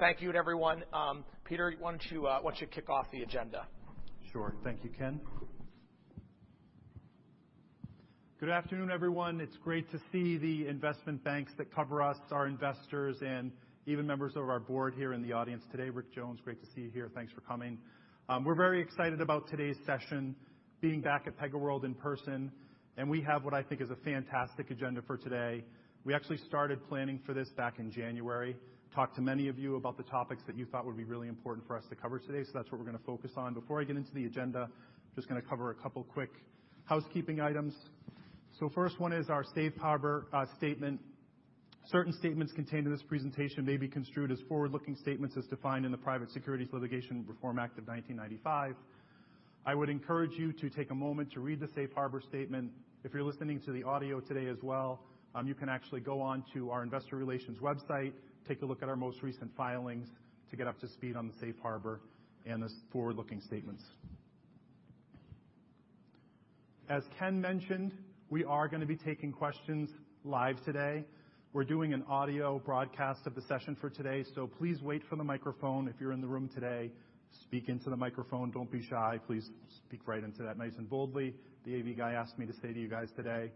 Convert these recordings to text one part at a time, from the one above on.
Thank you everyone. Peter, why don't you to kick off the agenda? Sure. Thank you, Ken. Good afternoon, everyone. It's great to see the investment banks that cover us, our investors, and even members of our board here in the audience today. Rick Jones, great to see you here. Thanks for coming. We're very excited about today's session, being back at PegaWorld in person, we have what I think is a fantastic agenda for today. We actually started planning for this back in January. Talked to many of you about the topics that you thought would be really important for us to cover today, that's what we're going to focus on. Before I get into the agenda, just gonna cover a couple quick housekeeping items. First one is our safe harbor statement. Certain statements contained in this presentation may be construed as forward-looking statements as defined in the Private Securities Litigation Reform Act of 1995. I would encourage you to take a moment to read the safe harbor statement. If you're listening to the audio today as well, you can actually go on to our investor relations website, take a look at our most recent filings to get up to speed on the safe harbor and the forward-looking statements. As Ken mentioned, we are gonna be taking questions live today. We're doing an audio broadcast of the session for today. Please wait for the microphone. If you're in the room today, speak into the microphone. Don't be shy. Please speak right into that nice and boldly, the AV guy asked me to say to you guys today.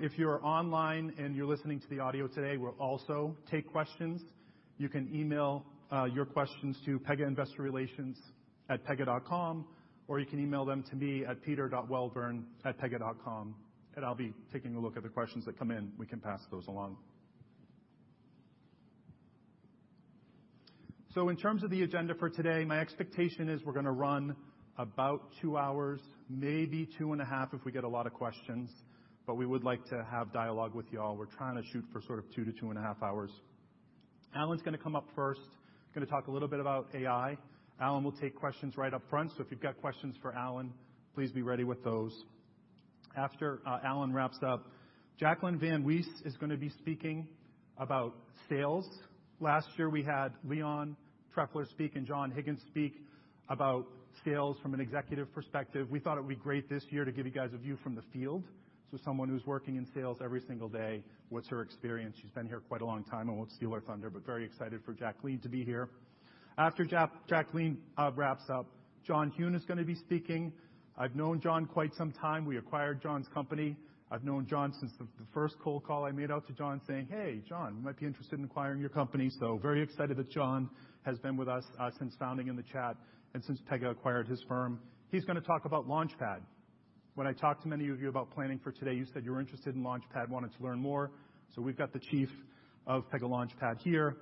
If you're online and you're listening to the audio today, we'll also take questions. You can email your questions to Pega Investor Relations at pega.com, or you can email them to me at peter.welburn@pega.com. I'll be taking a look at the questions that come in. We can pass those along. In terms of the agenda for today, my expectation is we're gonna run about two hours, maybe two and a half, if we get a lot of questions, but we would like to have dialogue with you all. We're trying to shoot for sort of two to two and a half hours. Alan's gonna come up first. He's gonna talk a little bit about AI. Alan will take questions right up front, so if you've got questions for Alan, please be ready with those. After Alan wraps up, Jacqueline van Wees is gonna be speaking about sales. Last year, we had Leon Trefler speak and John Higgins speak about sales from an executive perspective. We thought it would be great this year to give you guys a view from the field, so someone who's working in sales every single day, what's her experience? She's been here quite a long time, and won't steal our thunder, but very excited for Jacqueline to be here. After Jacqueline wraps up, John Higgins is gonna be speaking. I've known John quite some time. We acquired John's company. I've known John since the first cold call I made out to John, saying, "Hey, John, you might be interested in acquiring your company." Very excited that John has been with us since founding In The Chat and since Pega acquired his firm. He's gonna talk about Launchpad. When I talked to many of you about planning for today, you said you were interested in Launchpad, wanted to learn more. We've got the chief of Pega Launchpad here,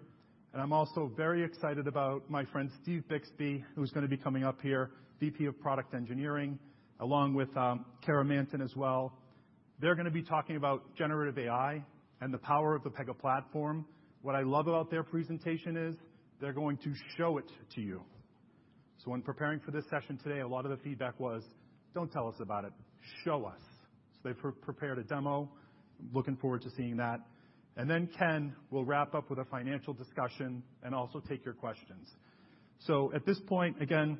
and I'm also very excited about my friend Steve Bixby, who's gonna be coming up here, VP of Product Engineering, along with Kara Manton as well. They're gonna be talking about generative AI and the power of the Pega Platform. What I love about their presentation is they're going to show it to you. When preparing for this session today, a lot of the feedback was: "Don't tell us about it, show us." They've prepared a demo. Looking forward to seeing that. Then Ken will wrap up with a financial discussion and also take your questions. At this point, again,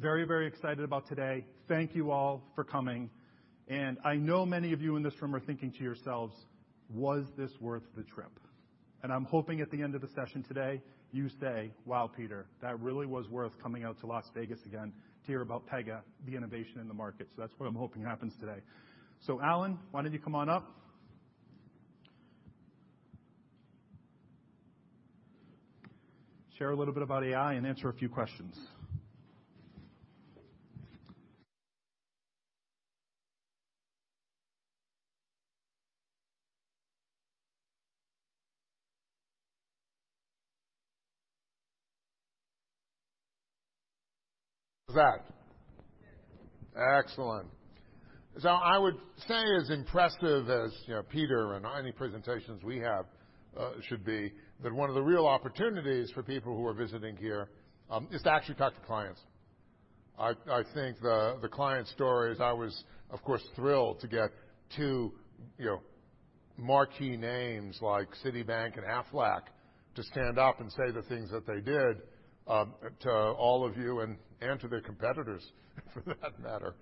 very, very excited about today. Thank you all for coming. I know many of you in this room are thinking to yourselves, "Was this worth the trip?" I'm hoping at the end of the session today, you say, "Wow, Peter, that really was worth coming out to Las Vegas again to hear about Pega, the innovation in the market." That's what I'm hoping happens today. Alan, why don't you come on up? Share a little bit about AI and answer a few questions. How's that? Excellent. I would say as impressive as, you know, Peter and any presentations we have should be, that one of the real opportunities for people who are visiting here is to actually talk to clients. I think the client stories, I was, of course, thrilled to get two, you know, marquee names like Citibank and Aflac to stand up and say the things that they did to all of you and to their competitors, for that matter.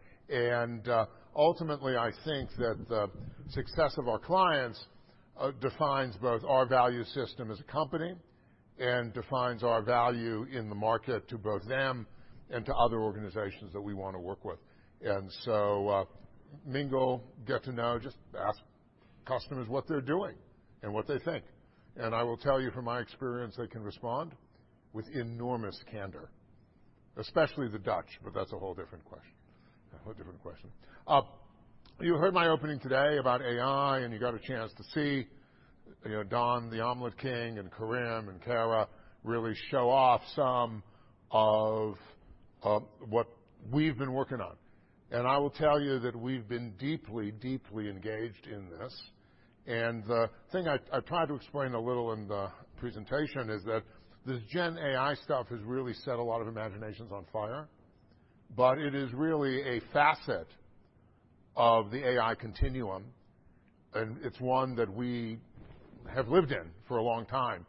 Ultimately, I think that the success of our clients defines both our value system as a company and defines our value in the market to both them and to other organizations that we want to work with. Mingle, get to know, just ask customers what they're doing and what they think. I will tell you from my experience, they can respond with enormous candor, especially the Dutch, but that's a whole different question. A whole different question. You heard my opening today about AI, and you got a chance to see, you know, Don, the Omelet King, and Karim and Cara really show off some of what we've been working on. I will tell you that we've been deeply engaged in this. The thing I tried to explain a little in the presentation is that this Gen AI stuff has really set a lot of imaginations on fire, but it is really a facet of the AI continuum, and it's one that we have lived in for a long time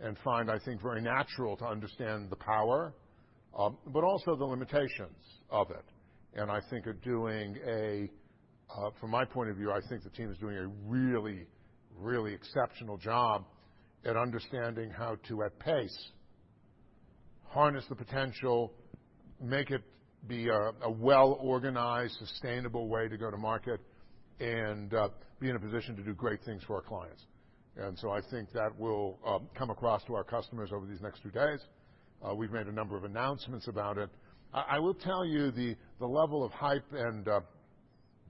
and find, I think, very natural to understand the power, but also the limitations of it, and I think are doing. From my point of view, I think the team is doing a really, really exceptional job at understanding how to, at pace, harness the potential, make it be a well-organized, sustainable way to go to market and be in a position to do great things for our clients. I think that will come across to our customers over these next few days. We've made a number of announcements about it. I will tell you the level of hype and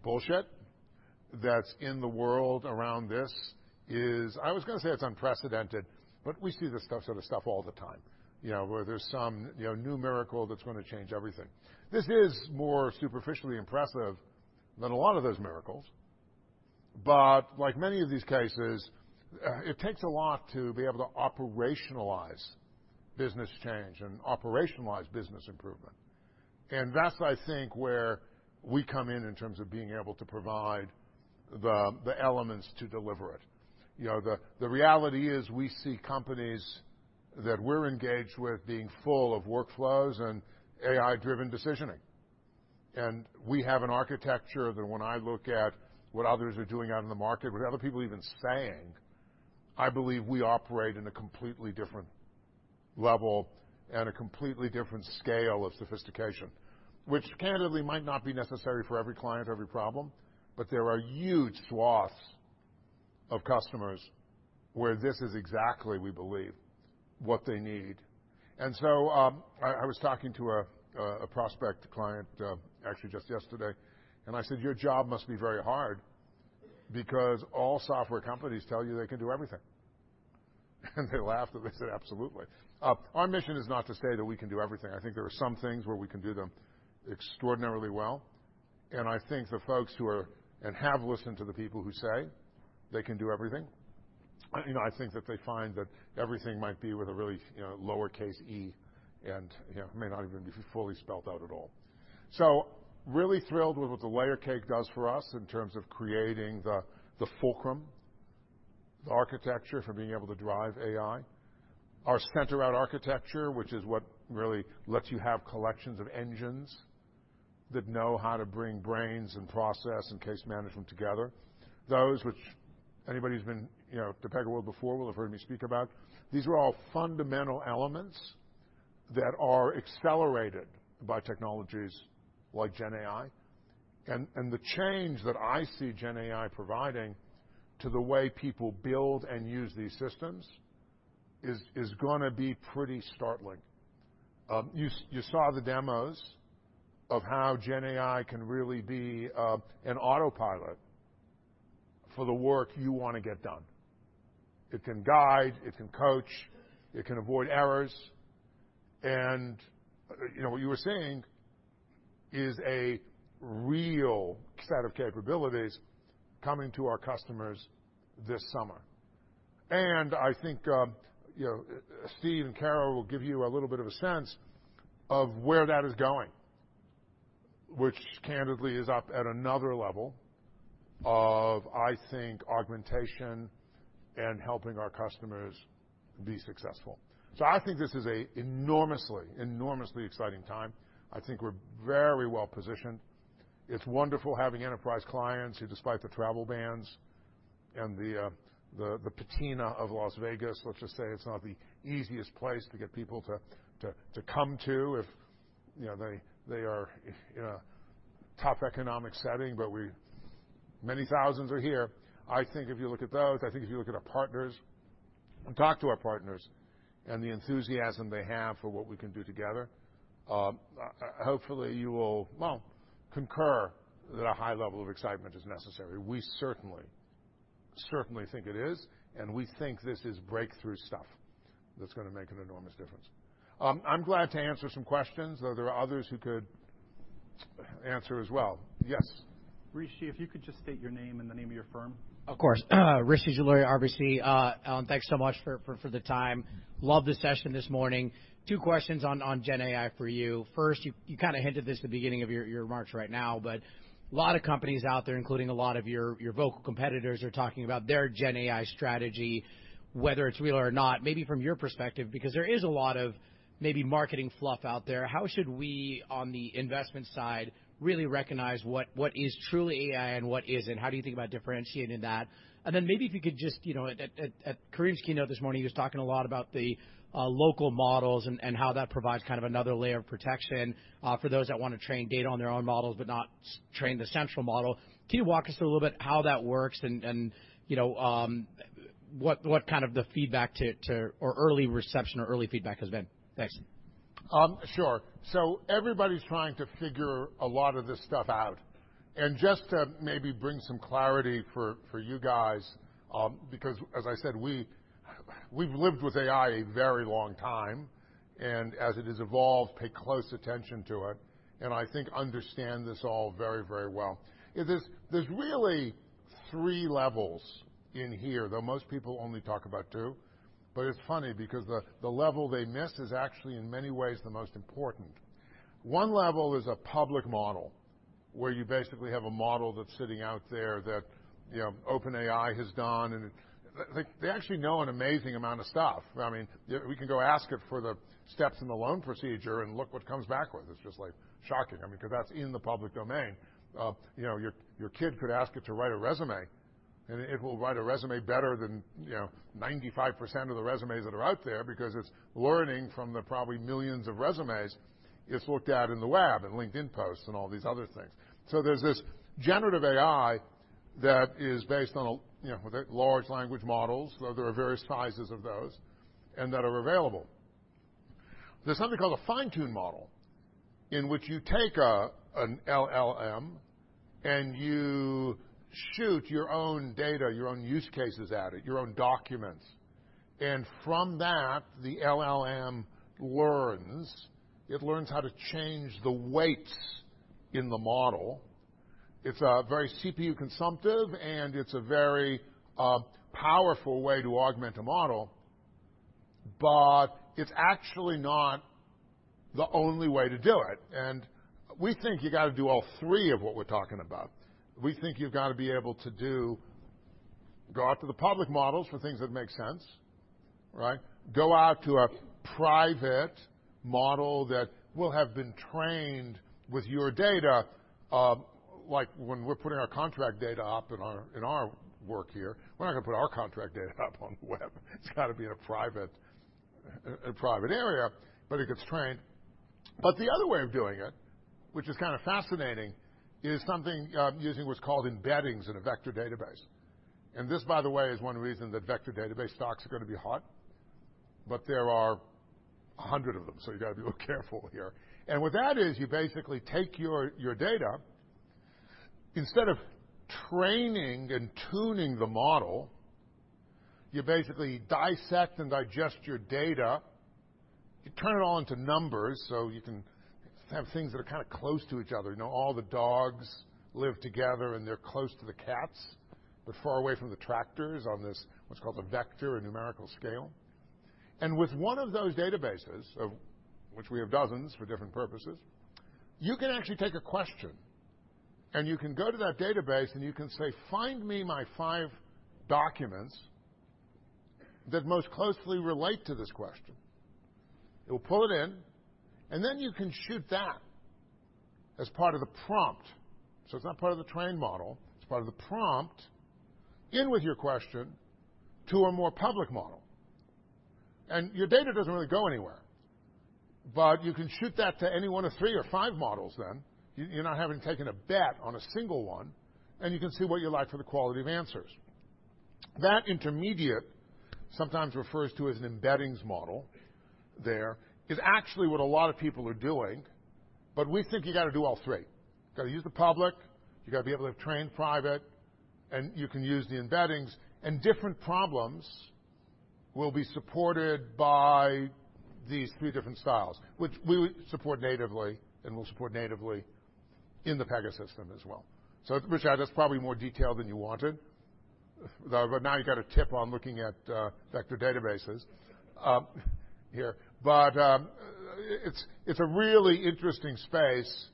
bullshit that's in the world around this is. I was gonna say it's unprecedented, but we see this sort of stuff all the time, you know, where there's some, you know, new miracle that's gonna change everything. This is more superficially impressive than a lot of those miracles, but like many of these cases, it takes a lot to be able to operationalize business change and operationalize business improvement. That's, I think, where we come in terms of being able to provide the elements to deliver it. You know, the reality is we see companies that we're engaged with being full of workflows and AI-driven decisioning. We have an architecture that when I look at what others are doing out in the market, what other people are even saying, I believe we operate in a completely different level and a completely different scale of sophistication, which candidly might not be necessary for every client or every problem, but there are huge swaths of customers where this is exactly, we believe, what they need. I was talking to a prospect client actually just yesterday, and I said, "Your job must be very hard because all software companies tell you they can do everything." They laughed, and they said, "Absolutely." Our mission is not to say that we can do everything. I think there are some things where we can do them extraordinarily well, and I think the folks who are, and have listened to the people who say they can do everything, you know, I think that they find that everything might be with a really, you know, lowercase E and, you know, may not even be fully spelled out at all. Really thrilled with what the layer cake does for us in terms of creating the fulcrum, the architecture for being able to drive AI. Our center-out architecture, which is what really lets you have collections of engines that know how to bring brains and process and case management together. Those which anybody who's been, you know, to PegaWorld before will have heard me speak about. These are all fundamental elements that are accelerated by technologies like Gen AI. The change that I see Gen AI providing to the way people build and use these systems is gonna be pretty startling. You saw the demos of how Gen AI can really be an autopilot for the work you want to get done. It can guide, it can coach, it can avoid errors, and, you know, what you were seeing is a real set of capabilities coming to our customers this summer. I think, you know, Steve and Kara will give you a little bit of a sense of where that is going, which candidly is up at another level of, I think, augmentation and helping our customers be successful. I think this is a enormously exciting time. I think we're very well positioned. It's wonderful having enterprise clients who, despite the travel bans and the patina of Las Vegas, let's just say, it's not the easiest place to get people to come to if, you know, they are in a tough economic setting. Many thousands are here. I think if you look at those, I think if you look at our partners and talk to our partners and the enthusiasm they have for what we can do together, hopefully, you will, well, concur that a high level of excitement is necessary. We certainly think it is, and we think this is breakthrough stuff that's gonna make an enormous difference. I'm glad to answer some questions, though there are others who could answer as well. Yes? Rishi, if you could just state your name and the name of your firm. Of course. Rishi Jaluria, RBC. Alan, thanks so much for the time. Love the session this morning. Two questions on Gen AI for you. First, you kind of hinted this at the beginning of your remarks right now, but a lot of companies out there, including a lot of your vocal competitors, are talking about their Gen AI strategy, whether it's real or not. Maybe from your perspective, because there is a lot of maybe marketing fluff out there, how should we, on the investment side, really recognize what is truly AI and what isn't? How do you think about differentiating that? Then maybe if you could just, you know, at Karim's keynote this morning, he was talking a lot about the local models and how that provides kind of another layer of protection for those that want to train data on their own models, but not train the central model. Can you walk us through a little bit how that works and, you know, what kind of the feedback to, or early reception or early feedback has been? Thanks. Sure. Everybody's trying to figure a lot of this stuff out. Just to maybe bring some clarity for you guys, because as I said, we've lived with AI a very long time, and as it has evolved, paid close attention to it, and I think understand this all very, very well. There's really three levels in here, though most people only talk about two. It's funny because the level they miss is actually, in many ways, the most important. One level is a public model, where you basically have a model that's sitting out there that, you know, OpenAI has done, and they actually know an amazing amount of stuff. I mean, we can go ask it for the steps in the loan procedure and look what it comes back with. It's just, like, shocking. I mean, because that's in the public domain. You know, your kid could ask it to write a resume. It will write a resume better than, you know, 95% of the resumes that are out there because it's learning from the probably millions of resumes it's looked at in the web and LinkedIn posts and all these other things. There's this generative AI that is based on, you know, large language models, though there are various sizes of those and that are available. There's something called a fine-tuned model, in which you take an LLM, and you shoot your own data, your own use cases at it, your own documents, and from that, the LLM learns. It learns how to change the weights in the model. It's very CPU consumptive, and it's a very powerful way to augment a model, but it's actually not the only way to do it. We think you got to do all three of what we're talking about. We think you've got to be able to go out to the public models for things that make sense, right? Go out to a private model that will have been trained with your data. Like, when we're putting our contract data up in our work here, we're not going to put our contract data up on the web. It's got to be in a private area, but it gets trained. The other way of doing it, which is kind of fascinating, is something using what's called embeddings in a vector database. This, by the way, is one reason that vector database stocks are going to be hot, but there are 100 of them, so you got to be little careful here. What that is, you basically take your data. Instead of training and tuning the model, you basically dissect and digest your data. You turn it all into numbers, so you can have things that are kind of close to each other. You know, all the dogs live together, and they're close to the cats. They're far away from the tractors on this, what's called a vector, a numerical scale. With one of those databases, of which we have dozens for different purposes, you can actually take a question, and you can go to that database, and you can say, "Find me my five documents that most closely relate to this question." It will pull it in, then you can shoot that as part of the prompt. It's not part of the trained model, it's part of the prompt in with your question to a more public model. Your data doesn't really go anywhere, but you can shoot that to any one of three or five models then. You're not having taken a bet on a single one, and you can see what you like for the quality of answers. That intermediate, sometimes refers to as an embeddings model there, is actually what a lot of people are doing, but we think you got to do all three. You got to use the public, you got to be able to train private, and you can use the embeddings, and different problems will be supported by these three different styles, which we support natively and will support natively in the Pega system as well. Richard, that's probably more detail than you wanted, but now you've got a tip on looking at vector databases here. It's, it's a really interesting space,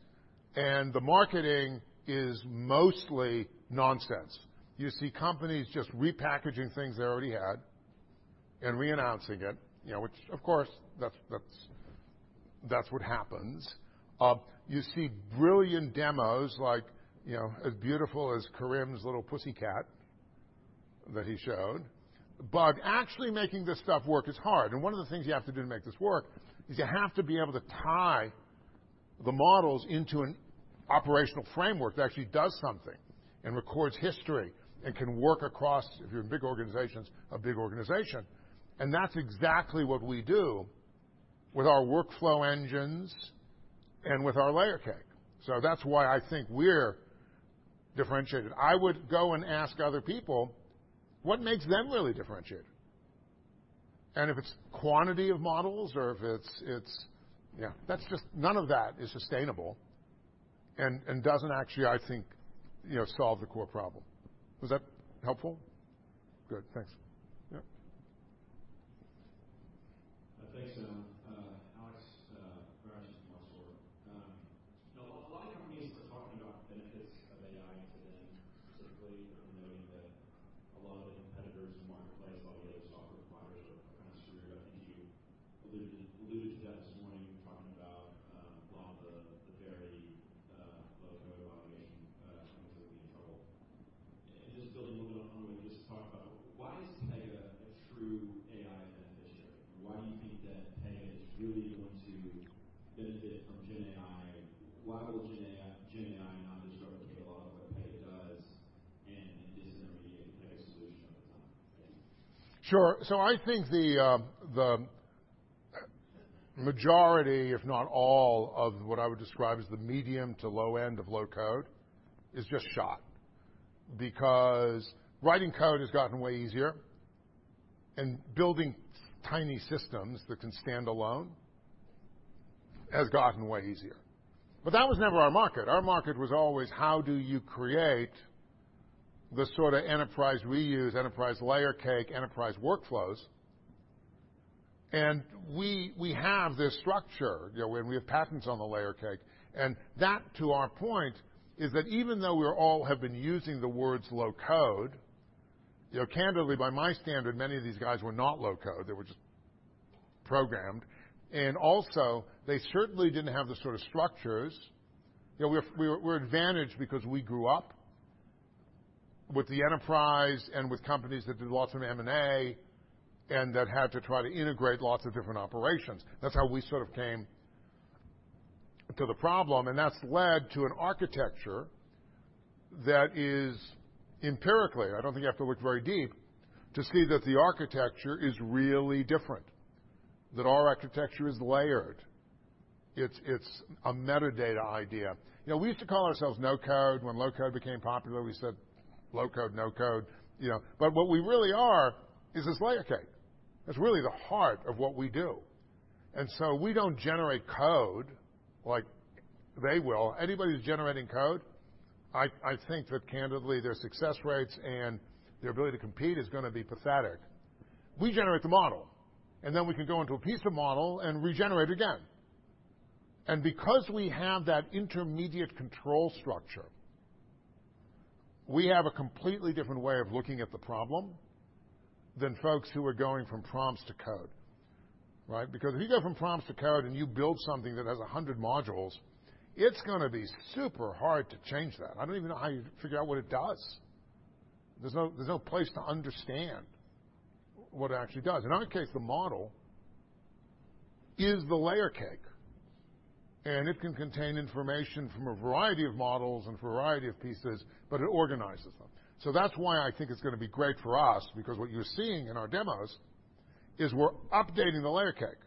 and the marketing is mostly nonsense. You see companies just repackaging things they already had and reannouncing it, you know, which, of course, that's, that's what happens. You see brilliant demos like, you know, as beautiful as Karim's little pussycat that he showed. Actually making this stuff work is hard, and one of the things you have to do to make this work is you have to be able to tie the models into an operational framework that actually does something and records history and can work across, if you're in big organizations, a big organization. That's exactly what we do with our workflow engines and with our layer cake. That's why I think we're differentiated. I would go and ask other people Sure. I think the majority, if not all, of what I would describe as the medium to low end of low-code, is just shot. Because writing code has gotten way easier, and building tiny systems that can stand alone has gotten way easier. That was never our market. Our market was always: How do you create the sort of enterprise we use, enterprise Layer Cake, enterprise workflows? We have this structure, you know, and we have patents on the Layer Cake, and that, to our point, is that even though we all have been using the words low-code, you know, candidly, by my standard, many of these guys were not low-code. They were just programmed. They certainly didn't have the sort of structures. You know, we're advantaged because we grew up with the enterprise and with companies that did lots of M&A and that had to try to integrate lots of different operations. That's how we sort of came to the problem, and that's led to an architecture that is empirically, I don't think you have to look very deep, to see that the architecture is really different, that our architecture is layered. It's a metadata idea. You know, we used to call ourselves no code. When low code became popular, we said, "Low code, no code," you know? What we really are is this layer cake. That's really the heart of what we do. We don't generate code like they will. Anybody who's generating code, I think that candidly, their success rates and their ability to compete is gonna be pathetic. We generate the model, and then we can go into a piece of model and regenerate again. Because we have that intermediate control structure, we have a completely different way of looking at the problem than folks who are going from prompts to code, right? Because if you go from prompts to code and you build something that has 100 modules, it's gonna be super hard to change that. I don't even know how you figure out what it does. There's no place to understand what it actually does. In our case, the model is the layer cake, and it can contain information from a variety of models and a variety of pieces, but it organizes them. That's why I think it's gonna be great for us, because what you're seeing in our demos is we're updating the layer cake.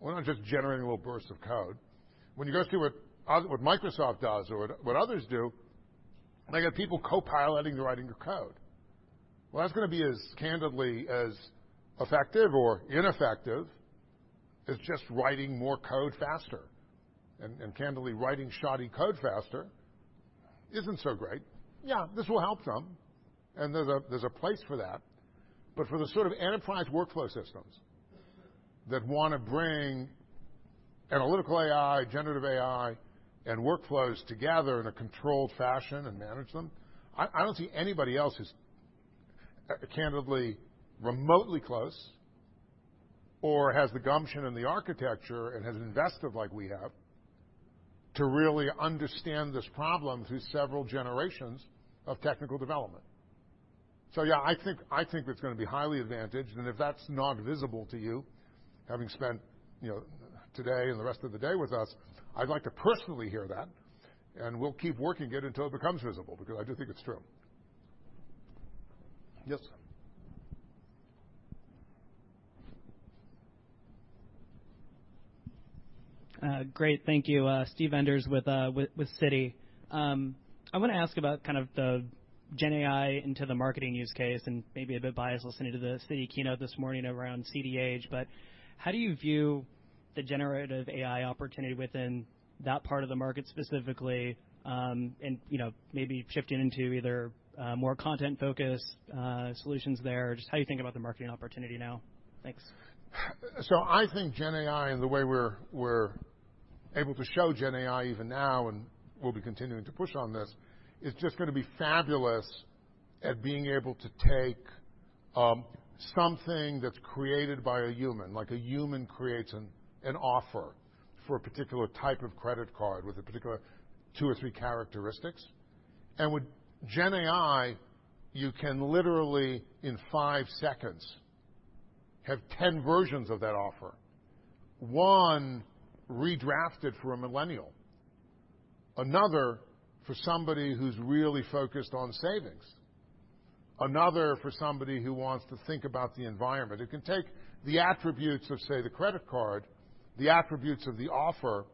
We're not just generating a little burst of code. When you go see what Microsoft does or what others do, they get people co-piloting the writing of code. Well, that's gonna be as candidly, as effective or ineffective as just writing more code faster. Candidly, writing shoddy code faster isn't so great. Yeah, this will help some, and there's a place for that. For the sort of enterprise workflow systems that wanna bring analytical AI, generative AI, and workflows together in a controlled fashion and manage them, I don't see anybody else who's candidly, remotely close or has the gumption and the architecture and has invested like we have to really understand this problem through several generations of technical development. Yeah, I think, I think it's gonna be highly advantaged, and if that's not visible to you, having spent, you know, today and the rest of the day with us, I'd like to personally hear that, and we'll keep working it until it becomes visible, because I do think it's true. Yes? Great. Thank you. Steve Enders with Citi. I wanna ask about kind of the GenAI into the marketing use case and maybe a bit biased listening to the Citi keynote this morning around CDH, but how do you view the generative AI opportunity within that part of the market specifically, and, you know, maybe shifting into either more content-focused solutions there, just how you think about the marketing opportunity now? Thanks. I think GenAI and the way we're able to show GenAI even now, and we'll be continuing to push on this, is just going to be fabulous at being able to take something that's created by a human, like a human creates an offer for a particular type of credit card with a particular two or three characteristics. With GenAI, you can literally, in five seconds, have 10 versions of that offer. One, redrafted for a millennial, another for somebody who's really focused on savings, another for somebody who wants to think about the environment. It can take the attributes of, say, the credit card, the attributes of the offer,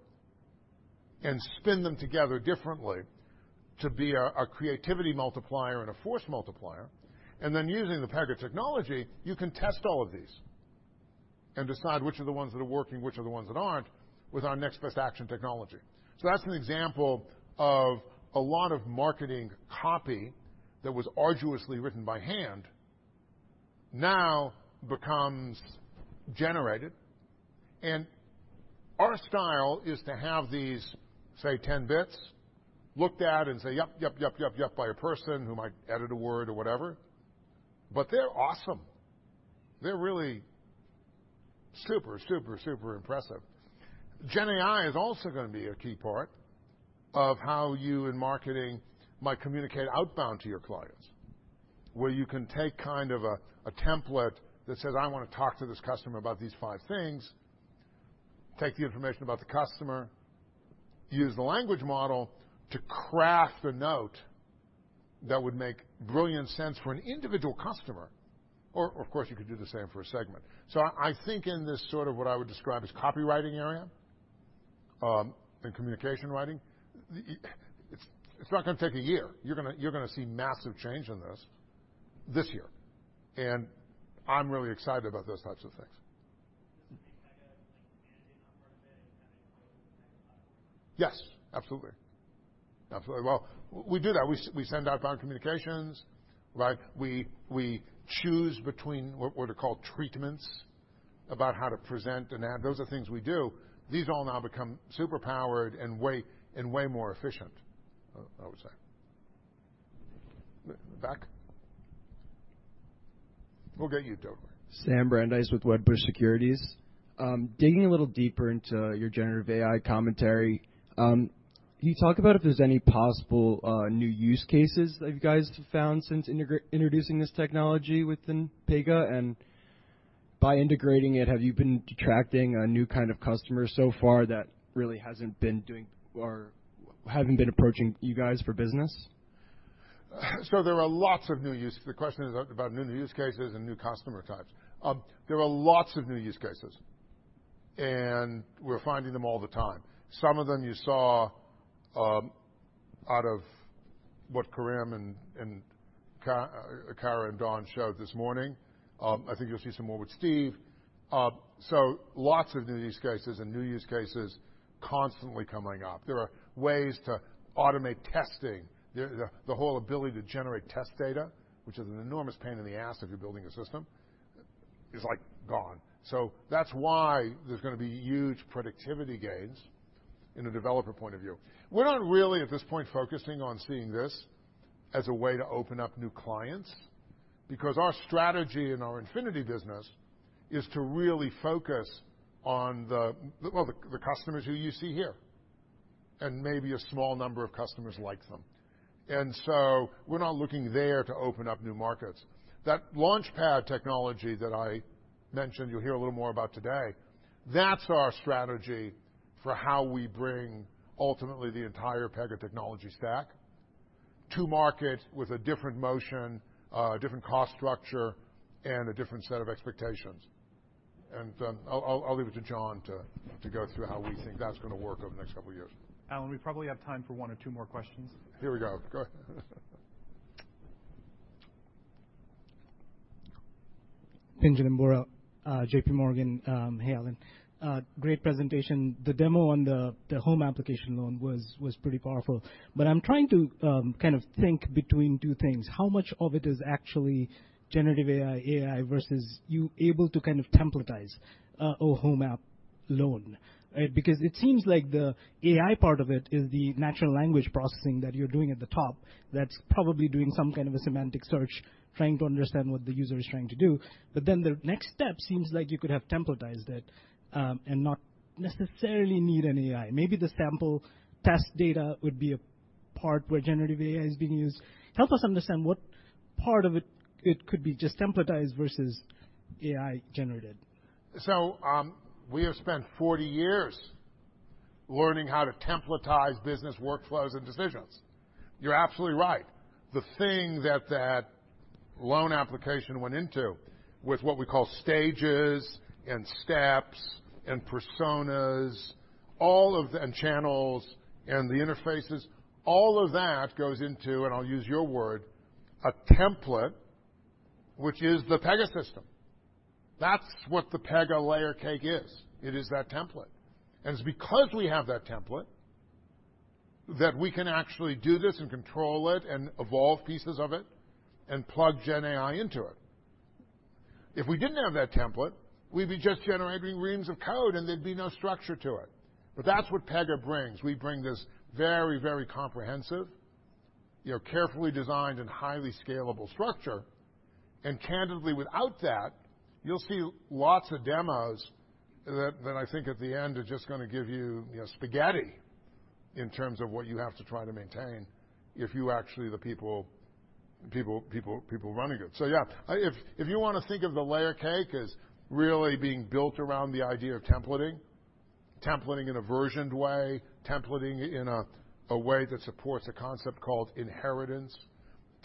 and spin them together differently to be a creativity multiplier and a force multiplier. Using the Pega technology, you can test all of these and decide which are the ones that are working, which are the ones that aren't, with our Next Best Action technology. That's an example of a lot of marketing copy that was arduously written by hand now becomes generated. Our style is to have these, say, 10 bits, looked at and say, "Yep, yep, yep," by a person who might edit a word or whatever, but they're awesome. They're really super, super impressive. GenAI is also gonna be a key part of how you in marketing might communicate outbound to your clients, where you can take kind of a template that says, I wanna talk to this customer about these five things, take the information about the customer, use the language model to craft a note that would make brilliant sense for an individual customer, or of course, you could do the same for a segment. I think in this sort of what I would describe as copywriting area, and communication writing, It's not gonna take a year. You're gonna see massive change in this year, and I'm really excited about those types of things. This would be kind of like managing on front of it and kind of go to the next level? Yes, absolutely. Absolutely. Well, we do that. We send outbound communications, right? We choose between what are called treatments about how to present an ad. Those are things we do. These all now become superpowered and way more efficient, I would say. Back? We'll get you, Doug. Digging a little deeper into your generative AI commentary, can you talk about if there's any possible new use cases that you guys have found since introducing this technology within Pega? By integrating it, have you been attracting a new kind of customer so far that really hasn't been doing or haven't been approaching you guys for business? There are lots of new use. The question is about new use cases and new customer types. There are lots of new use cases, and we're finding them all the time. Some of them you saw, out of what Karim and Kara and Don showed this morning. I think you'll see some more with Steve. lots of new use cases and new use cases constantly coming up. There are ways to automate testing. The whole ability to generate test data, which is an enormous pain in the ass if you're building a system, is like, gone. That's why there's gonna be huge productivity gains in a developer point of view. We're not really, at this point, focusing on seeing this as a way to open up new clients, because our strategy and our Infinity business is to really focus on the, well, the customers who you see here, and maybe a small number of customers like them. We're not looking there to open up new markets. That LaunchPad technology that I mentioned, you'll hear a little more about today, that's our strategy for how we bring ultimately the entire Pega technology stack to market with a different motion, a different cost structure and a different set of expectations. I'll leave it to John to go through how we think that's gonna work over the next couple of years. Alan, we probably have time for one or two more questions. Here we go. Go ahead. Pinjalim Bora, JPMorgan. Hey, Alan. Great presentation. The demo on the home application loan was pretty powerful. I'm trying to kind of think between two things: How much of it is actually generative AI versus you able to kind of templatize a home app loan, right? It seems like the AI part of it is the natural language processing that you're doing at the top, that's probably doing some kind of a semantic search, trying to understand what the user is trying to do. The next step seems like you could have templatized it and not necessarily need an AI. Maybe the sample test data would be a part where generative AI is being used. Help us understand what part of it could be just templatized versus AI generated. We have spent 40 years learning how to templatize business workflows and decisions. You're absolutely right. The thing that loan application went into, with what we call stages and steps and personas, all of and channels and the interfaces, all of that goes into, and I'll use your word, a template, which is the Pega. That's what the Pega Layer Cake is. It is that template. It's because we have that template, that we can actually do this and control it and evolve pieces of it and plug GenAI into it. If we didn't have that template, we'd be just generating reams of code, and there'd be no structure to it. That's what Pega brings. We bring this very comprehensive, you know, carefully designed and highly scalable structure. Candidly, without that, you'll see lots of demos that I think at the end are just gonna give you know, spaghetti in terms of what you have to try to maintain if you actually the people running it. Yeah, if you want to think of the Situational Layer Cake as really being built around the idea of templating in a versioned way, templating in a way that supports a concept called inheritance,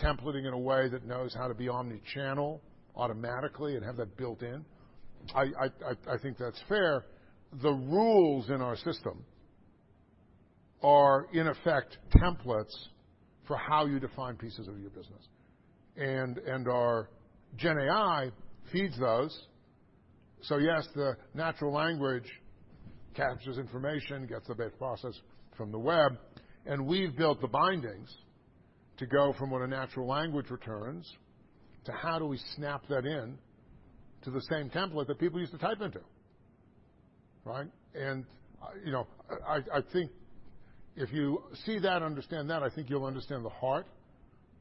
templating in a way that knows how to be omnichannel automatically and have that built in, I think that's fair. The rules in our system are, in effect, templates for how you define pieces of your business. Our Gen AI feeds those. Yes, the natural language captures information, gets a bit processed from the web, and we've built the bindings to go from what a natural language returns to how do we snap that in to the same template that people used to type into, right? You know, I think if you see that and understand that, I think you'll understand the heart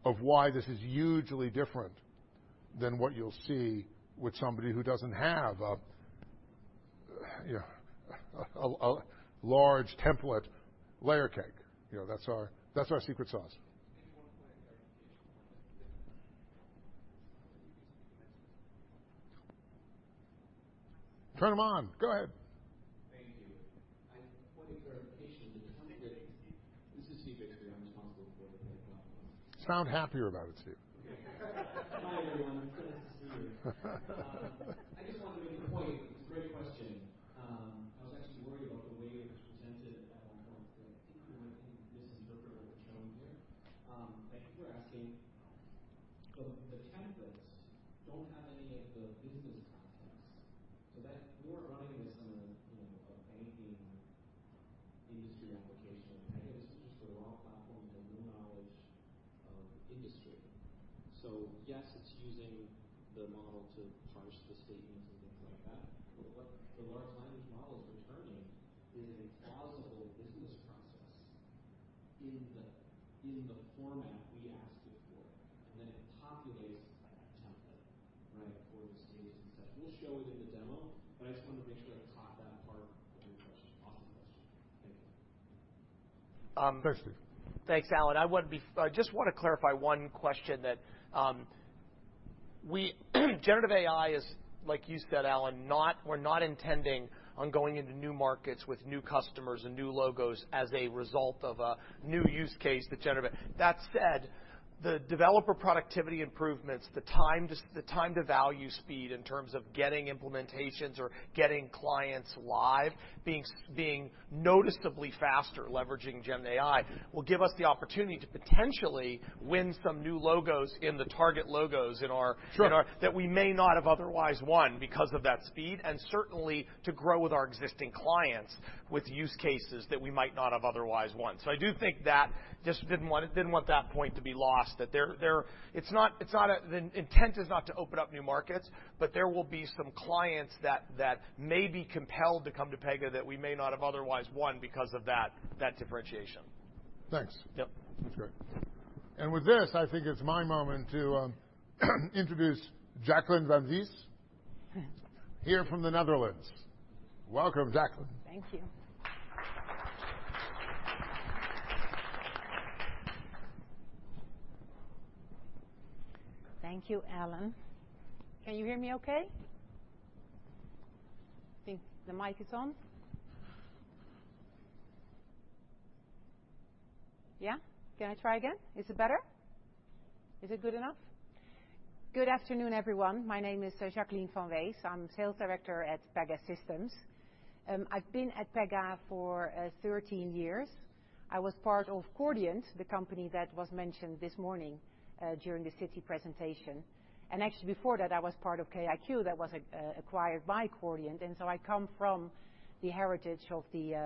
of why this is hugely different than what you'll see with somebody who doesn't have a, you know, a large template layer cake. You know, that's our, that's our secret sauce. Maybe one clarification. Turn them on. Go ahead. Thank you. I point of clarification, the template... This is Steve Bixby. I'm responsible for the Pega. Sound happier about it, Steve. Hi, everyone. It's nice to see you. I just wanted to make a point. It's a great question. the developer productivity improvements, the time-to-value speed in terms of getting implementations or getting clients live, being noticeably faster, leveraging Gen AI, will give us the opportunity to potentially win some new logos in the target logos in our... Sure. That we may not have otherwise won because of that speed, and certainly to grow with our existing clients with use cases that we might not have otherwise won. I do think that just didn't want that point to be lost, that there. It's not the intent is not to open up new markets, but there will be some clients that may be compelled to come to Pega that we may not have otherwise won because of that differentiation. Thanks. Yep. That's great. With this, I think it's my moment to introduce Jacqueline van Wees, here from the Netherlands. Welcome, Jacqueline. Thank you. Thank you, Alan. Can you hear me okay? I think the mic is on. Yeah? Can I try again? Is it better? Is it good enough? Good afternoon, everyone. My name is Jacqueline van Wees. I'm sales director at Pegasystems. I've been at Pega for 13 years. I was part of Chordiant, the company that was mentioned this morning during the Citi presentation. Before that, I was part of KIQ. That was acquired by Chordiant. So I come from the heritage of the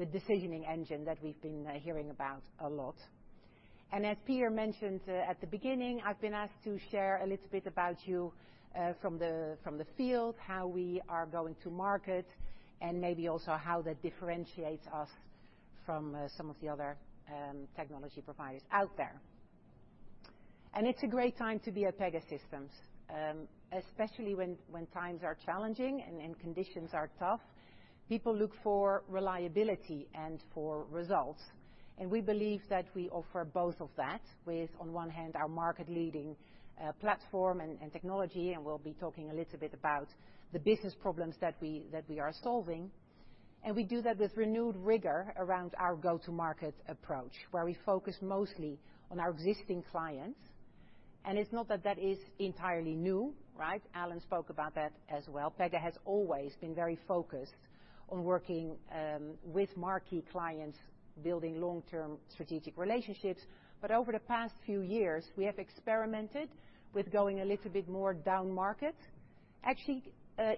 decisioning engine that we've been hearing about a lot. As Peter mentioned, at the beginning, I've been asked to share a little bit about you, from the field, how we are going to market, and maybe also how that differentiates us from, some of the other, technology providers out there. It's a great time to be at Pegasystems. Especially when times are challenging and conditions are tough, people look for reliability and for results. We believe that we offer both of that with, on one hand, our market-leading, platform and technology, and we'll be talking a little bit about the business problems that we are solving. We do that with renewed rigor around our go-to-market approach, where we focus mostly on our existing clients. It's not that that is entirely new, right? Alan spoke about that as well. Pega has always been very focused on working with marquee clients, building long-term strategic relationships. Over the past few years, we have experimented with going a little bit more down market, actually,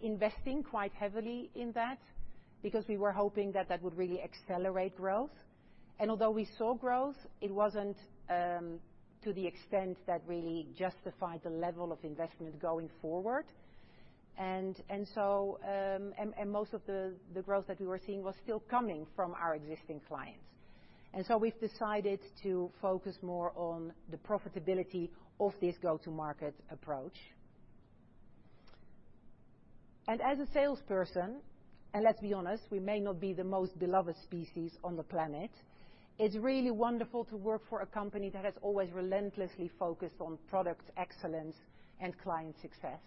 investing quite heavily in that because we were hoping that that would really accelerate growth. Although we saw growth, it wasn't to the extent that really justified the level of investment going forward. Most of the growth that we were seeing was still coming from our existing clients. We've decided to focus more on the profitability of this go-to-market approach. As a salesperson, and let's be honest, we may not be the most beloved species on the planet, it's really wonderful to work for a company that has always relentlessly focused on product excellence and client success.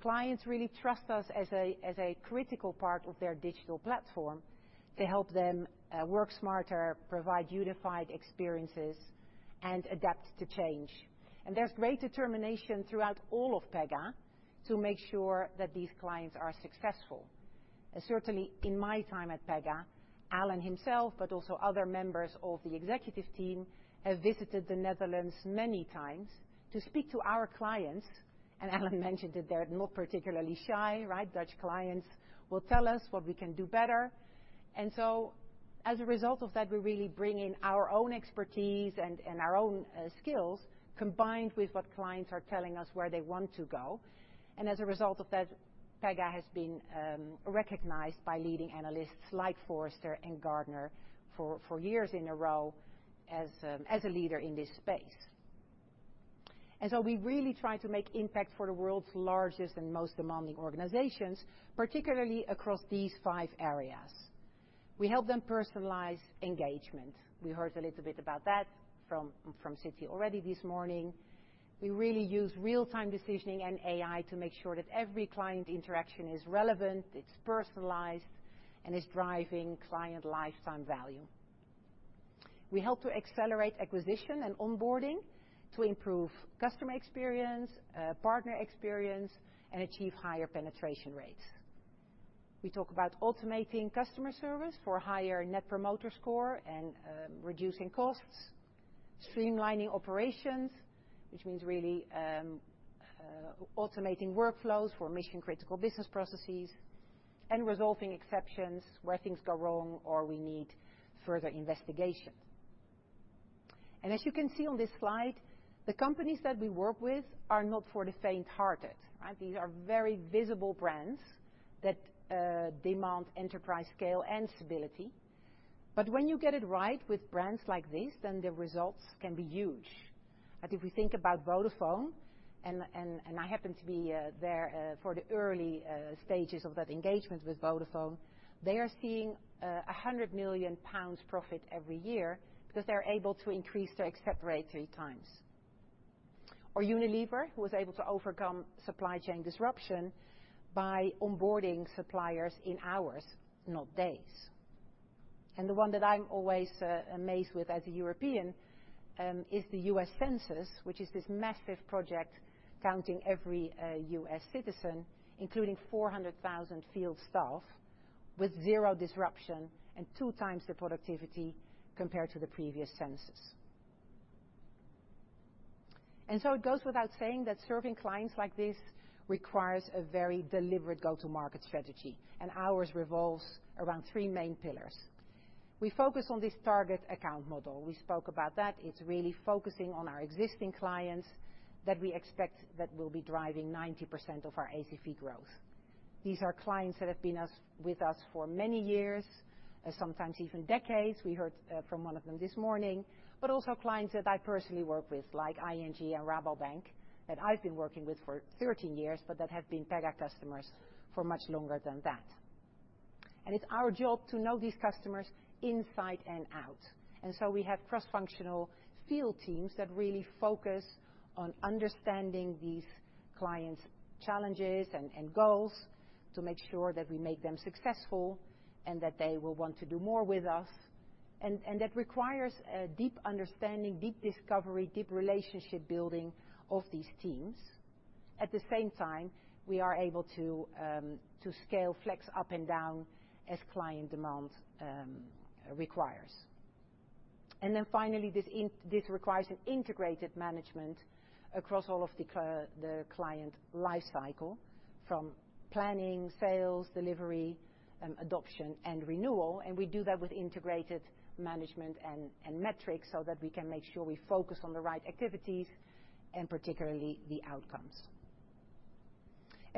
Clients really trust us as a critical part of their digital platform to help them work smarter, provide unified experiences, and adapt to change. There's great determination throughout all of Pega to make sure that these clients are successful. Certainly, in my time at Pega, Alan himself, but also other members of the executive team, have visited the Netherlands many times to speak to our clients. Alan mentioned that they're not particularly shy, right? Dutch clients will tell us what we can do better. As a result of that, we really bring in our own expertise and our own skills, combined with what clients are telling us, where they want to go. As a result of that, Pega has been recognized by leading analysts like Forrester and Gartner for years in a row as a leader in this space. We really try to make impact for the world's largest and most demanding organizations, particularly across these five areas. We help them personalize engagement. We heard a little bit about that from Citi already this morning. We really use real-time decisioning and AI to make sure that every client interaction is relevant, it's personalized, and it's driving client lifetime value. We help to accelerate acquisition and onboarding to improve customer experience, partner experience, and achieve higher penetration rates. We talk about automating customer service for higher Net Promoter Score and reducing costs, streamlining operations, which means really automating workflows for mission-critical business processes and resolving exceptions where things go wrong or we need further investigation. As you can see on this slide, the companies that we work with are not for the faint-hearted, right? These are very visible brands that demand enterprise scale and stability. When you get it right with brands like this, then the results can be huge. If we think about Vodafone, and I happened to be there for the early stages of that engagement with Vodafone, they are seeing 100 million pounds profit every year because they are able to increase their accept rate three times. Unilever, who was able to overcome supply chain disruption by onboarding suppliers in hours, not days. The one that I'm always amazed with as a European, is the U.S. Census, which is this massive project, counting every U.S citizen, including 400,000 field staff, with zero disruption and two times the productivity compared to the previous census. It goes without saying that serving clients like this requires a very deliberate go-to-market strategy, and ours revolves around three main pillars. We focus on this target account model. We spoke about that. It's really focusing on our existing clients that we expect that will be driving 90% of our ACV growth. These are clients that have been with us for many years, and sometimes even decades. We heard from one of them this morning, but also clients that I personally work with, like ING and Rabobank, that I've been working with for 13 years, but that have been Pega customers for much longer than that. It's our job to know these customers inside and out, so we have cross-functional field teams that really focus on understanding these clients' challenges and goals to make sure that we make them successful and that they will want to do more with us. That requires a deep understanding, deep discovery, deep relationship building of these teams. At the same time, we are able to scale, flex up and down as client demand requires. Finally, this requires an integrated management across all of the client life cycle, from planning, sales, delivery, adoption, and renewal. We do that with integrated management and metrics so that we can make sure we focus on the right activities and particularly the outcomes.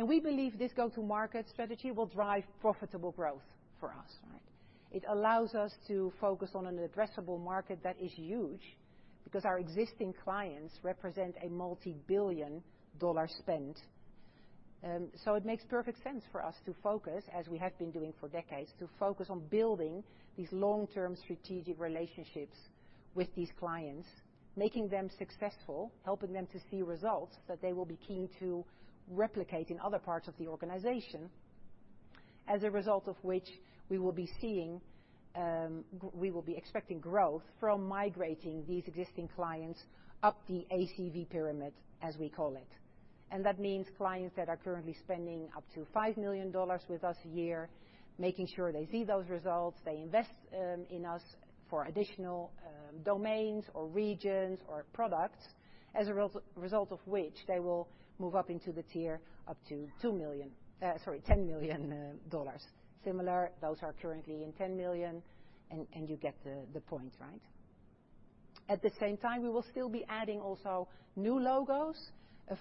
We believe this go-to-market strategy will drive profitable growth for us, right? It allows us to focus on an addressable market that is huge because our existing clients represent a multi-billion dollar spend. It makes perfect sense for us to focus, as we have been doing for decades, to focus on building these long-term strategic relationships with these clients, making them successful, helping them to see results that they will be keen to replicate in other parts of the organization. As a result of which, we will be seeing, we will be expecting growth from migrating these existing clients up the ACV pyramid, as we call it. That means clients that are currently spending up to $5 million with us a year, making sure they see those results, they invest in us for additional domains or regions or products, as a result of which they will move up into the tier, up to $2 million, sorry, $10 million. Similar, those are currently in $10 million, and you get the point, right? At the same time, we will still be adding also new logos.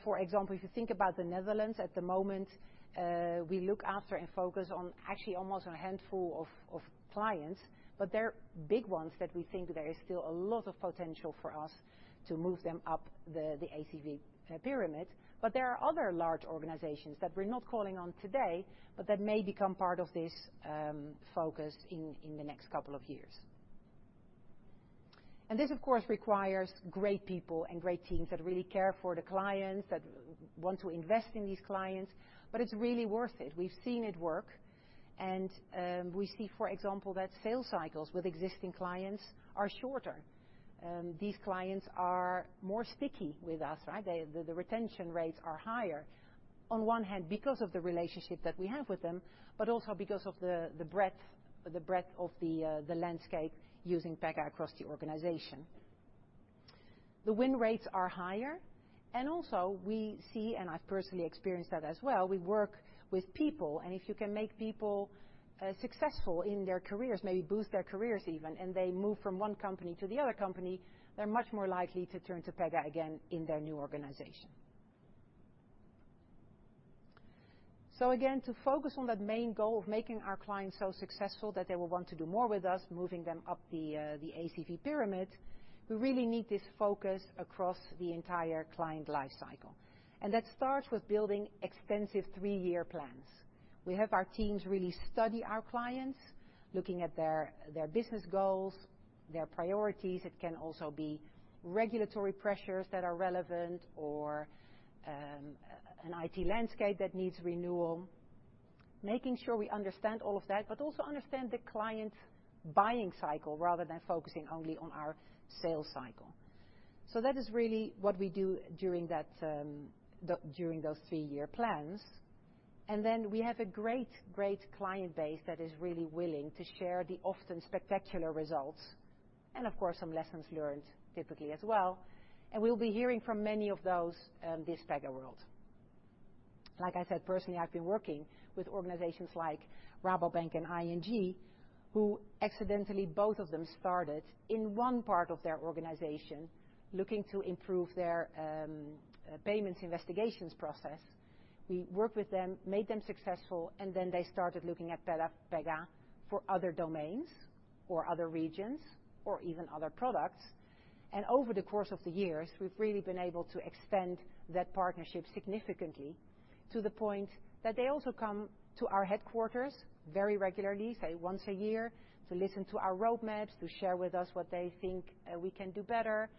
For example, if you think about the Netherlands, at the moment, we look after and focus on actually almost a handful of clients, but they're big ones that we think there is still a lot of potential for us to move them up the ACV pyramid. There are other large organizations that we're not calling on today, but that may become part of this focus in the next couple of years. This, of course, requires great people and great teams that really care for the clients, that want to invest in these clients, but it's really worth it. We've seen it work, and we see, for example, that sales cycles with existing clients are shorter. These clients are more sticky with us, right? The retention rates are higher, on one hand, because of the relationship that we have with them, but also because of the breadth of the landscape using Pega across the organization. The win rates are higher. Also we see, and I've personally experienced that as well, we work with people. If you can make people successful in their careers, maybe boost their careers even, and they move from one company to the other company, they're much more likely to turn to Pega again in their new organization. Again, to focus on that main goal of making our clients so successful that they will want to do more with us, moving them up the ACV pyramid, we really need this focus across the entire client life cycle. That starts with building extensive three-year plans. We have our teams really study our clients, looking at their business goals, their priorities. It can also be regulatory pressures that are relevant or an IT landscape that needs renewal. Making sure we understand all of that, but also understand the client's buying cycle rather than focusing only on our sales cycle. That is really what we do during those three-year plans. We have a great client base that is really willing to share the often spectacular results and, of course, some lessons learned typically as well, and we'll be hearing from many of those this PegaWorld. Like I said, personally, I've been working with organizations like Rabobank and ING, who accidentally, both of them, started in one part of their organization, looking to improve their payments investigations process. We worked with them, made them successful, and then they started looking at Pega for other domains or other regions or even other products. Over the course of the years, we've really been able to extend that partnership significantly to the point that they also come to our headquarters very regularly, say, one a year, to listen to our roadmaps, to share with us what they think we can do better.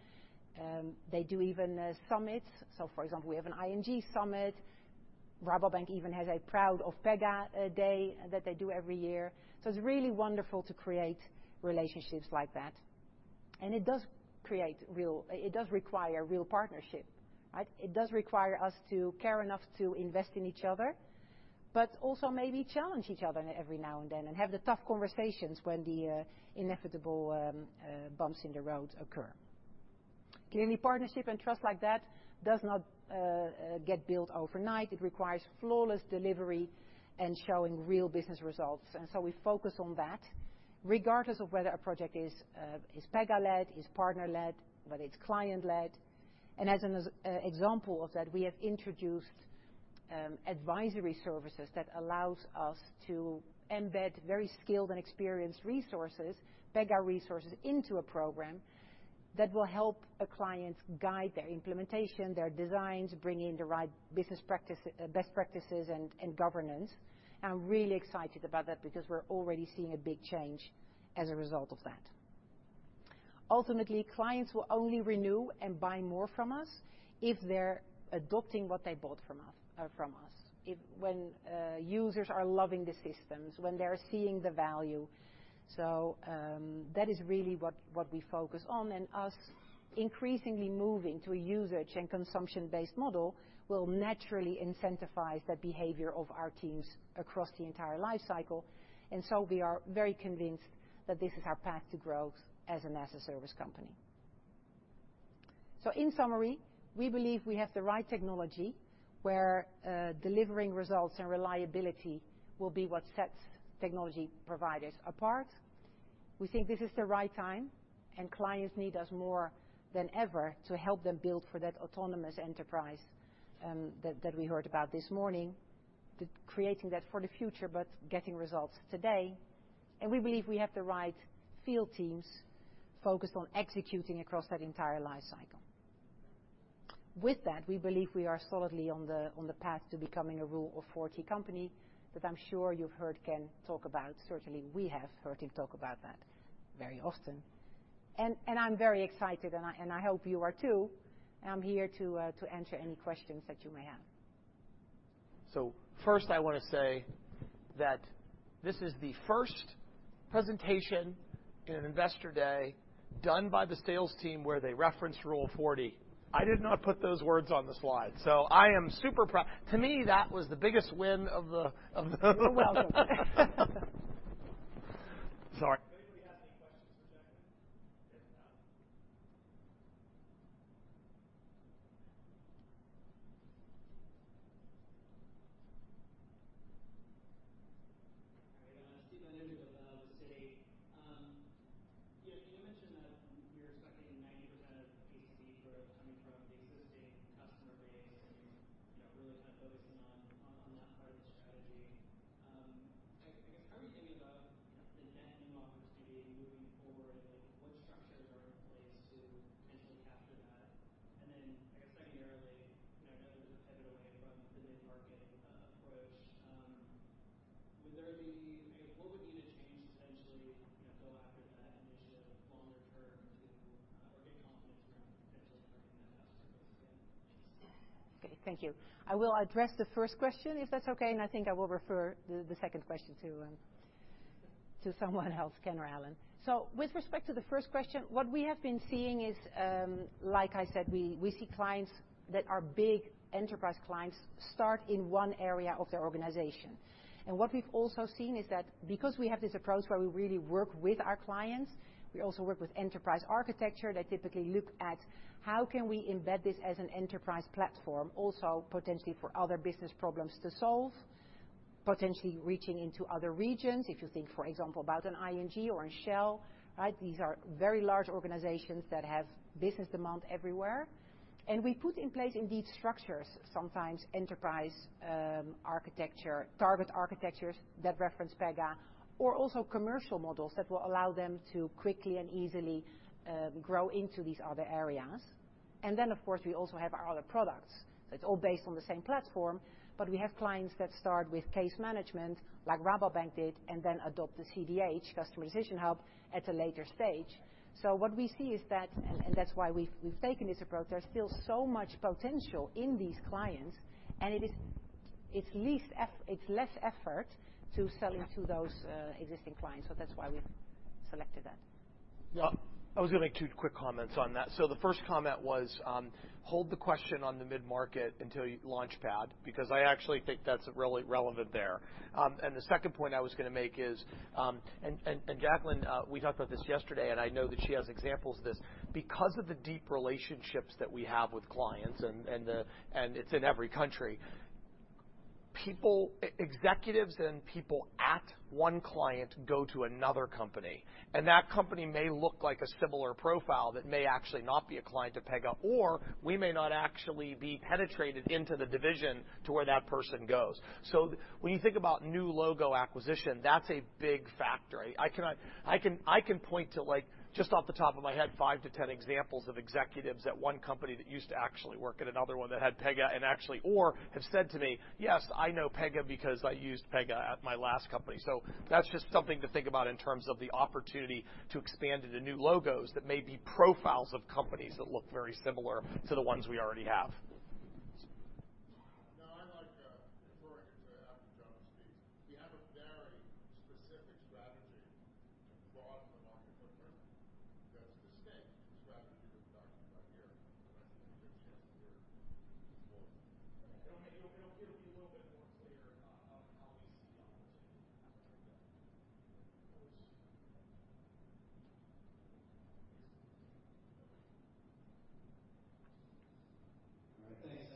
They do even summits. For example, we have an ING summit. Rabobank even has a Proud of Pega Day that they do every year. It's really wonderful to create relationships like that. It does require real partnership, right? It does require us to care enough to invest in each other, but also maybe challenge each other every now and then, and have the tough conversations when the inevitable bumps in the road occur. Clearly, partnership and trust like that does not get built overnight. It requires flawless delivery and showing real business results. We focus on that regardless of whether a project is Pega-led, is partner-led, whether it's client-led. As an example of that, we have introduced advisory services that allows us to embed very skilled and experienced resources, Pega resources, into a program that will help a client guide their implementation, their designs, bring in the right business practice, best practices, and governance. I'm really excited about that because we're already seeing a big change as a result of that. Ultimately, clients will only renew and buy more from us if they're adopting what they bought from us. If when users are loving the systems, when they're seeing the value. That is really what we focus on, and us increasingly moving to a usage and consumption-based model will naturally incentivize the behavior of our teams across the entire life cycle. We are very convinced that this is our path to growth as an as-a-service company. In summary, we believe we have the right technology, where delivering results and reliability will be what sets technology providers apart. We think this is the right time, and clients need us more than ever to help them build for that autonomous enterprise that we heard about this morning, to creating that for the future, but getting results today. We believe we have the right field teams focused on executing across that entire life cycle. With that, we believe we are solidly on the path to becoming a Rule of Forty company that I'm sure you've heard Ken talk about. Certainly, we have heard him talk about that very often. I'm very excited, and I hope you are, too. I'm here to answer any questions that you may have. First, I want to say that this is the first presentation in an Investor Day done by the sales team, where they referenced Rule of 40. I did not put those words on the slide, so I am super proud. To me, that was the biggest win of the. You're welcome. Sorry. we also work with enterprise architecture, they typically look at how can we embed this as an enterprise platform, also potentially for other business problems to solve, potentially reaching into other regions. If you think, for example, about an ING or a Shell, right? These are very large organizations that have business demand everywhere. We put in place, indeed, structures, sometimes enterprise architecture, target architectures that reference Pega, or also commercial models that will allow them to quickly and easily grow into these other areas. Of course, we also have our other products. It's all based on the same platform, but we have clients that start with case management, like Rabobank did, and then adopt the CDH, customization hub, at a later stage. What we see is that, and that's why we've taken this approach, there's still so much potential in these clients, and it's less effort to sell into those existing clients. That's why we've selected that. Well, I was going to make two quick comments on that. The first comment was, hold the question on the mid-market until you Launchpad, because I actually think that's really relevant there. The second point I was going to make is, Jacqueline, we talked about this yesterday, and I know that she has examples of this. Because of the deep relationships that we have with clients, and it's in every country. People, executives and people at one client go to another company, and that company may look like a similar profile that may actually not be a client of Pega, or we may not actually be penetrated into the division to where that person goes. When you think about new logo acquisition, that's a big factor. I cannot point to, like, just off the top of my head, five to 10 examples of executives at one company that used to actually work at another one that had Pega or have said to me, "Yes, I know Pega because I used Pega at my last company." That's just something to think about in terms of the opportunity to expand into new logos that may be profiles of companies that look very similar to the ones we already have. No, I like,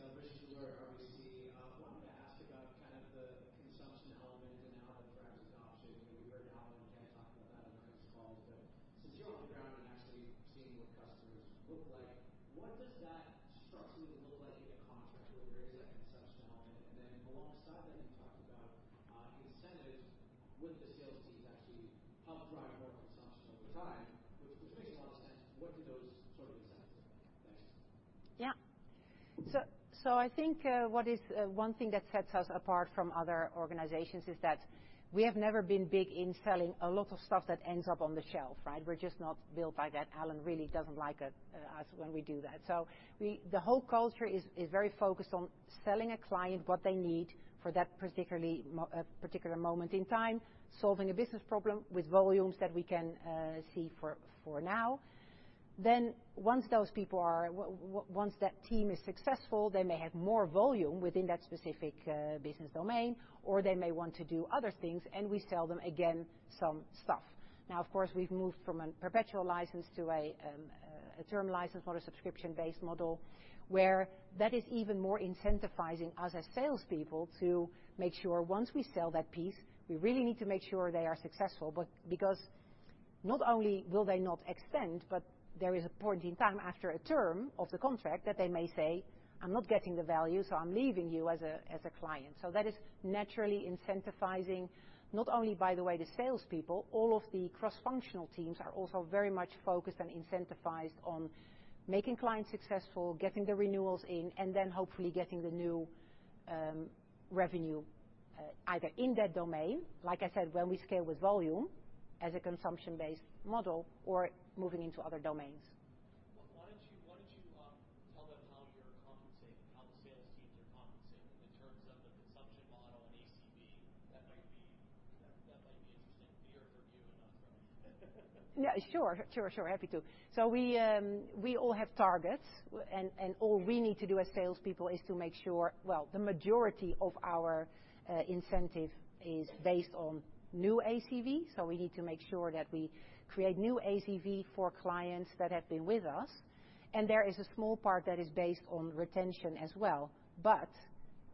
Once those people are. Once that team is successful, they may have more volume within that specific business domain, or they may want to do other things, and we sell them again some stuff. Of course, we've moved from a perpetual license to a term license model, subscription-based model, where that is even more incentivizing us as salespeople to make sure once we sell that piece, we really need to make sure they are successful. Because not only will they not extend, but there is a point in time after a term of the contract that they may say, "I'm not getting the value, so I'm leaving you as a client." That is naturally incentivizing, not only, by the way, the salespeople, all of the cross-functional teams are also very much focused and incentivized on making clients successful, getting the renewals in, and then hopefully getting the new revenue, either in that domain, like I said, when we scale with volume as a consumption-based model, or moving into other domains. Why don't you tell them how you're compensating, how the sales teams are compensating in terms of the consumption model and ACV? That might be interesting for your view, and not so. Sure, sure. Happy to. We all have targets, and all we need to do as salespeople is to make sure, well, the majority of our incentive is based on new ACV, so we need to make sure that we create new ACV for clients that have been with us, and there is a small part that is based on retention as well.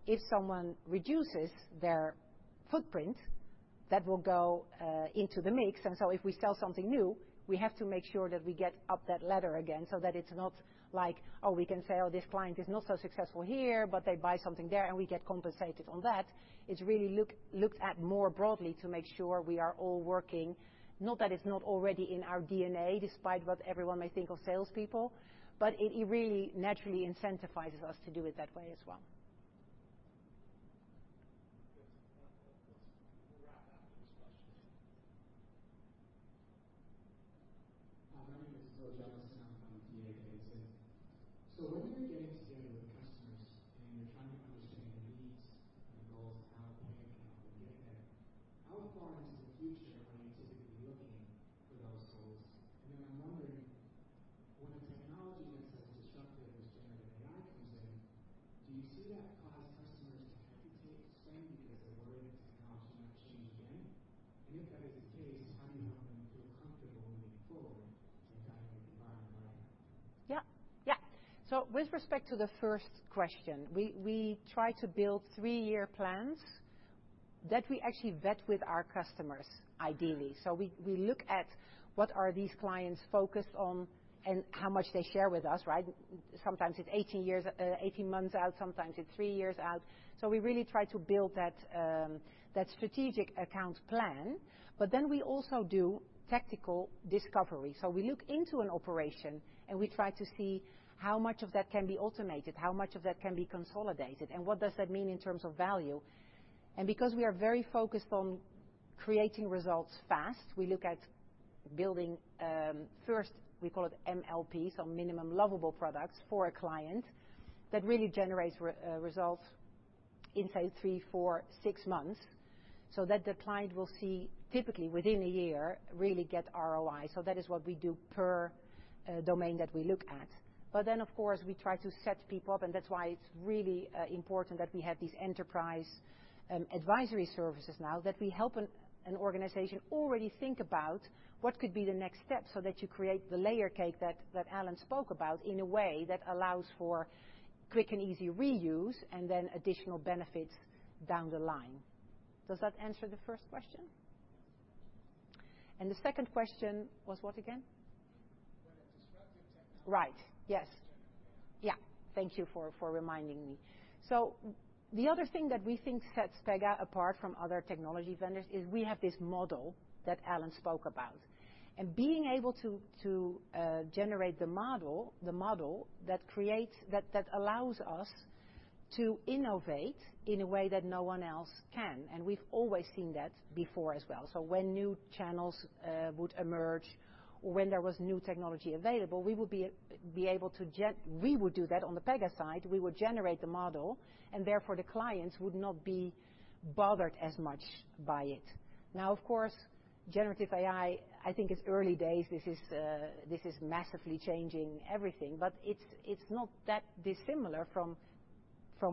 If someone reduces their footprint, that will go into the mix. If we sell something new, we have to make sure that we get up that ladder again, so that it's not like, oh, we can say, "Oh, this client is not so successful here, but they buy something there, and we get compensated on that." It's really looked at more broadly to make sure we are all working. Not that it's not already in our DNA, despite what everyone may think of salespeople, but it really naturally incentivizes us to do it that way as well. how much of that can be automated, how much of that can be consolidated, and what does that mean in terms of value. Because we are very focused on creating results fast, we look at building, first, we call it MLPs, or Minimum Lovable Products, for a client that really generates results inside three, four, six months, so that the client will see typically within a year, really get ROI. That is what we do per domain that we look at. Of course, we try to set people up, and that's why it's really important that we have these enterprise advisory services now, that we help an organization already think about what could be the next step, so that you create the layer cake that Alan spoke about in a way that allows for quick and easy reuse, and then additional benefits down the line. Does that answer the first question? The second question was what again? Whether disruptive technology- Right. Yes. Yeah. Thank you for reminding me. The other thing that we think sets Pega apart from other technology vendors is we have this model that Alan spoke about, and being able to generate the model, the model that creates that allows us to innovate in a way that no one else can. We've always seen that before as well. When new channels would emerge, or when there was new technology available, we would be able to do that on the Pega side. We would generate the model. Therefore, the clients would not be bothered as much by it. Of course, generative AI, I think it's early days. This is, this is massively changing everything, but it's not that dissimilar from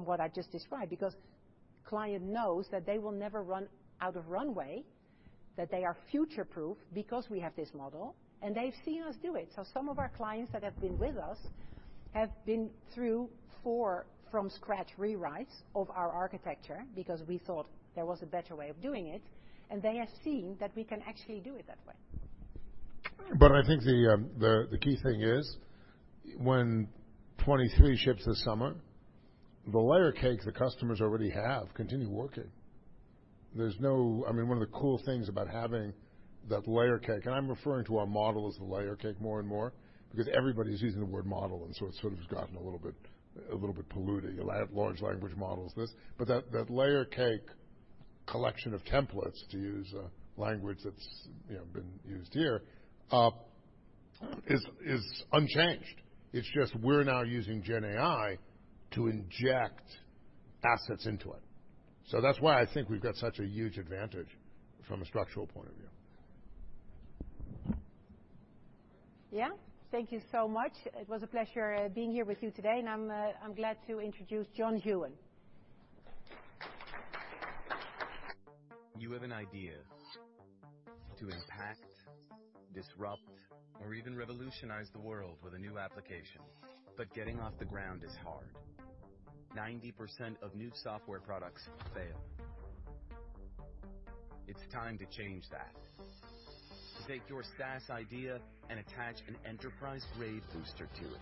what I just described, because client knows that they will never run out of runway, that they are future-proof because we have this model, and they've seen us do it. Some of our clients that have been with us have been through four from scratch rewrites of our architecture because we thought there was a better way of doing it, and they have seen that we can actually do it that way. I think the key thing is, when 23 ships this summer, the layer cake the customers already have continue working. I mean, one of the cool things about having that layer cake, and I'm referring to our model as the layer cake more and more because everybody's using the word model, and so it sort of has gotten a little bit polluted. You'll have large language models this. That layer cake collection of templates, to use a language that's, you know, been used here, is unchanged. It's just we're now using Gen AI to inject assets into it. That's why I think we've got such a huge advantage from a structural point of view. Yeah. Thank you so much. It was a pleasure, being here with you today. I'm glad to introduce John Higgins. You have an idea to impact, disrupt, or even revolutionize the world with a new application, but getting off the ground is hard. 90% of new software products fail. It's time to change that. Take your SaaS idea and attach an enterprise-grade booster to it.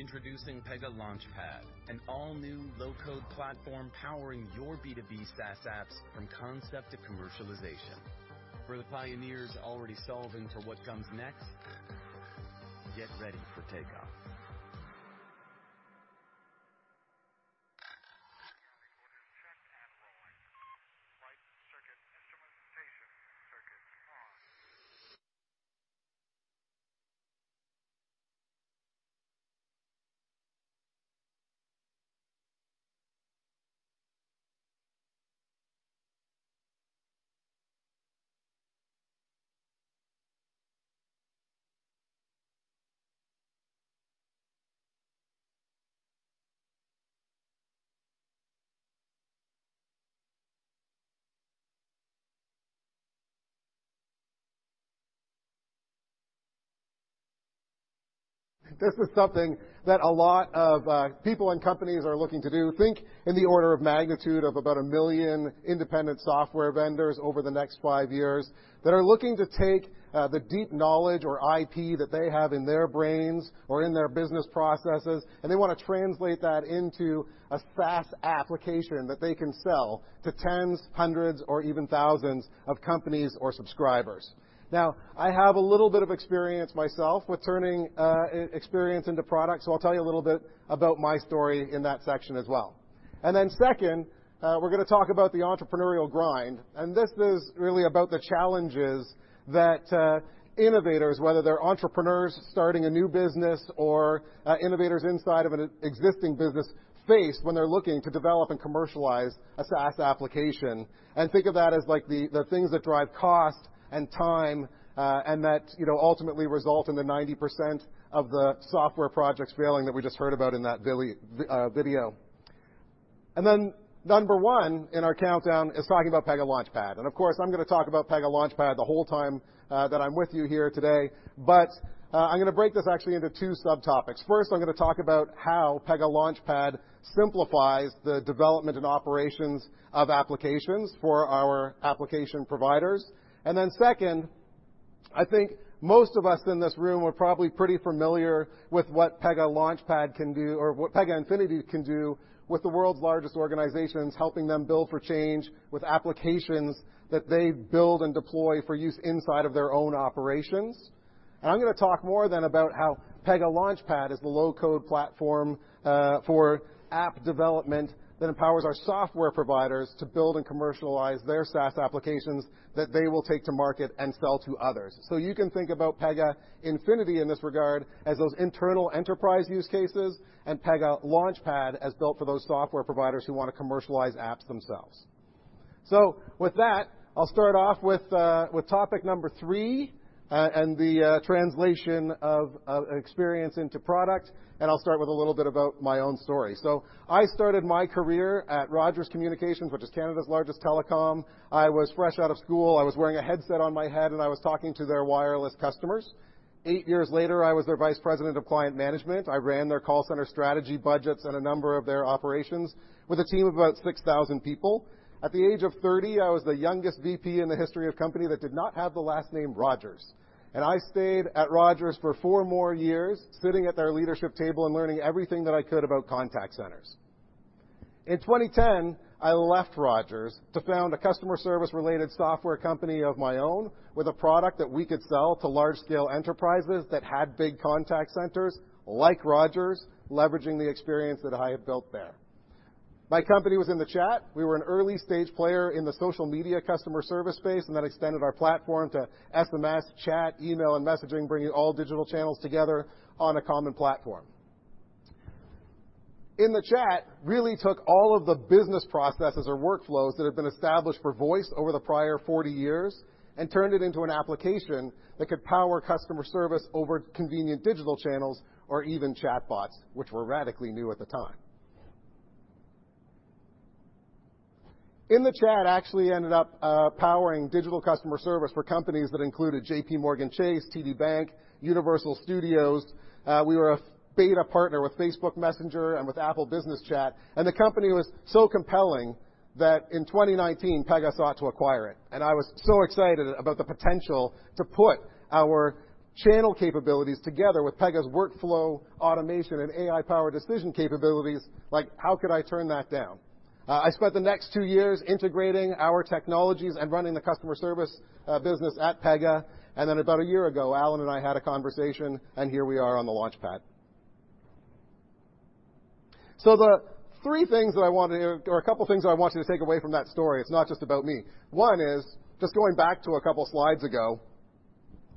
Introducing Pega Launchpad, an all-new low-code platform powering your B2B SaaS apps from concept to commercialization. For the pioneers already solving for what comes next, get ready for takeoff. Check. Rolling. Light, circuit, instrumentation, circuit on. This is something that a lot of people and companies are looking to do. Think in the order of magnitude of about one million independent software vendors over the next five years that are looking to take the deep knowledge or IP that they have in their brains or in their business processes, and they want to translate that into a SaaS application that they can sell to tens, hundreds, or even thousands of companies or subscribers. I have a little bit of experience myself with turning experience into product, so I'll tell you a little bit about my story in that section as well. Second, we're gonna talk about the entrepreneurial grind, and this is really about the challenges that innovators, whether they're entrepreneurs starting a new business or innovators inside of an existing business, face when they're looking to develop and commercialize a SaaS application. Think of that as like the things that drive cost and time, and that, you know, ultimately result in the 90% of the software projects failing that we just heard about in that villy video. Number one in our countdown is talking about Pega Launchpad. Of course, I'm gonna talk about Pega Launchpad the whole time that I'm with you here today, I'm gonna break this actually into two subtopics. First, I'm gonna talk about how Pega Launchpad simplifies the development and operations of applications for our application providers. Second, I think most of us in this room are probably pretty familiar with what Pega Launchpad can do or what Pega Infinity can do with the world's largest organizations, helping them build for change with applications that they build and deploy for use inside of their own operations. I'm gonna talk more then about how Pega Launchpad is the low-code platform for app development that empowers our software providers to build and commercialize their SaaS applications that they will take to market and sell to others. You can think about Pega Infinity in this regard as those internal enterprise use cases and Pega Launchpad as built for those software providers who want to commercialize apps themselves. With that, I'll start off with topic number three, and the translation of experience into product, and I'll start with a little bit about my own story. I started my career at Rogers Communications, which is Canada's largest telecom. I was fresh out of school. I was wearing a headset on my head, and I was talking to their wireless customers. Eight years later, I was their vice president of client management. I ran their call center strategy budgets at a number of their operations with a team of about 6,000 people. At the age of 30, I was the youngest VP in the history of company that did not have the last name Rogers, and I stayed at Rogers for four more years, sitting at their leadership table and learning everything that I could about contact centers. In 2010, I left Rogers to found a customer service-related software company of my own, with a product that we could sell to large-scale enterprises that had big contact centers like Rogers, leveraging the experience that I had built there. My company was InTheChat. We were an early-stage player in the social media customer service space, and then extended our platform to SMS, chat, email, and messaging, bringing all digital channels together on a common platform. InTheChat really took all of the business processes or workflows that have been established for voice over the prior 40 years and turned it into an application that could power customer service over convenient digital channels or even chatbots, which were radically new at the time. InTheChat actually ended up powering digital customer service for companies that included JPMorgan Chase, TD Bank, Universal Studios. We were a beta partner with Facebook Messenger and with Apple Business Chat, and the company was so compelling that in 2019, Pega sought to acquire it. I was so excited about the potential to put our channel capabilities together with Pega's workflow, automation, and AI-powered decision capabilities. Like, how could I turn that down? I spent the next two years integrating our technologies and running the customer service business at Pega. About a year ago, Alan and I had a conversation, and here we are on the Pega Launchpad. A couple things that I want you to take away from that story, it's not just about me. One is, just going back to a couple slides ago,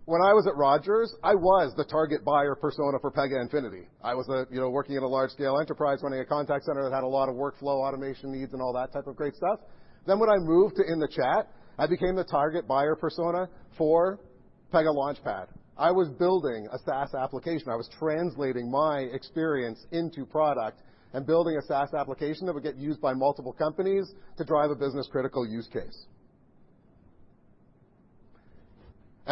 when I was at Rogers, I was the target buyer persona for Pega Infinity. I was, you know, working at a large-scale enterprise, running a contact center that had a lot of workflow, automation needs, and all that type of great stuff. When I moved to InTheChat, I became the target buyer persona for Pega Launchpad. I was building a SaaS application. I was translating my experience into product and building a SaaS application that would get used by multiple companies to drive a business-critical use case.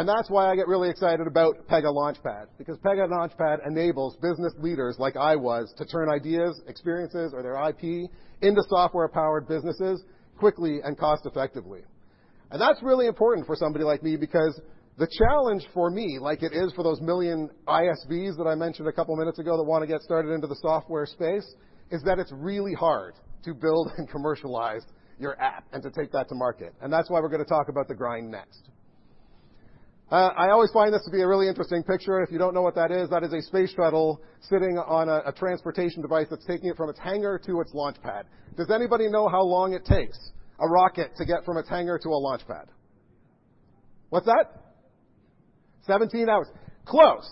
That's why I get really excited about Pega LaunchPad, because Pega LaunchPad enables business leaders, like I was, to turn ideas, experiences, or their IP into software-powered businesses quickly and cost-effectively. That's really important for somebody like me, because the challenge for me, like it is for those one million ISVs that I mentioned a couple of minutes ago that want to get started into the software space, is that it's really hard to build and commercialize your app and to take that to market, and that's why we're going to talk about the grind next. I always find this to be a really interesting picture. If you don't know what that is, that is a space shuttle sitting on a transportation device that's taking it from its hangar to its launch pad. Does anybody know how long it takes a rocket to get from its hangar to a launch pad? What's that? 17 hours. Close.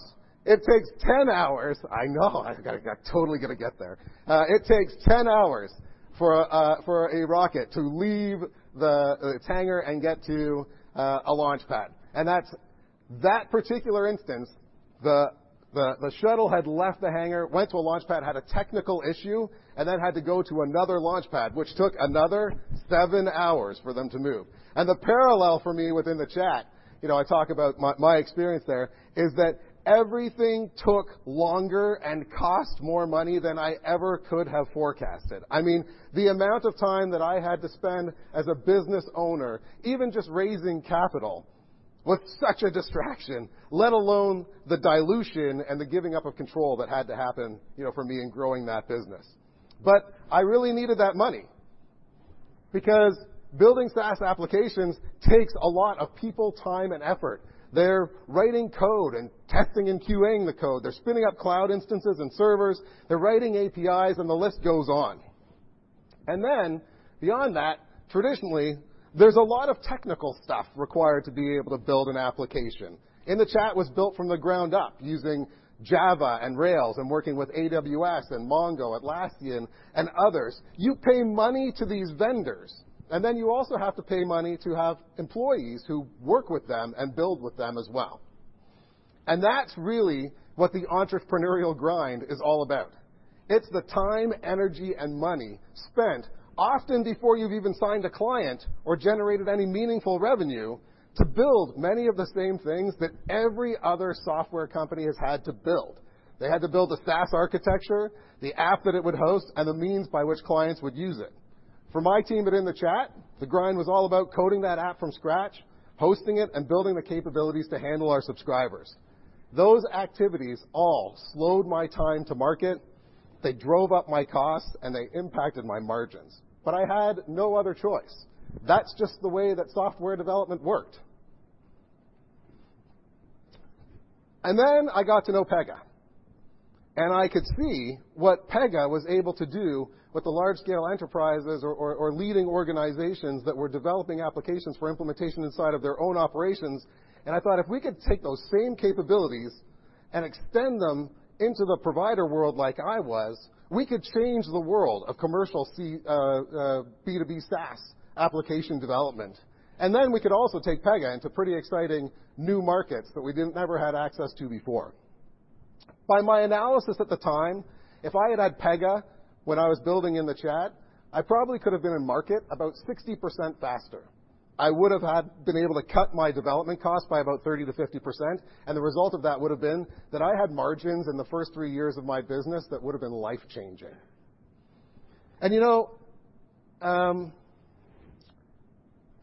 It takes 10 hours. I know. I'm totally gonna get there. It takes 10 hours for a rocket to leave its hangar and get to a launch pad. That particular instance, the shuttle had left the hangar, went to a launch pad, had a technical issue, and then had to go to another launch pad, which took another seven hours for them to move. The parallel for me with InTheChat, you know, I talk about my experience there, is that everything took longer and cost more money than I ever could have forecasted. I mean, the amount of time that I had to spend as a business owner, even just raising capital, was such a distraction, let alone the dilution and the giving up of control that had to happen, you know, for me in growing that business. I really needed that money because building SaaS applications takes a lot of people, time, and effort. They're writing code and testing and QA-ing the code. They're spinning up cloud instances and servers. They're writing APIs, and the list goes on. Then, beyond that, traditionally, there's a lot of technical stuff required to be able to build an application. InTheChat was built from the ground up using Java and Rails and working with AWS and MongoDB, Atlassian, and others. You pay money to these vendors, and then you also have to pay money to have employees who work with them and build with them as well. That's really what the entrepreneurial grind is all about. It's the time, energy, and money spent, often before you've even signed a client or generated any meaningful revenue, to build many of the same things that every other software company has had to build. They had to build a SaaS architecture, the app that it would host, and the means by which clients would use it. For my team at InTheChat, the grind was all about coding that app from scratch, hosting it, and building the capabilities to handle our subscribers. Those activities all slowed my time to market, they drove up my costs, and they impacted my margins, but I had no other choice. That's just the way that software development worked. Then I got to know Pega, and I could see what Pega was able to do with the large-scale enterprises or leading organizations that were developing applications for implementation inside of their own operations. I thought if we could take those same capabilities and extend them into the provider world like I was, we could change the world of commercial C, B2B SaaS application development. Then we could also take Pega into pretty exciting new markets that we never had access to before. By my analysis at the time, if I had had Pega when I was building InTheChat, I probably could have been in market about 60% faster. I would have had... been able to cut my development cost by about 30%-50%. The result of that would have been that I had margins in the first three years of my business that would have been life-changing. You know,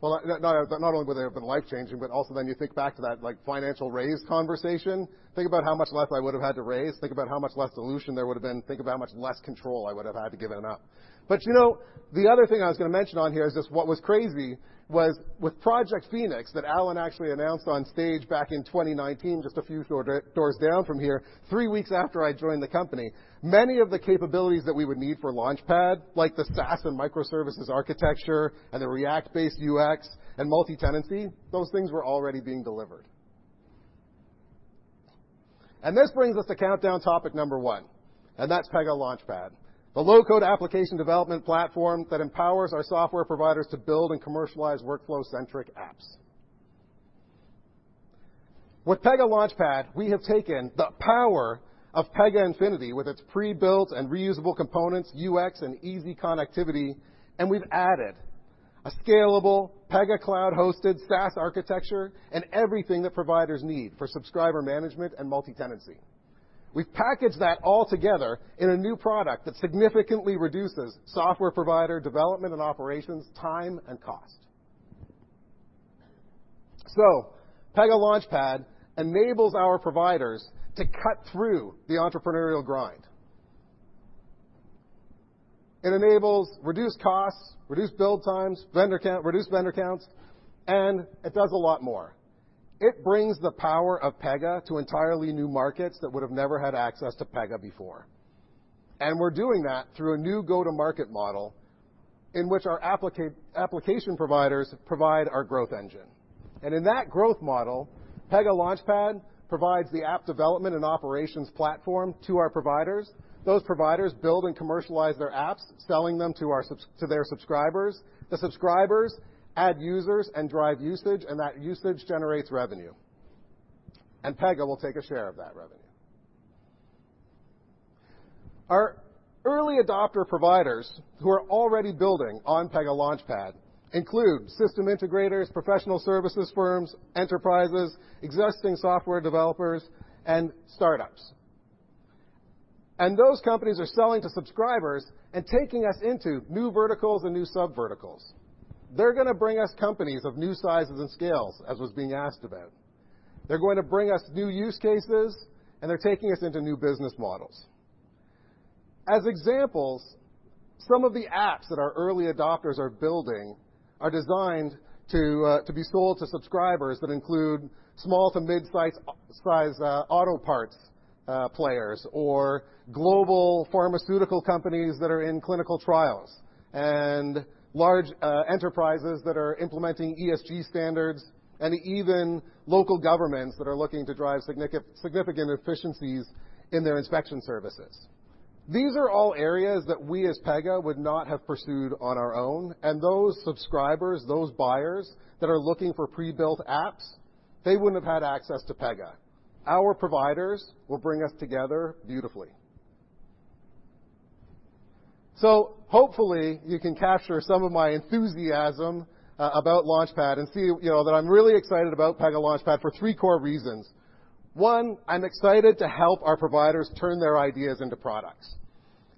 well, not only would they have been life-changing, but also then you think back to that, like, financial raise conversation, think about how much less I would have had to raise, think about how much less dilution there would have been, think about how much less control I would have had to given up. You know, the other thing I was going to mention on here is just what was crazy was with Project Phoenix, that Alan actually announced on stage back in 2019, just a few doors down from here, three weeks after I joined the company, many of the capabilities that we would need for Launchpad, like the SaaS and microservices architecture and the React-based UX and multi-tenancy, those things were already being delivered. This brings us to countdown topic number one, and that's Pega Launchpad, the low-code application development platform that empowers our software providers to build and commercialize workflow-centric apps. With Pega Launchpad, we have taken the power of Pega Infinity, with its prebuilt and reusable components, UX, and easy connectivity, and we've added a scalable Pega Cloud-hosted SaaS architecture and everything that providers need for subscriber management and multi-tenancy. We've packaged that all together in a new product that significantly reduces software provider development and operations time and cost. Pega Launchpad enables our providers to cut through the entrepreneurial grind. It enables reduced costs, reduced build times, reduced vendor counts, and it does a lot more. It brings the power of Pega to entirely new markets that would have never had access to Pega before. We're doing that through a new go-to-market model in which our application providers provide our growth engine. In that growth model, Pega Launchpad provides the app development and operations platform to our providers. Those providers build and commercialize their apps, selling them to our to their subscribers. The subscribers add users and drive usage, and that usage generates revenue. Pega will take a share of that revenue. Our early adopter providers, who are already building on Pega Launchpad, include system integrators, professional services firms, enterprises, existing software developers, and startups. Those companies are selling to subscribers and taking us into new verticals and new subverticals. They're going to bring us companies of new sizes and scales, as was being asked about. They're going to bring us new use cases, and they're taking us into new business models. As examples, some of the apps that our early adopters are building are designed to be sold to subscribers that include small to mid-size auto parts players or global pharmaceutical companies that are in clinical trials, and large enterprises that are implementing ESG standards, and even local governments that are looking to drive significant efficiencies in their inspection services. These are all areas that we, as Pega, would not have pursued on our own, and those subscribers, those buyers that are looking for pre-built apps, they wouldn't have had access to Pega. Our providers will bring us together beautifully. Hopefully you can capture some of my enthusiasm about Pega Launchpad and see, you know, that I'm really excited about Pega Launchpad for three core reasons. One, I'm excited to help our providers turn their ideas into products.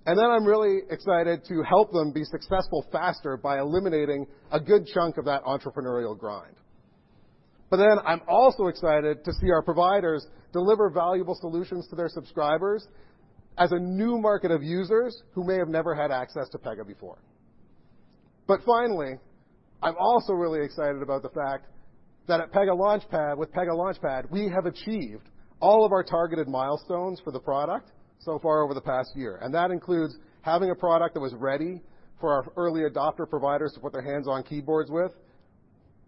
I'm really excited to help them be successful faster by eliminating a good chunk of that entrepreneurial grind. I'm also excited to see our providers deliver valuable solutions to their subscribers as a new market of users who may have never had access to Pega before. Finally, I'm also really excited about the fact that at Pega Launchpad, with Pega Launchpad, we have achieved all of our targeted milestones for the product so far over the past year, and that includes having a product that was ready for our early adopter providers to put their hands on keyboards with,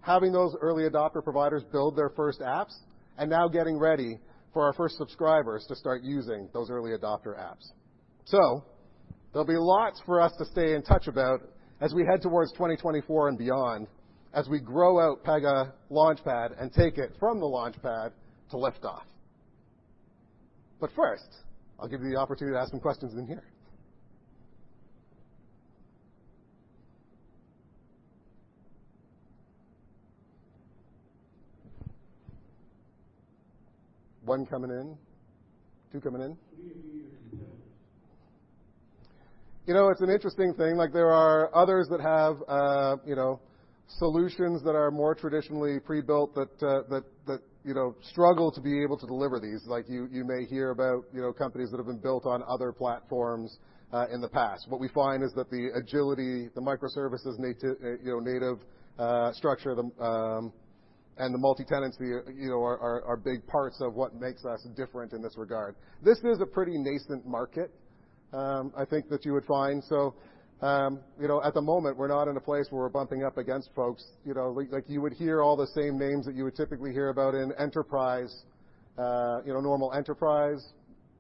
having those early adopter providers build their first apps, and now getting ready for our first subscribers to start using those early adopter apps. There'll be lots for us to stay in touch about as we head towards 2024 and beyond, as we grow out Pega Launchpad and take it from the Launchpad to liftoff. First, I'll give you the opportunity to ask some questions in here. One coming in. Two coming in. Who do you view as your competitors? You know, it's an interesting thing. Like, there are others that have, you know, solutions that are more traditionally pre-built that, you know, struggle to be able to deliver these. Like, you may hear about, you know, companies that have been built on other platforms in the past. What we find is that the agility, the microservices, you know, native structure, and the multi-tenancy, you know, are big parts of what makes us different in this regard. This is a pretty nascent market, I think that you would find. You know, at the moment, we're not in a place where we're bumping up against folks. You know, like, you would hear all the same names that you would typically hear about in enterprise, you know, normal enterprise,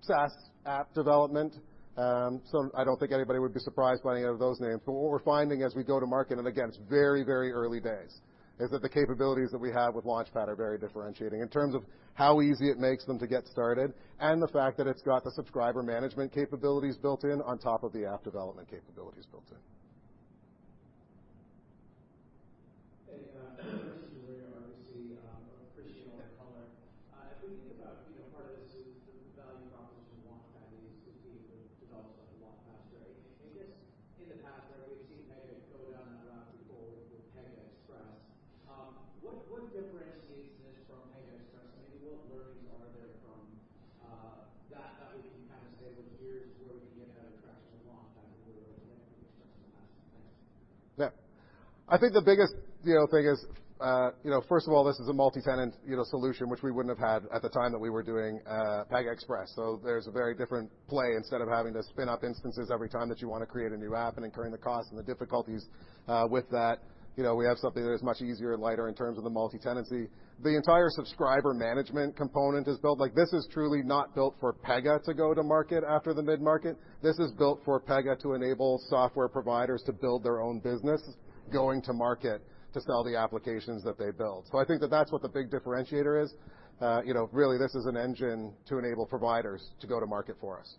SaaS, app development. I don't think anybody would be surprised by any of those names. What we're finding as we go to market, and again, it's very, very early days, is that the capabilities that we have with Launchpad are very differentiating in terms of how easy it makes them to get started and the fact that it's got the subscriber management capabilities built in on top of the app development capabilities built in. going to market to sell the applications that they build. I think that that's what the big differentiator is. You know, really, this is an engine to enable providers to go to market for us.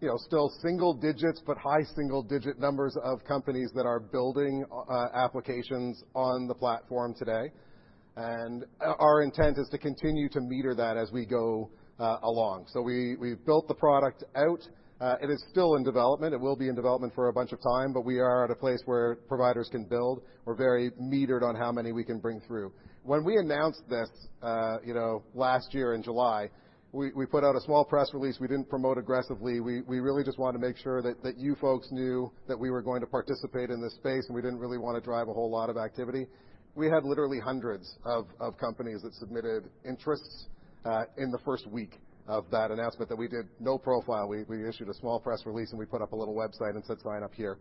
you know, still single digits, but high single digit numbers of companies that are building applications on the platform today. Our intent is to continue to meter that as we go along. We've built the product out. It is still in development, it will be in development for a bunch of time, but we are at a place where providers can build. We're very metered on how many we can bring through. When we announced this, you know, last year in July, we put out a small press release. We didn't promote aggressively. We really just wanted to make sure that you folks knew that we were going to participate in this space, and we didn't really want to drive a whole lot of activity. We had literally hundreds of companies that submitted interests, in the first week of that announcement, that we did no profile. We issued a small press release, and we put up a little website and said, "Sign up here."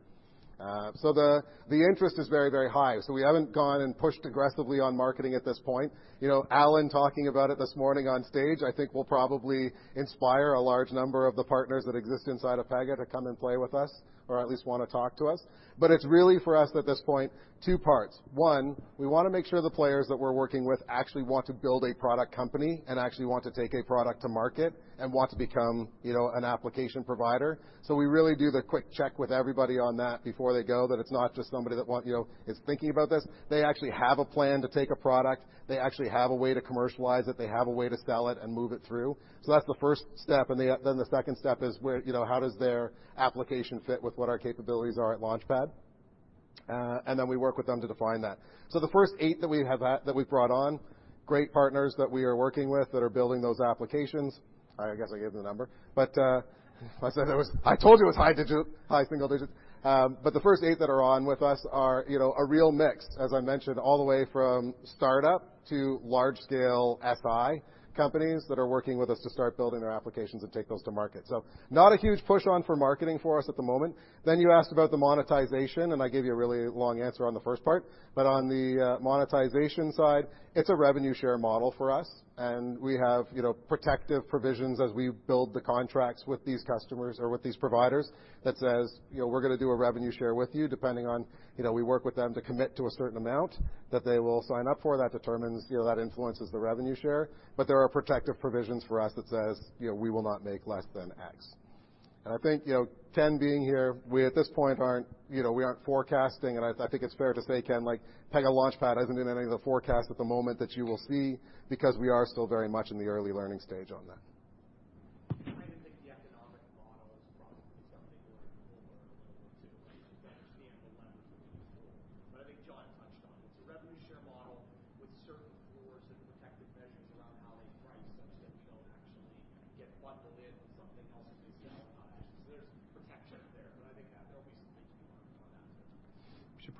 The interest is very, very high, so we haven't gone and pushed aggressively on marketing at this point. You know, Alan talking about it this morning on stage, I think will probably inspire a large number of the partners that exist inside of Pega to come and play with us or at least want to talk to us. It's really for us, at this point, two parts. One, we want to make sure the players that we're working with actually want to build a product company and actually want to take a product to market and want to become, you know, an application provider. We really do the quick check with everybody on that before they go, that it's not just somebody that want, you know, is thinking about this. They actually have a plan to take a product. They actually have a way to commercialize it. They have a way to sell it and move it through. That's the first step, and the. The second step is where, you know, how does their application fit with what our capabilities are at Launchpad? We work with them to define that. The first eight that we have, that we've brought on, great partners that we are working with that are building those applications. I guess I gave the number, I told you it was high digit, high single digits. The first eight that are on with us are, you know, a real mix, as I mentioned, all the way from startup to large scale SI companies that are working with us to start building their applications and take those to market. Not a huge push on for marketing for us at the moment. You asked about the monetization, and I gave you a really long answer on the first part. On the monetization side, it's a revenue share model for us, and we have, you know, protective provisions as we build the contracts with these customers or with these providers that says, "You know, we're going to do a revenue share with you, depending on..." You know, we work with them to commit to a certain amount that they will sign up for. That determines, you know, that influences the revenue share. There are protective provisions for us that says, "You know, we will not make less than X." I think, you know, Ken being here, we at this point aren't, you know, we aren't forecasting, I think it's fair to say, Ken, like, Pega Launchpad isn't in any of the forecasts at the moment that you will see, because we are still very much in the early learning stage on that.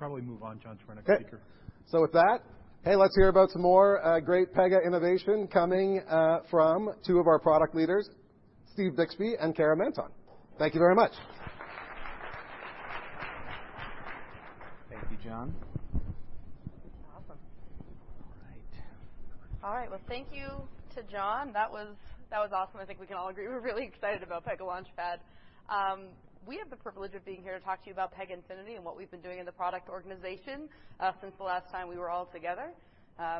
I even think the economic model is probably something we'll learn a little bit, too, right? Just understand the levers that you store. I think John touched on it. It's a revenue share model with certain floors and protective measures around how they price, so that you don't actually get buckled in when something else is selling on it. There's protection there, but I think there'll be some things we learn from that. We should probably move on, John, to our next speaker. Okay. With that, hey, let's hear about some more, great Pega innovation coming, from two of our product leaders, Steve Bixby and Kara Manton. Thank you very much. Thank you, John. Awesome. All right. All right. Well, thank you to John. That was awesome. I think we can all agree we're really excited about Pega Launchpad. We have the privilege of being here to talk to you about Pega Infinity and what we've been doing in the product organization, since the last time we were all together.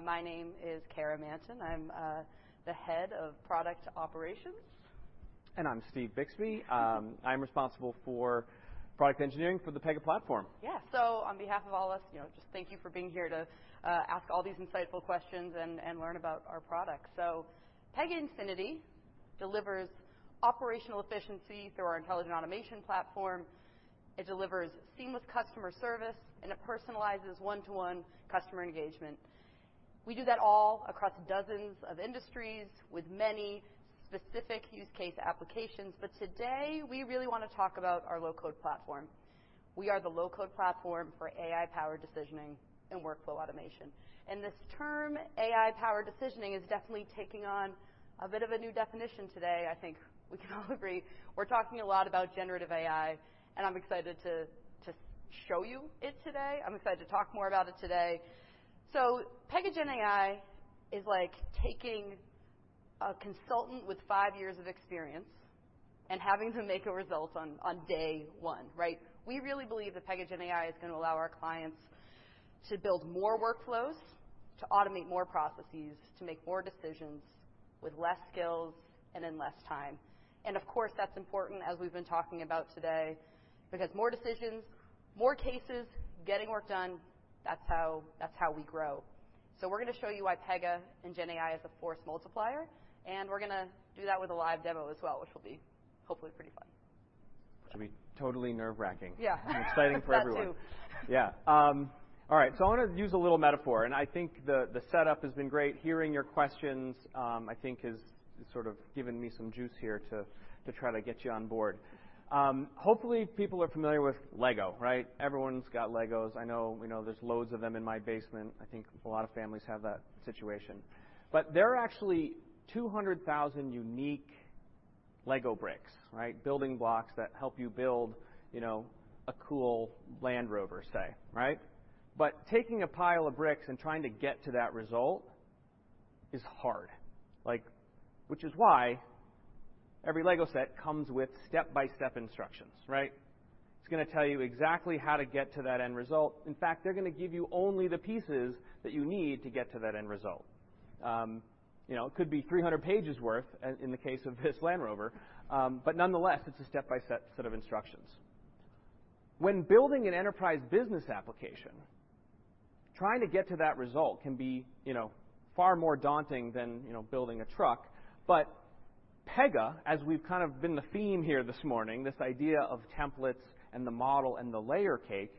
My name is Kara Manton. I'm the head of Product Operations. I'm Steve Bixby. Um- I'm responsible for product engineering for the Pega platform. Yeah. On behalf of all of us, you know, just thank you for being here to ask all these insightful questions and learn about our product. Pega Infinity delivers operational efficiency through our intelligent automation platform. It delivers seamless customer service, and it personalizes one-to-one customer engagement. We do that all across dozens of industries with many specific use case applications, but today, we really want to talk about our low-code platform. We are the low-code platform for AI-powered decisioning and workflow automation. This term, AI-powered decisioning, is definitely taking on a bit of a new definition today. I think we can all agree. We're talking a lot about generative AI, and I'm excited to show you it today. I'm excited to talk more about it today. Pega GenAI is like taking a consultant with five years of experience and having them make a result on day one, right? We really believe that Pega GenAI is going to allow our clients to build more workflows, to automate more processes, to make more decisions with less skills and in less time. Of course, that's important, as we've been talking about today, because more decisions, more cases, getting work done, that's how we grow. We're going to show you why Pega and GenAI is a force multiplier, and we're going to do that with a live demo as well, which will be hopefully pretty fun. Which will be totally nerve-wracking. Yeah. Exciting for everyone. That, too. Yeah, all right. I want to use a little metaphor, and I think the setup has been great. Hearing your questions, I think, has sort of given me some juice here to try to get you on board. Hopefully, people are familiar with Lego, right? Everyone's got Legos. I know, we know there's loads of them in my basement. I think a lot of families have that situation. There are actually 200,000 unique Lego bricks, right? Building blocks that help you build, you know, a cool Land Rover, say, right? Taking a pile of bricks and trying to get to that result is hard. Which is why every Lego set comes with step-by-step instructions, right? It's going to tell you exactly how to get to that end result. In fact, they're going to give you only the pieces that you need to get to that end result. You know, it could be 300 pages worth, in the case of this Land Rover, but nonetheless, it's a step-by-step set of instructions. When building an enterprise business application, trying to get to that result can be, you know, far more daunting than, you know, building a truck. Pega, as we've kind of been the theme here this morning, this idea of templates and the model and the layer cake,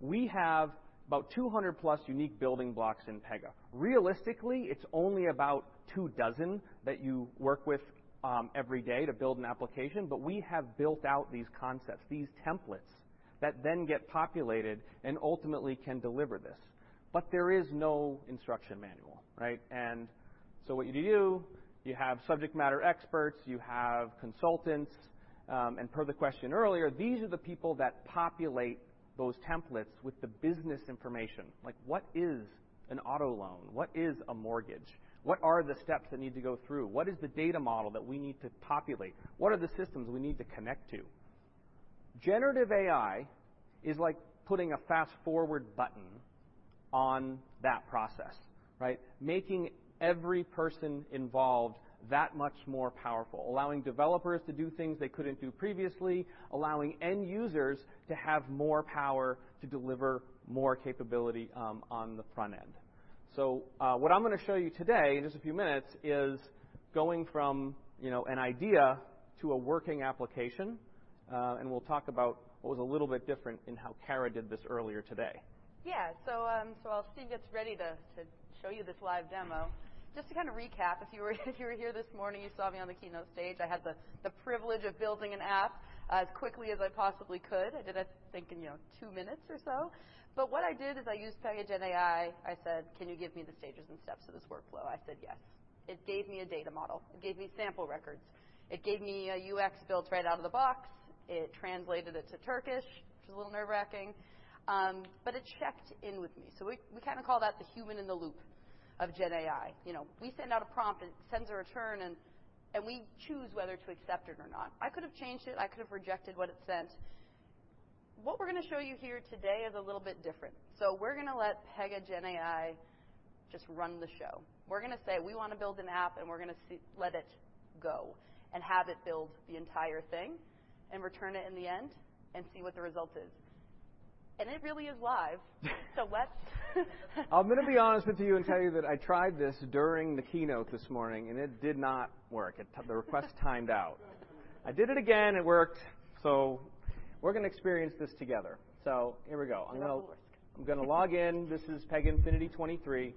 we have about 200 plus unique building blocks in Pega. Realistically, it's only about two dozen that you work with every day to build an application, but we have built out these concepts, these templates, that then get populated and ultimately can deliver this. There is no instruction manual, right? What you do, you have subject matter experts, you have consultants, and per the question earlier, these are the people that populate those templates with the business information. Like, what is an auto loan? What is a mortgage? What are the steps that need to go through? What is the data model that we need to populate? What are the systems we need to connect to? Generative AI is like putting a fast-forward button on that process, right? Making every person involved that much more powerful, allowing developers to do things they couldn't do previously, allowing end users to have more power to deliver more capability on the front end. What I'm going to show you today, in just a few minutes, is going from, you know, an idea to a working application. We'll talk about what was a little bit different in how Kara did this earlier today. While Steve gets ready to show you this live demo, just to kind of recap, if you were here this morning, you saw me on the keynote stage. I had the privilege of building an app as quickly as I possibly could. I did it, I think, in, you know, two minutes or so. What I did is I used Pega Gen AI. I said, "Can you give me the stages and steps of this workflow?" I said, "Yes." It gave me a data model. It gave me sample records. It gave me a UX built right out of the box. It translated it to Turkish, which is a little nerve-wracking, but it checked in with me. We kind of call that the human in the loop of Gen AI. You know, we send out a prompt, it sends a return, and we choose whether to accept it or not. I could have changed it. I could have rejected what it sent. What we're going to show you here today is a little bit different. We're going to let Pega GenAI just run the show. We're going to say, "We want to build an app," and we're going to see, let it go and have it build the entire thing and return it in the end and see what the result is. It really is live. Let's. I'm going to be honest with you and tell you that I tried this during the keynote this morning, it did not work. The request timed out. I did it again. It worked. We're going to experience this together. Here we go. Of course. I'm going to log in. This is Pega Infinity 23.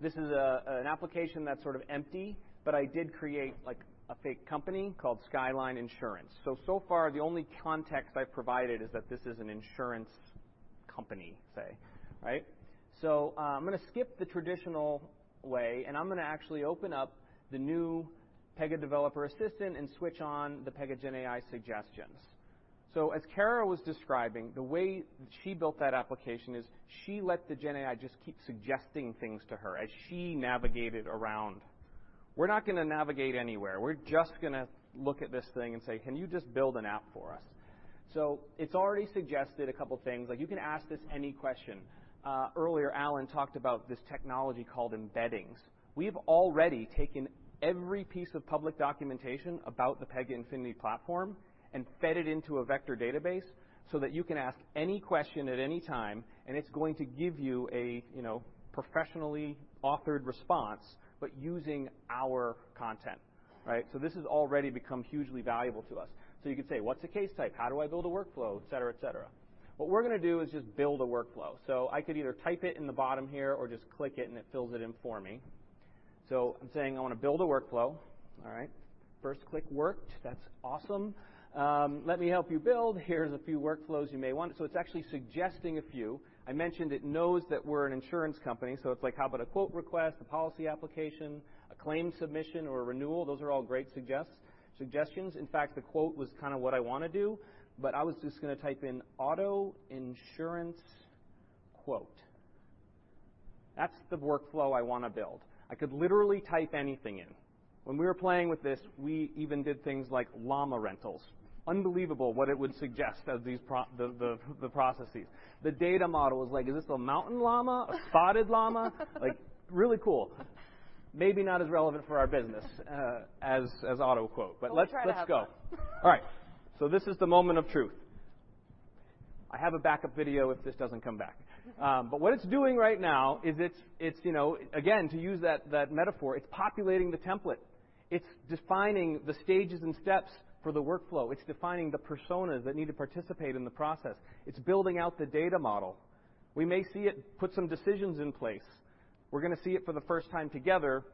This is an application that's sort of empty, but I did create, like, a fake company called Skyline Insurance. So far, the only context I've provided is that this is an insurance company, say. Right? I'm going to skip the traditional way, and I'm going to actually open up the new Pega developer assistant and switch on the Pega Gen AI suggestions. As Kara was describing, the way she built that application is she let the Gen AI just keep suggesting things to her as she navigated around. We're not going to navigate anywhere. We're just going to look at this thing and say, "Can you just build an app for us?" It's already suggested a couple things. Like, you can ask this any question. Earlier, Alan talked about this technology called embeddings. We've already taken every piece of public documentation about the Pega Infinity platform and fed it into a vector database so that you can ask any question at any time, and it's going to give you a, you know, professionally authored response, but using our content. Right? This has already become hugely valuable to us. You could say, "What's a case type? How do I build a workflow?" Et cetera, et cetera. What we're going to do is just build a workflow. I could either type it in the bottom here or just click it, and it fills it in for me. I'm saying I want to build a workflow. All right, first click worked. That's awesome. Let me help you build. Here's a few workflows you may want. It's actually suggesting a few. I mentioned it knows that we're an insurance company. It's like, how about a quote request, a policy application, a claim submission, or a renewal? Those are all great suggestions. In fact, the quote was kind of what I want to do. I was just going to type in auto insurance quote. That's the workflow I want to build. I could literally type anything in. When we were playing with this, we even did things like llama rentals. Unbelievable what it would suggest as these the processes. The data model was like, "Is this a mountain llama, a spotted llama?" Like, really cool. Maybe not as relevant for our business as auto quote, but- We'll try that out. Let's go. All right, this is the moment of truth. I have a backup video if this doesn't come back. What it's doing right now is it's, you know, again, to use that metaphor, it's populating the template. It's defining the stages and steps for the workflow. It's defining the personas that need to participate in the process. It's building out the data model. We may see it put some decisions in place. We're gonna see it for the first time together,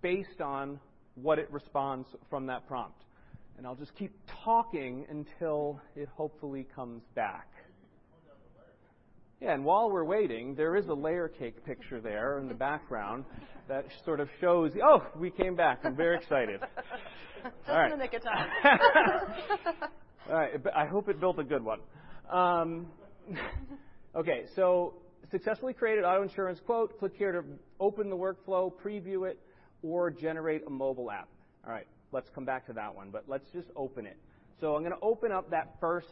based on what it responds from that prompt. I'll just keep talking until it hopefully comes back. Maybe you can pull down the layer. Yeah, while we're waiting, there is a layer cake picture there in the background, that sort of shows... Oh, we came back. I'm very excited. Just in the nick of time. All right. I hope it built a good one. Okay, successfully created auto insurance quote. Click here to open the workflow, preview it, or generate a mobile app. All right, let's come back to that one, let's just open it. I'm gonna open up that first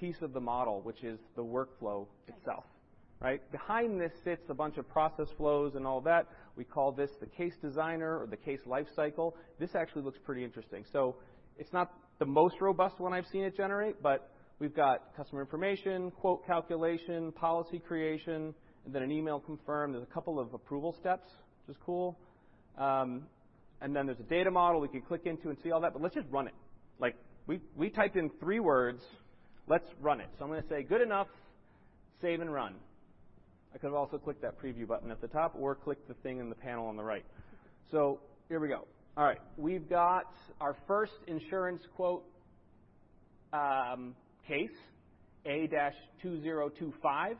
piece of the model, which is the workflow itself, right? Behind this sits a bunch of process flows and all that. We call this the Case Designer or the case life cycle. This actually looks pretty interesting. It's not the most robust one I've seen it generate, we've got customer information, quote calculation, policy creation, and then an email confirm. There's a couple of approval steps, which is cool. There's a data model we can click into and see all that, let's just run it. Like, we typed in three words. Let's run it. I'm gonna say, "Good enough, save and run." I could have also clicked that preview button at the top or clicked the thing in the panel on the right. Here we go. All right, we've got our first insurance quote, case, A-2025.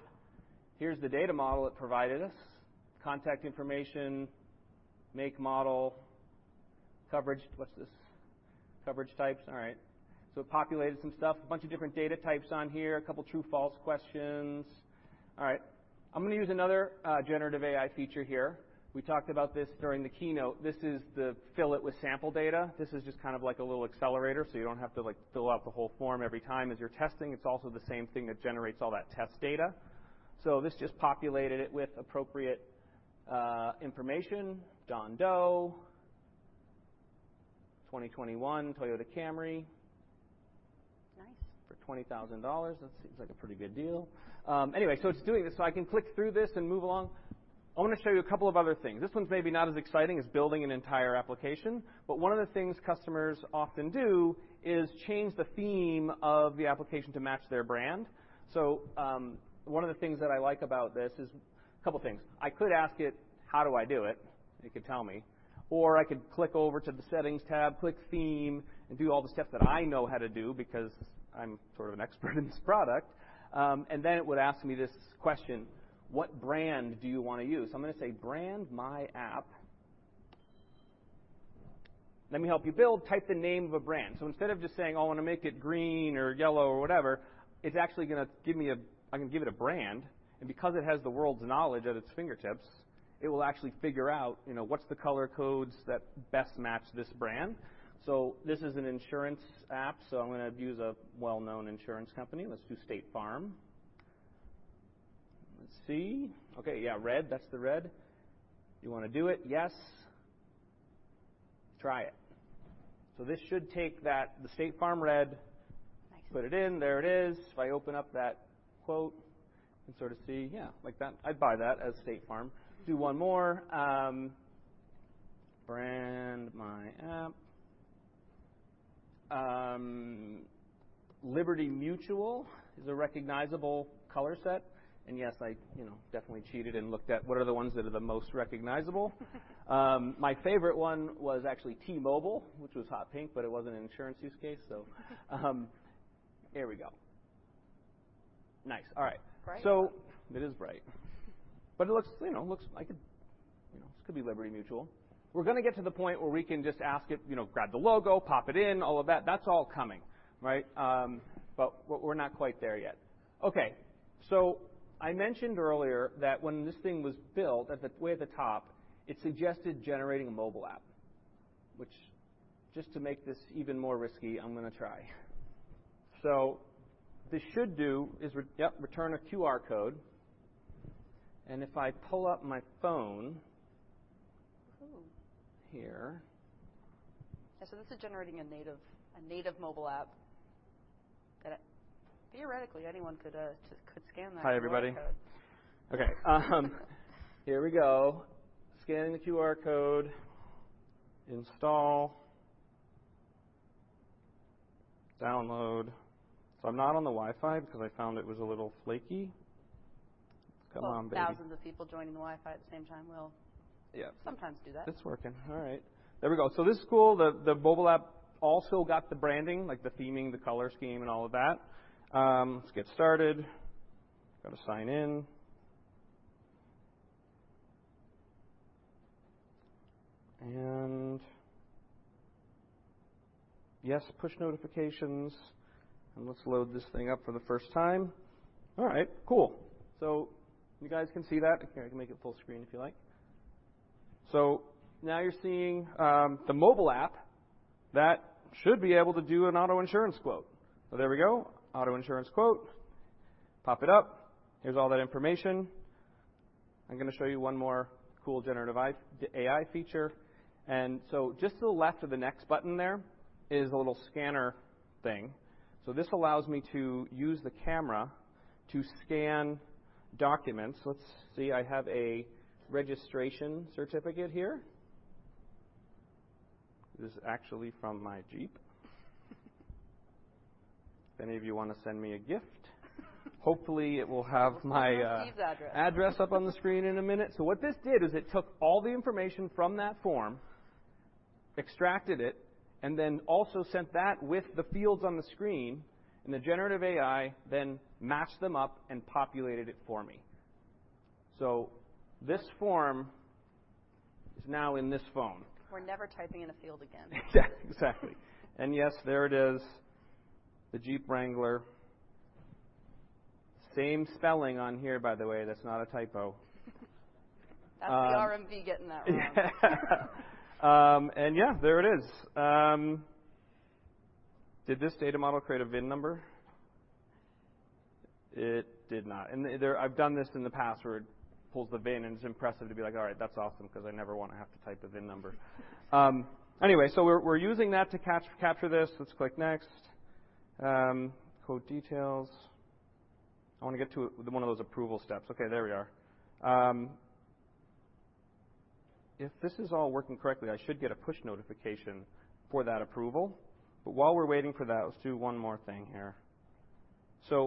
Here's the data model it provided us: contact information, make, model, coverage. What's this? Coverage types. All right, it populated some stuff, a bunch of different data types on here, a couple true-false questions. All right, I'm gonna use another generative AI feature here. We talked about this during the keynote. This is the fill it with sample data. This is just kind of like a little accelerator, you don't have to, like, fill out the whole form every time as you're testing. It's also the same thing that generates all that test data. This just populated it with appropriate information. John Doe, 2021 Toyota Camry. Nice. -for $20,000. That seems like a pretty good deal. Anyway, so it's doing this, so I can click through this and move along. I want to show you a couple of other things. This one's maybe not as exciting as building an entire application, but one of the things customers often do is change the theme of the application to match their brand. One of the things that I like about this is A couple things. I could ask it, "How do I do it?" It could tell me, or I could click over to the Settings tab, click Theme, and do all the steps that I know how to do because I'm sort of an expert in this product. Then it would ask me this question: "What brand do you want to use?" I'm gonna say, "Brand my app." "Let me help you build. Type the name of a brand." Instead of just saying, "Oh, I want to make it green or yellow," or whatever, it's actually gonna give me a. I'm gonna give it a brand, and because it has the world's knowledge at its fingertips, it will actually figure out, you know, what's the color codes that best match this brand. This is an insurance app, so I'm gonna use a well-known insurance company. Let's do State Farm. Let's see. Okay, yeah, red. That's the red. "You want to do it?" Yes. Try it. This should take that, the State Farm red- Nice. Put it in. There it is. If I open up that quote and sort of see, yeah, like that. I'd buy that as State Farm. Do one more. Brand my app. Liberty Mutual is a recognizable color set. Yes, I, you know, definitely cheated and looked at what are the ones that are the most recognizable. My favorite one was actually T-Mobile, which was hot pink, but it wasn't an insurance use case. Here we go. Nice. All right. Bright. It is bright. It looks, you know, looks like a, you know, this could be Liberty Mutual. We're gonna get to the point where we can just ask it, you know, grab the logo, pop it in, all of that. That's all coming, right? We're not quite there yet. I mentioned earlier that when this thing was built, at the way at the top, it suggested generating a mobile app, which, just to make this even more risky, I'm gonna try. This should do is yep, return a QR code, and if I pull up my phone- Ooh! -here. Yeah, this is generating a native mobile app that theoretically anyone could scan that QR code. Hi, everybody. Okay, here we go. Scanning the QR code. Install. Download. I'm not on the Wi-Fi because I found it was a little flaky. Come on, baby. Well, thousands of people joining the Wi-Fi at the same time. Yeah. Sometimes do that. It's working. All right. There we go. This is cool. The mobile app also got the branding, like the theming, the color scheme, and all of that. Let's get started. Got to sign in. Yes, push notifications, and let's load this thing up for the first time. All right, cool. You guys can see that? Here, I can make it full screen if you like. Now you're seeing the mobile app that should be able to do an auto insurance quote. There we go. Auto insurance quote. Pop it up. Here's all that information. I'm gonna show you one more cool generative AI feature. Just to the left of the next button there is a little scanner thing. This allows me to use the camera to scan documents. Let's see, I have a registration certificate here. This is actually from my Jeep. If any of you want to send me a gift, hopefully, it will have my. Steve's address.... address up on the screen in a minute. What this did is it took all the information from that form, extracted it, and then also sent that with the fields on the screen, and the generative AI then matched them up and populated it for me. This form is now in this phone. We're never typing in a field again. Exactly. Yes, there it is, the Jeep Wrangler. Same spelling on here, by the way. That's not a typo. That's the RMV getting that right. Yeah, there it is. Did this data model create a VIN number? It did not. There, I've done this in the past where it pulls the VIN, and it's impressive to be like, "All right, that's awesome, 'cause I never want to have to type a VIN number." Anyway, so we're using that to capture this. Let's click Next. Quote details. I want to get to one of those approval steps. Okay, there we are. If this is all working correctly, I should get a push notification for that approval. While we're waiting for that, let's do one more thing here.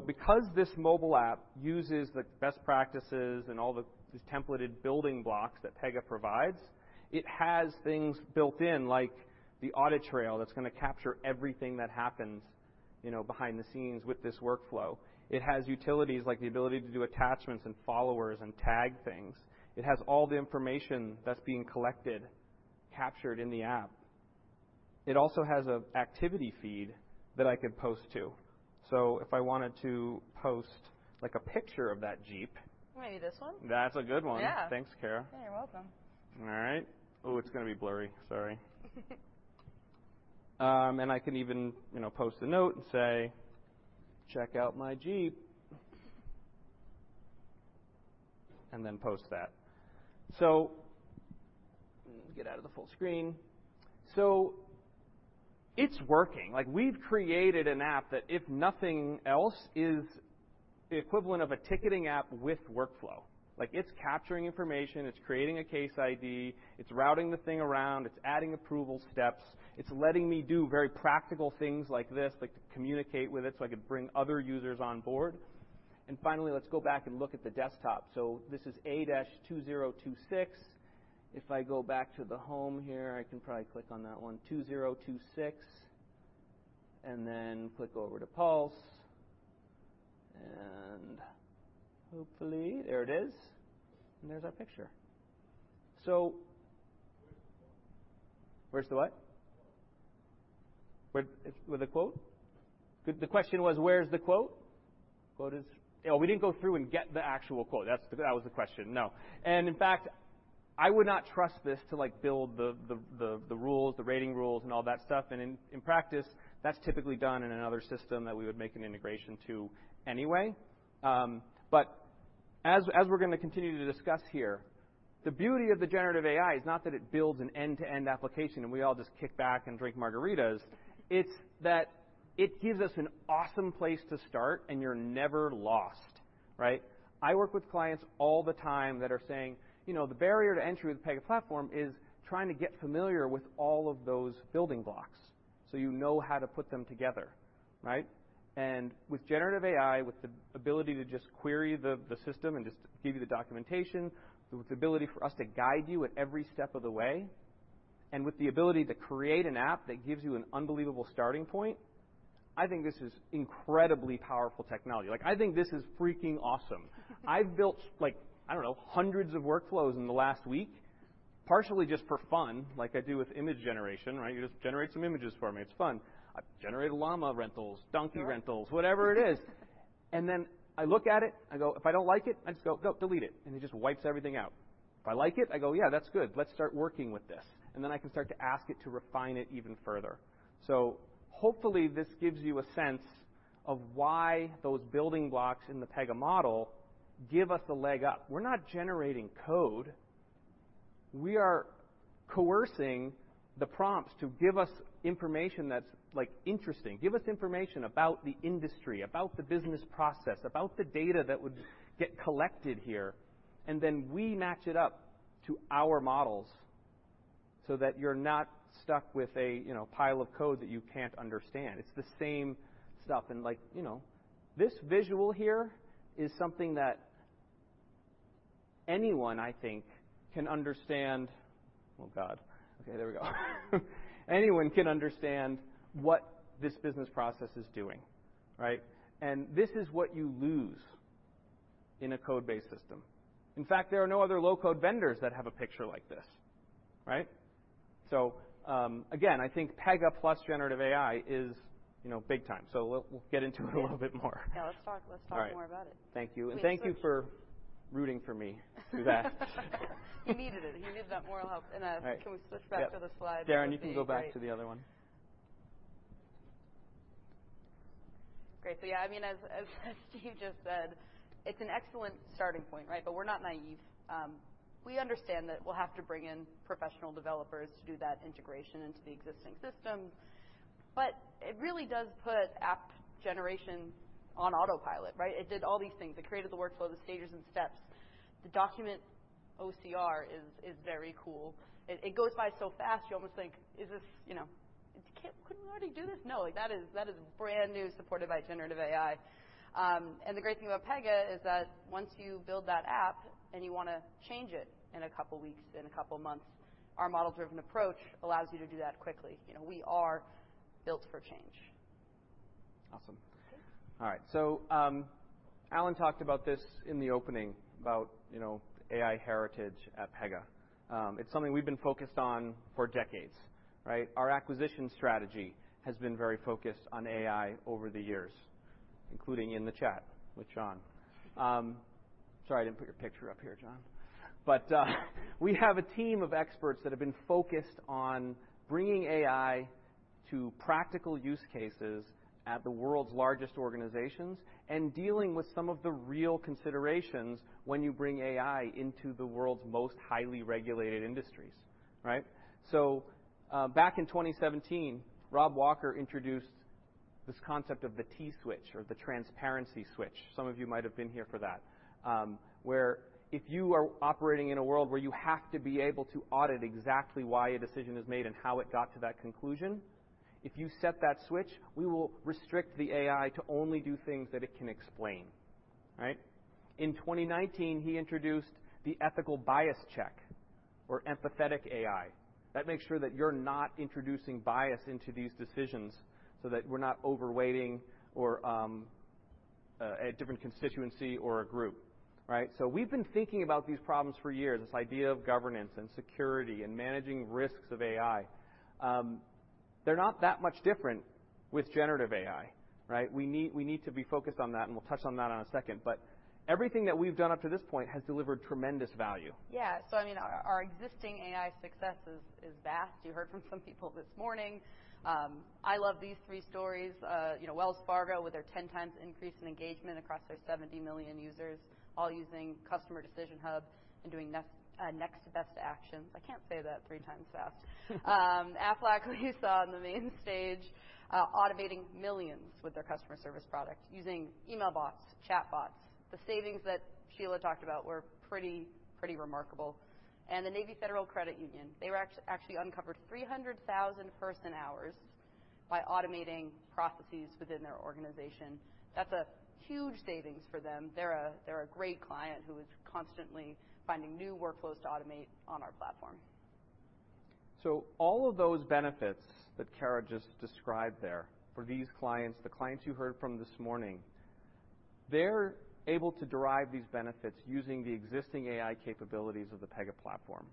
Because this mobile app uses the best practices and all the, these templated building blocks that Pega provides, it has things built in, like the audit trail, that's gonna capture everything that happens, you know, behind the scenes with this workflow. It has utilities, like the ability to do attachments and followers and tag things. It has all the information that's being collected, captured in the app. It also has a activity feed that I could post to. If I wanted to post, like, a picture of that Jeep... Maybe this one? That's a good one. Yeah. Thanks, Kara. Yeah, you're welcome. All right. Oh, it's gonna be blurry. Sorry. I could even, you know, post a note and say, "Check out my Jeep," and then post that. Let me get out of the full screen. It's working. Like, we've created an app that, if nothing else, is the equivalent of a ticketing app with workflow. Like, it's capturing information, it's creating a case ID, it's routing the thing around, it's adding approval steps, it's letting me do very practical things like this, like to communicate with it, so I could bring other users on board. Finally, let's go back and look at the desktop. This is A-2026. If I go back to the home here, I can probably click on that one, 2026, and then click over to Pulse. Hopefully, there it is, and there's our picture. Where's the quote? Where's the what? Quote. Where with a quote? The question was, where's the quote? Quote is. Oh, we didn't go through and get the actual quote. That's the, that was the question. No. In fact, I would not trust this to, like, build the rules, the rating rules, and all that stuff. In practice, that's typically done in another system that we would make an integration to anyway. As we're gonna continue to discuss here, the beauty of the generative AI is not that it builds an end-to-end application, and we all just kick back and drink margaritas. It's that it gives us an awesome place to start, and you're never lost, right? I work with clients all the time that are saying, "You know, the barrier to entry with Pega platform is trying to get familiar with all of those building blocks, so you know how to put them together," right? With generative AI, with the ability to just query the system and just give you the documentation, with the ability for us to guide you at every step of the way, and with the ability to create an app that gives you an unbelievable starting point, I think this is incredibly powerful technology. Like, I think this is freaking awesome. I've built, like, I don't know, hundreds of workflows in the last week, partially just for fun, like I do with image generation, right? You just generate some images for me. It's fun. I've generated llama rentals, donkey rentals, whatever it is. Then I look at it, I go, if I don't like it, I just go, "Nope, delete it," and it just wipes everything out. If I like it, I go, "Yeah, that's good. Let's start working with this." Then I can start to ask it to refine it even further. Hopefully, this gives you a sense of why those building blocks in the Pega model give us the leg up. We're not generating code. We are coercing the prompts to give us information that's, like, interesting. Give us information about the industry, about the business process, about the data that would get collected here, and then we match it up to our models. So that you're not stuck with a, you know, pile of code that you can't understand. It's the same stuff. Like, you know, this visual here is something that anyone, I think, can understand. Oh, God. Okay, there we go. Anyone can understand what this business process is doing, right? This is what you lose in a code-based system. In fact, there are no other low-code vendors that have a picture like this, right? Again, I think Pega plus generative AI is, you know, big time. We'll get into it a little bit more. Yeah, let's talk more about it. Thank you. Thank you for rooting for me through that. He needed it. He needed that moral help. All right. Can we switch back to the slides? Darren, you can go back to the other one. Great. Yeah, I mean, as Steve just said, it's an excellent starting point, right? We're not naive. We understand that we'll have to bring in professional developers to do that integration into the existing systems. It really does put app generation on autopilot, right? It did all these things. It created the workflow, the stages, and steps. The document OCR is very cool. It goes by so fast, you almost think, is this, you know, 'Couldn't we already do this?' No, like, that is brand new, supported by generative AI. The great thing about Pega is that once you build that app, and you wanna change it in a couple of weeks, in a couple of months, our model-driven approach allows you to do that quickly. You know, we are built for change. Awesome. Good. All right, Alan talked about this in the opening about, you know, AI heritage at Pega. It's something we've been focused on for decades, right? Our acquisition strategy has been very focused on AI over the years, including InTheChat with John. Sorry, I didn't put your picture up here, John. We have a team of experts that have been focused on bringing AI to practical use cases at the world's largest organizations and dealing with some of the real considerations when you bring AI into the world's most highly regulated industries. Right? Back in 2017, Rob Walker introduced this concept of the T-Switch or the transparency switch. Some of you might have been here for that. Where if you are operating in a world where you have to be able to audit exactly why a decision is made and how it got to that conclusion, if you set that switch, we will restrict the AI to only do things that it can explain. Right? In 2019, he introduced the Ethical Bias Check or empathetic AI. That makes sure that you're not introducing bias into these decisions so that we're not overweighting or a different constituency or a group. Right? We've been thinking about these problems for years, this idea of governance and security and managing risks of AI. They're not that much different with generative AI, right? We need to be focused on that, and we'll touch on that in a second. Everything that we've done up to this point has delivered tremendous value. Yeah. I mean, our existing AI success is vast. You heard from some people this morning. I love these three stories. You know, Wells Fargo, with their 10 times increase in engagement across their 70 million users, all using Customer Decision Hub and doing Next Best Actions. I can't say that three times fast. Aflac, we saw on the main stage, automating millions with their customer service product, using email bots, chatbots. The savings that Sheila talked about were pretty remarkable. The Navy Federal Credit Union, they were actually uncovered 300,000 person-hours by automating processes within their organization. That's a huge savings for them. They're a great client who is constantly finding new workflows to automate on our platform. All of those benefits that Cara just described there for these clients, the clients you heard from this morning, they're able to derive these benefits using the existing AI capabilities of the Pega platform.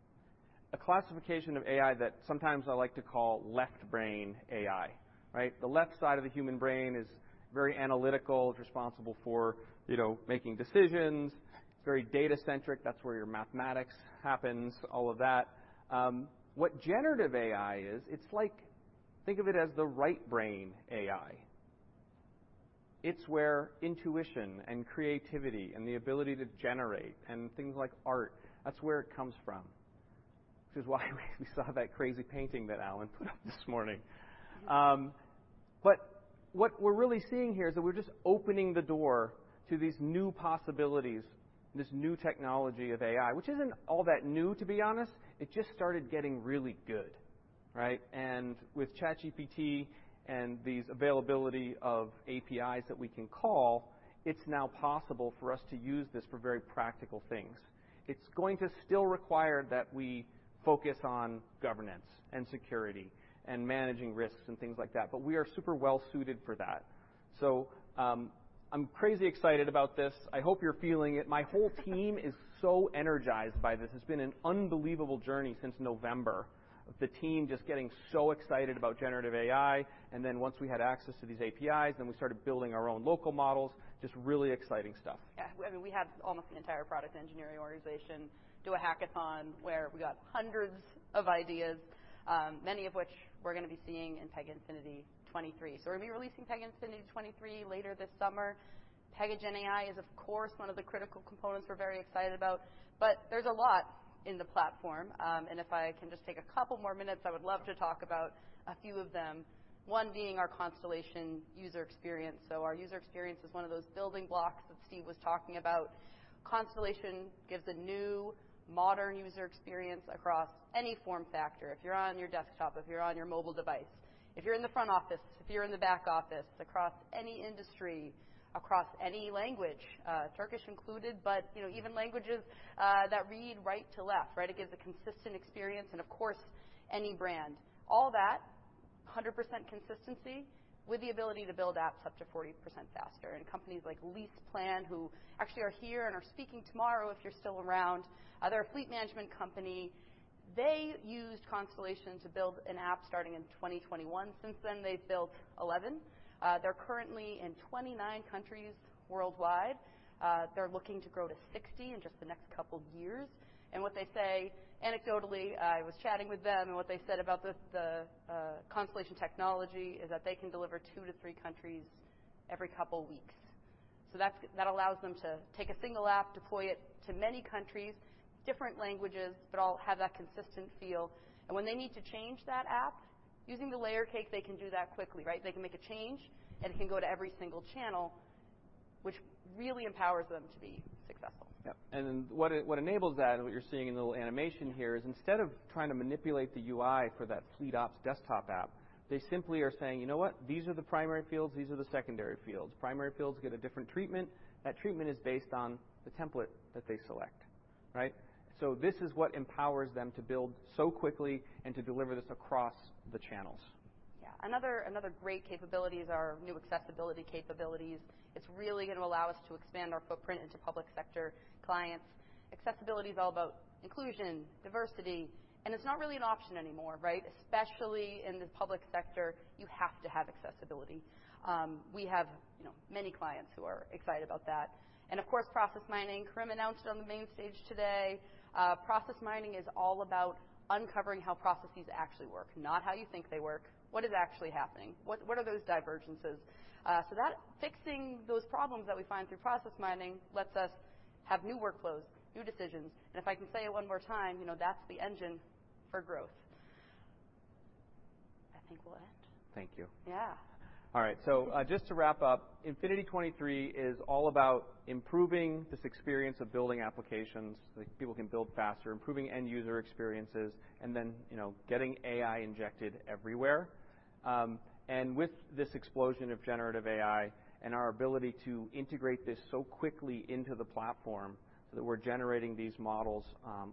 A classification of AI that sometimes I like to call left brain AI, right? The left side of the human brain is very analytical. It's responsible for, you know, making decisions. It's very data-centric. That's where your mathematics happens, all of that. What generative AI is, think of it as the right brain AI. It's where intuition and creativity and the ability to generate and things like art, that's where it comes from, which is why we saw that crazy painting that Alan put up this morning. What we're really seeing here is that we're just opening the door to these new possibilities, this new technology of AI, which isn't all that new, to be honest. It just started getting really good, right? With ChatGPT and these availability of APIs that we can call, it's now possible for us to use this for very practical things. It's going to still require that we focus on governance and security and managing risks and things like that, but we are super well suited for that. I'm crazy excited about this. I hope you're feeling it. My whole team is so energized by this. It's been an unbelievable journey since November, the team just getting so excited about generative AI, and then once we had access to these APIs, then we started building our own local models. Just really exciting stuff. I mean, we had almost the entire product engineering organization do a hackathon where we got hundreds of ideas, many of which we're gonna be seeing in Pega Infinity '23. We'll be releasing Pega Infinity '23 later this summer. Pega GenAI is, of course, one of the critical components we're very excited about, but there's a lot in the platform. If I can just take a couple more minutes, I would love to talk about a few of them, one being our Constellation user experience. Our user experience is one of those building blocks that Steve was talking about. Constellation gives a new, modern user experience across any form factor. If you're on your desktop, if you're on your mobile device, if you're in the front office, if you're in the back office. any industry, across any language, Turkish included, but, you know, even languages that read right to left, right? It gives a consistent experience and, of course, any brand. All that, 100% consistency, with the ability to build apps up to 40% faster. Companies like LeasePlan, who actually are here and are speaking tomorrow, if you're still around, they're a fleet management company. They used Constellation to build an app starting in 2021. Since then, they've built 11. They're currently in 29 countries worldwide. They're looking to grow to 60 in just the next couple years. What they say, anecdotally, I was chatting with them, and what they said about the Constellation technology is that they can deliver two to three countries every couple weeks. That allows them to take a single app, deploy it to many countries, different languages, but all have that consistent feel. When they need to change that app, using the layer cake, they can do that quickly, right? They can make a change, it can go to every single channel, which really empowers them to be successful. Yep. What enables that, what you're seeing in the little animation here, is instead of trying to manipulate the UI for that Fleet Ops desktop app, they simply are saying: "You know what? These are the primary fields, these are the secondary fields." Primary fields get a different treatment. That treatment is based on the template that they select, right? This is what empowers them to build so quickly and to deliver this across the channels. Yeah. Another great capabilities are new accessibility capabilities. It's really going to allow us to expand our footprint into public sector clients. Accessibility is all about inclusion, diversity, and it's not really an option anymore, right? Especially in the public sector, you have to have accessibility. We have, you know, many clients who are excited about that. Of course, process mining. Karim announced it on the main stage today. Process mining is all about uncovering how processes actually work, not how you think they work. What is actually happening? What are those divergences? Fixing those problems that we find through process mining lets us have new workflows, new decisions, and if I can say it one more time, you know, that's the engine for growth. I think we'll end. Thank you. Yeah. All right, just to wrap up, Pega Infinity '23 is all about improving this experience of building applications so that people can build faster, improving end user experiences, and then, you know, getting AI injected everywhere. With this explosion of generative AI and our ability to integrate this so quickly into the platform, so that we're generating these models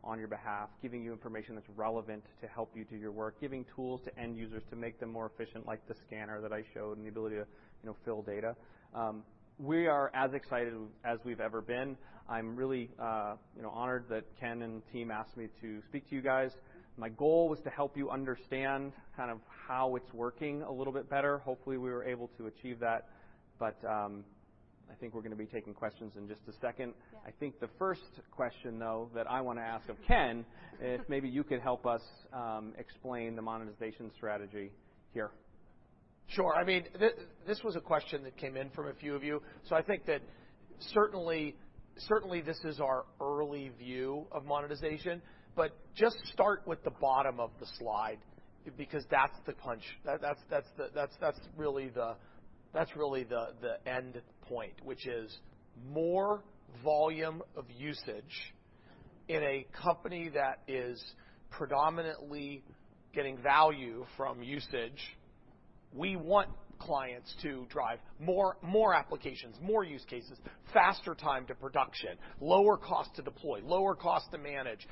on your behalf, giving you information that's relevant to help you do your work. Giving tools to end users to make them more efficient, like the scanner that I showed, the ability to, you know, fill data. We are as excited as we've ever been. I'm really, you know, honored that Ken and the team asked me to speak to you guys. My goal was to help you understand kind of how it's working a little bit better. Hopefully, we were able to achieve that. I think we're going to be taking questions in just a second. Yeah. I think the first question, though, that I want to ask of Ken, is maybe you could help us explain the monetization strategy here. Sure. I mean, this was a question that came in from a few of you. I think that certainly this is our early view of monetization, but just start with the bottom of the slide, because that's the punch. That's the, that's really the end point, which is more volume of usage in a company that is predominantly getting value from usage. We want clients to drive more applications, more use cases, faster time to production, lower cost to deploy, lower cost to manage.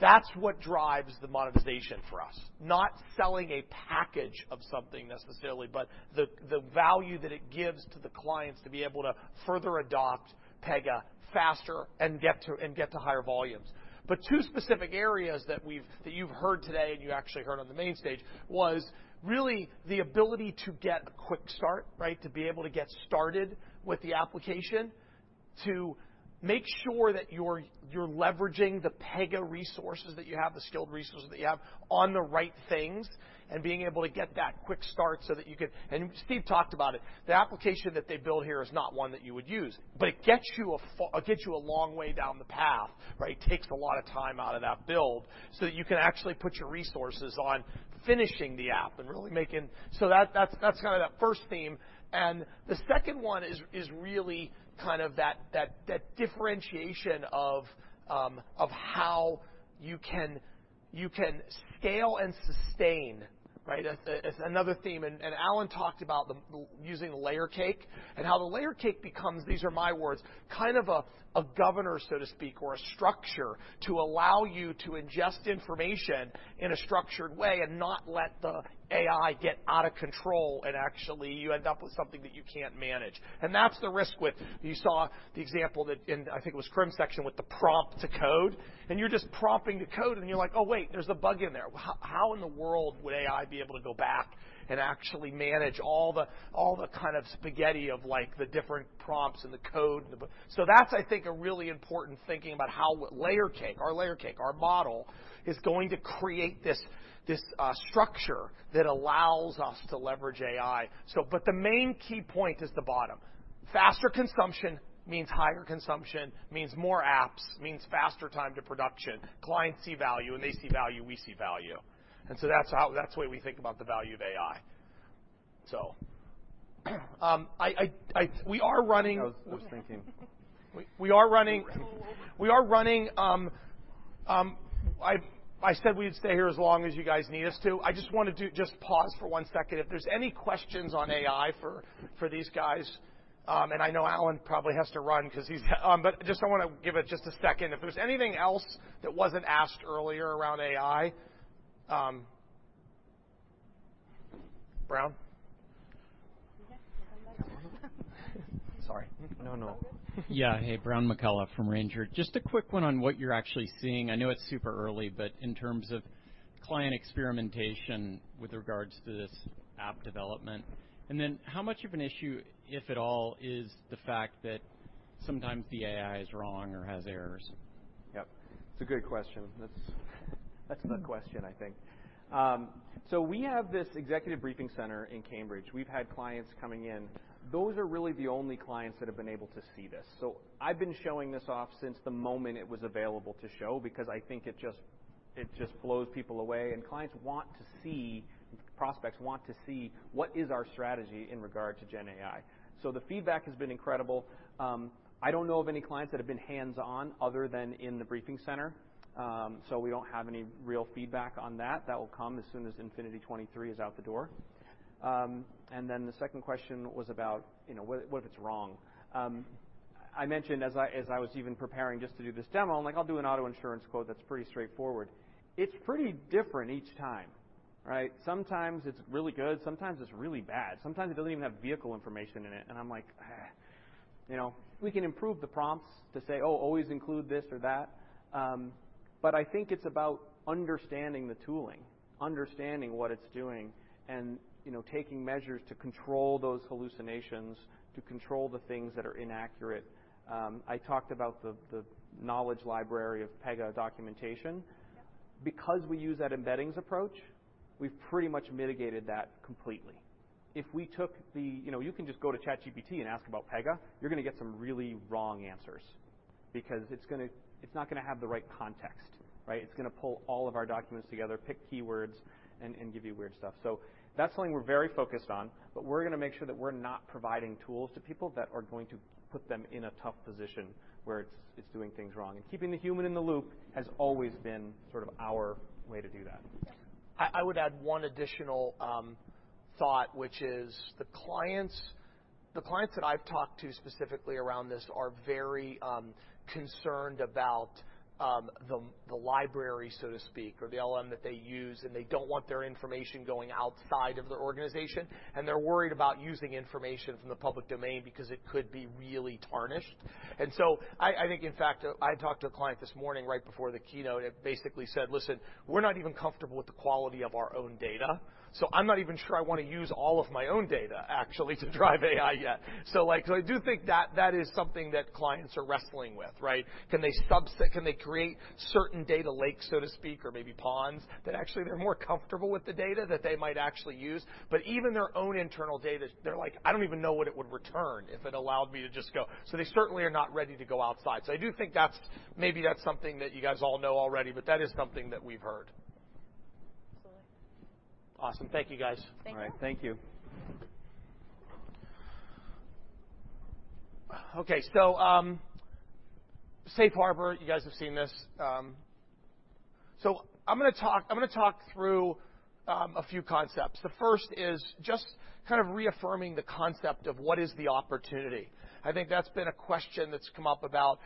That's what drives the monetization for us, not selling a package of something necessarily, but the value that it gives to the clients to be able to further adopt Pega faster and get to higher volumes. Two specific areas that you've heard today and you actually heard on the main stage, was really the ability to get a quick start, right. To be able to get started with the application, to make sure that you're leveraging the Pega resources that you have, the skilled resources that you have, on the right things, and being able to get that quick start so that you can... Steve talked about it. The application that they built here is not one that you would use, but it gets you a long way down the path, right. It takes a lot of time out of that build so that you can actually put your resources on finishing the app and really making... That's kind of that first theme. The second one is really kind of that differentiation of how you scale and sustain, right? That's another theme. Alan talked about using the layer cake and how the layer cake becomes, these are my words, kind of a governor, so to speak, or a structure to allow you to ingest information in a structured way and not let the AI get out of control and actually you end up with something that you can't manage. That's the risk with... You saw the example that in, I think it was Krim's section, with the prompt to code, and you're just prompting to code, and you're like: "Oh, wait, there's a bug in there." How in the world would AI be able to go back and actually manage all the, all the kind of spaghetti of, like, the different prompts and the code and the bug? That's, I think, a really important thinking about how Layer Cake, our Layer Cake, our model, is going to create this structure that allows us to leverage AI. The main key point is the bottom. Faster consumption means higher consumption, means more apps, means faster time to production. Clients see value, and they see value, we see value. That's how, that's the way we think about the value of AI. We are running- I was thinking. We are running. I said we'd stay here as long as you guys need us to. I just wanted to just pause for one second. If there's any questions on AI for these guys, and I know Alan probably has to run 'cause he's. I wanna give it just a second. If there's anything else that wasn't asked earlier around AI, Brown? Sorry. No, no. Yeah. Hey, Brown McCullough from Ranger. Just a quick one on what you're actually seeing. I know it's super early, but in terms of client experimentation with regards to this app development. How much of an issue, if at all, is the fact that sometimes the AI is wrong or has errors? Yep, it's a good question. That's the question, I think. We have this executive briefing center in Cambridge. We've had clients coming in. Those are really the only clients that have been able to see this. I've been showing this off since the moment it was available to show, because I think it just blows people away, and clients want to see, prospects want to see: what is our strategy in regard to GenAI? The feedback has been incredible. I don't know of any clients that have been hands-on other than in the briefing center, we don't have any real feedback on that. That will come as soon as Infinity '23 is out the door. The second question was about, you know, what if it's wrong? I mentioned as I was even preparing just to do this demo, I'm like, "I'll do an auto insurance quote, that's pretty straightforward." It's pretty different each time, right? Sometimes it's really good, sometimes it's really bad. Sometimes it doesn't even have vehicle information in it, and I'm like, "Eh." You know, we can improve the prompts to say, "Oh, always include this or that." I think it's about understanding the tooling, understanding what it's doing, and, you know, taking measures to control those hallucinations, to control the things that are inaccurate. I talked about the knowledge library of Pega documentation. Because we use that embeddings approach, we've pretty much mitigated that completely. If we took the... You know, you can just go to ChatGPT and ask about Pega, you're gonna get some really wrong answers because it's not gonna have the right context, right? It's gonna pull all of our documents together, pick keywords, and give you weird stuff. That's something we're very focused on, but we're gonna make sure that we're not providing tools to people that are going to put them in a tough position, where it's doing things wrong. Keeping the human in the loop has always been sort of our way to do that. I would add one additional thought, which is the clients that I've talked to specifically around this are very concerned about the library, so to speak, or the LLM that they use, and they don't want their information going outside of their organization, and they're worried about using information from the public domain because it could be really tarnished. I think, in fact, I talked to a client this morning right before the keynote, and basically said: "Listen, we're not even comfortable with the quality of our own data, so I'm not even sure I want to use all of my own data, actually, to drive AI yet." Like, I do think that is something that clients are wrestling with, right? Can they create certain data lakes, so to speak, or maybe ponds, that actually they're more comfortable with the data that they might actually use? Even their own internal data, they're like: "I don't even know what it would return if it allowed me to just go..." They certainly are not ready to go outside. I do think that's. Maybe that's something that you guys all know already, but that is something that we've heard. Absolutely. Awesome. Thank you, guys. All right. Thank you. Okay, so Safe Harbor, you guys have seen this. I'm gonna talk through a few concepts. The first is just kind of reaffirming the concept of what is the opportunity. I think that's been a question that's come up about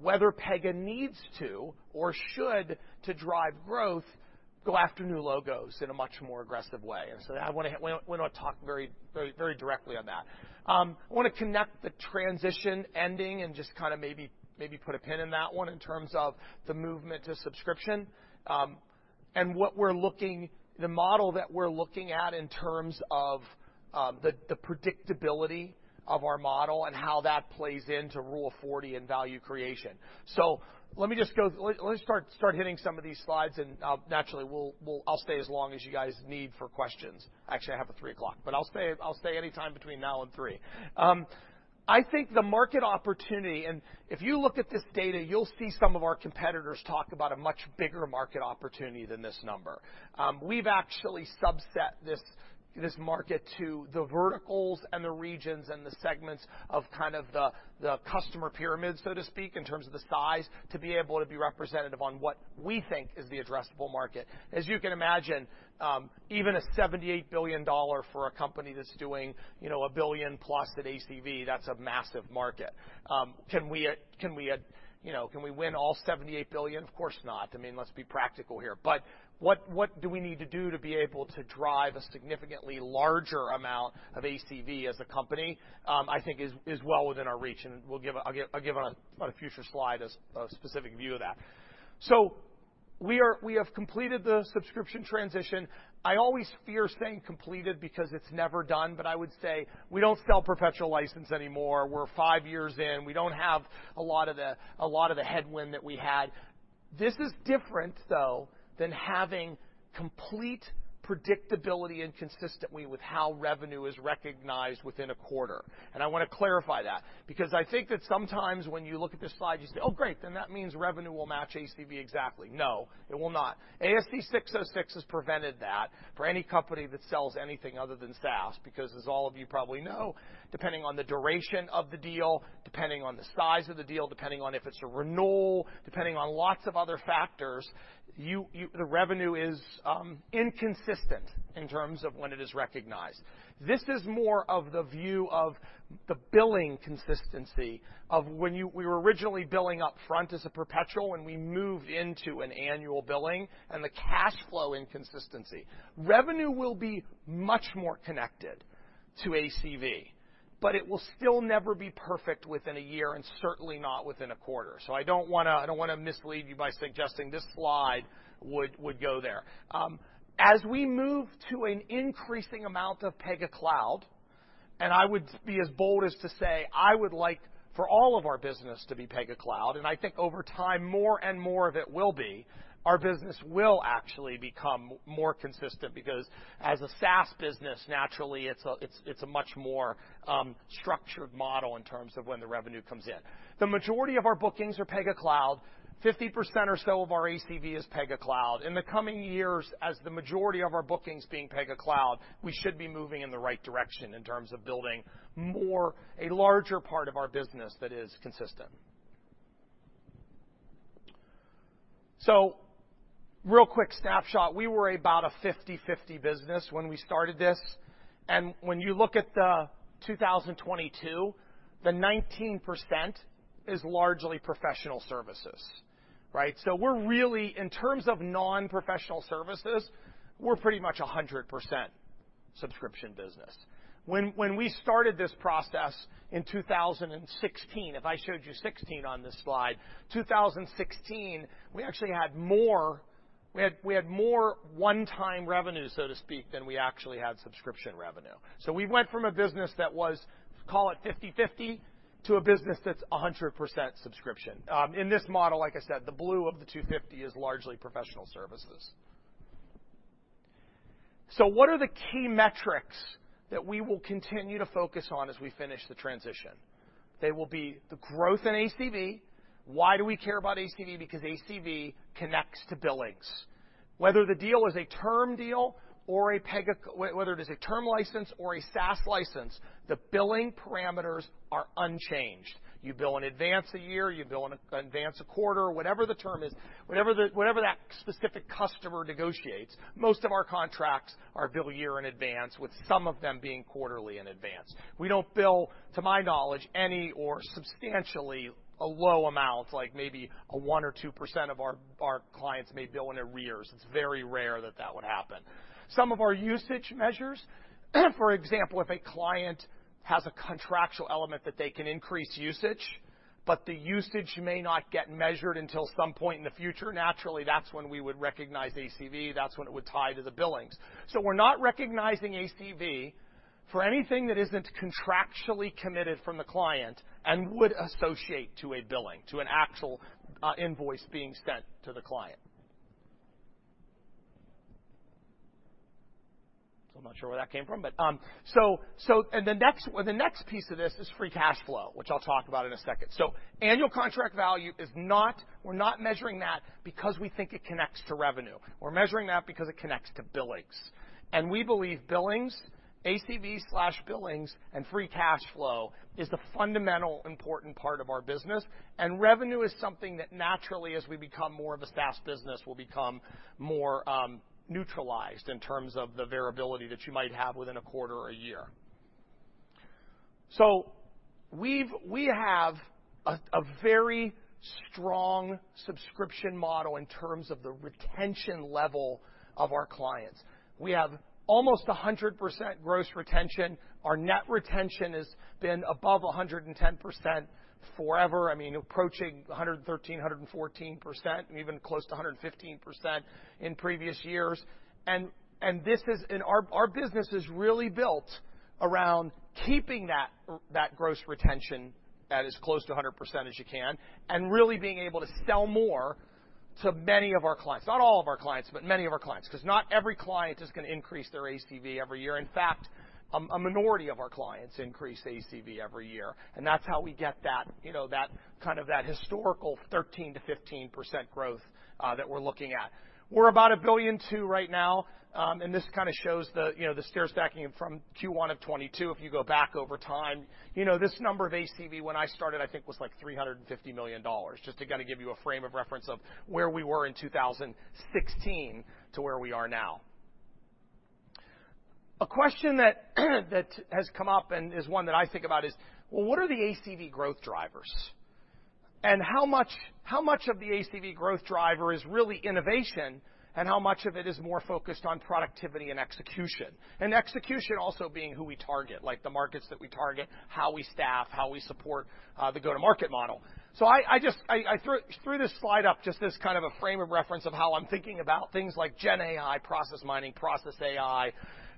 whether Pega needs to or should, to drive growth, go after new logos in a much more aggressive way. I wanna. We're gonna talk very, very, very directly on that. I wanna connect the transition ending and just kind of maybe put a pin in that one in terms of the movement to subscription. The model that we're looking at in terms of the predictability of our model and how that plays into Rule forty and value creation. Let me just go... Let me start hitting some of these slides, and naturally, we'll stay as long as you guys need for questions. Actually, I have a three o'clock, but I'll stay anytime between now and three. I think the market opportunity, and if you look at this data, you'll see some of our competitors talk about a much bigger market opportunity than this number. We've actually subset this market to the verticals and the regions and the segments of kind of the customer pyramid, so to speak, in terms of the size, to be able to be representative on what we think is the addressable market. As you can imagine, even a $78 billion for a company that's doing, you know, a $1 billion plus at ACV, that's a massive market. Can we, you know, can we win all $78 billion? Of course not. I mean, let's be practical here. What do we need to do to be able to drive a significantly larger amount of ACV as a company? I think is well within our reach, and I'll give on a future slide a specific view of that. We have completed the subscription transition. I always fear saying "completed" because it's never done, but I would say we don't sell perpetual license anymore. We're five years in. We don't have a lot of the headwind that we had. This is different, though, than having complete predictability and consistently with how revenue is recognized within a quarter. I want to clarify that because I think that sometimes when you look at this slide, you say, "Oh, great, then that means revenue will match ACV exactly." No, it will not. ASC 606 has prevented that for any company that sells anything other than SaaS, because as all of you probably know, depending on the duration of the deal, depending on the size of the deal, depending on if it's a renewal, depending on lots of other factors, the revenue is inconsistent in terms of when it is recognized. This is more of the view of the billing consistency of when we were originally billing up front as a perpetual, when we moved into an annual billing, and the cash flow inconsistency. Revenue will be much more connected to ACV, it will still never be perfect within a year and certainly not within a quarter. I don't wanna mislead you by suggesting this slide would go there. As we move to an increasing amount of Pega Cloud, I would be as bold as to say, I would like for all of our business to be Pega Cloud, I think over time, more and more of it will be, our business will actually become more consistent because as a SaaS business, naturally, it's a much more structured model in terms of when the revenue comes in. The majority of our bookings are Pega Cloud. 50% or so of our ACV is Pega Cloud. In the coming years, as the majority of our bookings being Pega Cloud, we should be moving in the right direction in terms of building more, a larger part of our business that is consistent. Real quick snapshot, we were about a 50/50 business when we started this, and when you look at 2022, the 19% is largely professional services, right? We're really, in terms of non-professional services, we're pretty much a 100% subscription business. When we started this process in 2016, if I showed you 16 on this slide, 2016, we actually had more one-time revenue, so to speak, than we actually had subscription revenue. We went from a business that was, call it 50/50, to a business that's a 100% subscription. In this model, like I said, the blue of the 250 is largely professional services. What are the key metrics that we will continue to focus on as we finish the transition? They will be the growth in ACV. Why do we care about ACV? Because ACV connects to billings. Whether the deal is a term deal or whether it is a term license or a SaaS license, the billing parameters are unchanged. You bill in advance a year, you bill in advance a quarter, whatever the term is, whatever that specific customer negotiates, most of our contracts are billed a year in advance, with some of them being quarterly in advance. We don't bill, to my knowledge, any or substantially a low amount, like maybe a 1% or 2% of our clients may bill in arrears. It's very rare that that would happen. Some of our usage measures, for example, if a client has a contractual element that they can increase usage, but the usage may not get measured until some point in the future, naturally, that's when we would recognize ACV. That's when it would tie to the billings. We're not recognizing ACV for anything that isn't contractually committed from the client and would associate to a billing, to an actual invoice being sent to the client. I'm not sure where that came from, but, the next piece of this is free cash flow, which I'll talk about in a second. Annual contract value we're not measuring that because we think it connects to revenue. We're measuring that because it connects to billings. We believe billings, ACV slash billings and free cash flow is the fundamental important part of our business, and revenue is something that naturally, as we become more of a SaaS business, will become more neutralized in terms of the variability that you might have within a quarter or a year. We have a very strong subscription model in terms of the retention level of our clients. We have almost 100% gross retention. Our net retention has been above 110% forever, I mean, approaching 113%, 114%, and even close to 115% in previous years. This is... Our business is really built around keeping that gross retention at as close to 100% as you can, and really being able to sell more to many of our clients, not all of our clients, but many of our clients, 'cause not every client is gonna increase their ACV every year. In fact, a minority of our clients increase ACV every year, and that's how we get that, you know, that kind of that historical 13%-15% growth that we're looking at. We're about $1.2 billion right now, and this kind of shows the, you know, the stair stacking from Q1 of 2022. If you go back over time, you know, this number of ACV, when I started, I think, was like $350 million, just to kind of give you a frame of reference of where we were in 2016 to where we are now. A question that has come up and is one that I think about is, well, what are the ACV growth drivers? How much of the ACV growth driver is really innovation, and how much of it is more focused on productivity and execution? Execution also being who we target, like the markets that we target, how we staff, how we support, the go-to-market model. I just threw this slide up, just as kind of a frame of reference of how I'm thinking about things like GenAI, process mining, Process AI,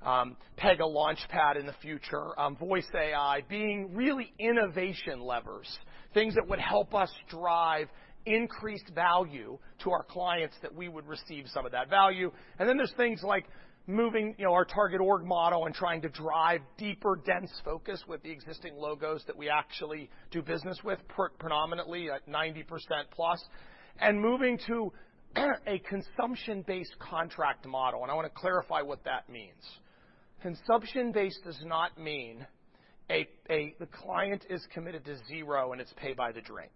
Pega Launchpad in the future, Voice AI, being really innovation levers, things that would help us drive increased value to our clients, that we would receive some of that value. Then there's things like moving, you know, our target org model and trying to drive deeper, dense focus with the existing logos that we actually do business with, pre- predominantly, at 90% plus, and moving to a consumption-based contract model. I wanna clarify what that means. Consumption-based does not mean the client is committed to zero, and it's pay by the drink.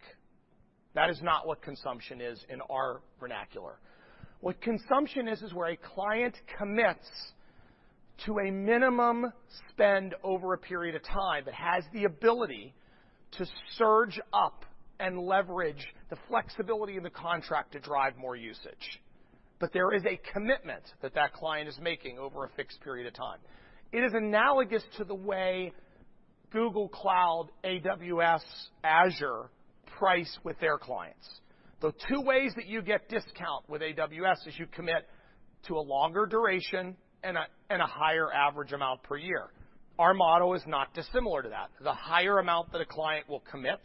That is not what consumption is in our vernacular. What consumption is, where a client commits to a minimum spend over a period of time, but has the ability to surge up and leverage the flexibility in the contract to drive more usage. There is a commitment that client is making over a fixed period of time. It is analogous to the way Google Cloud, AWS, Azure price with their clients. The 2 ways that you get discount with AWS is you commit to a longer duration and a higher average amount per year. Our model is not dissimilar to that. The higher amount that a client will commit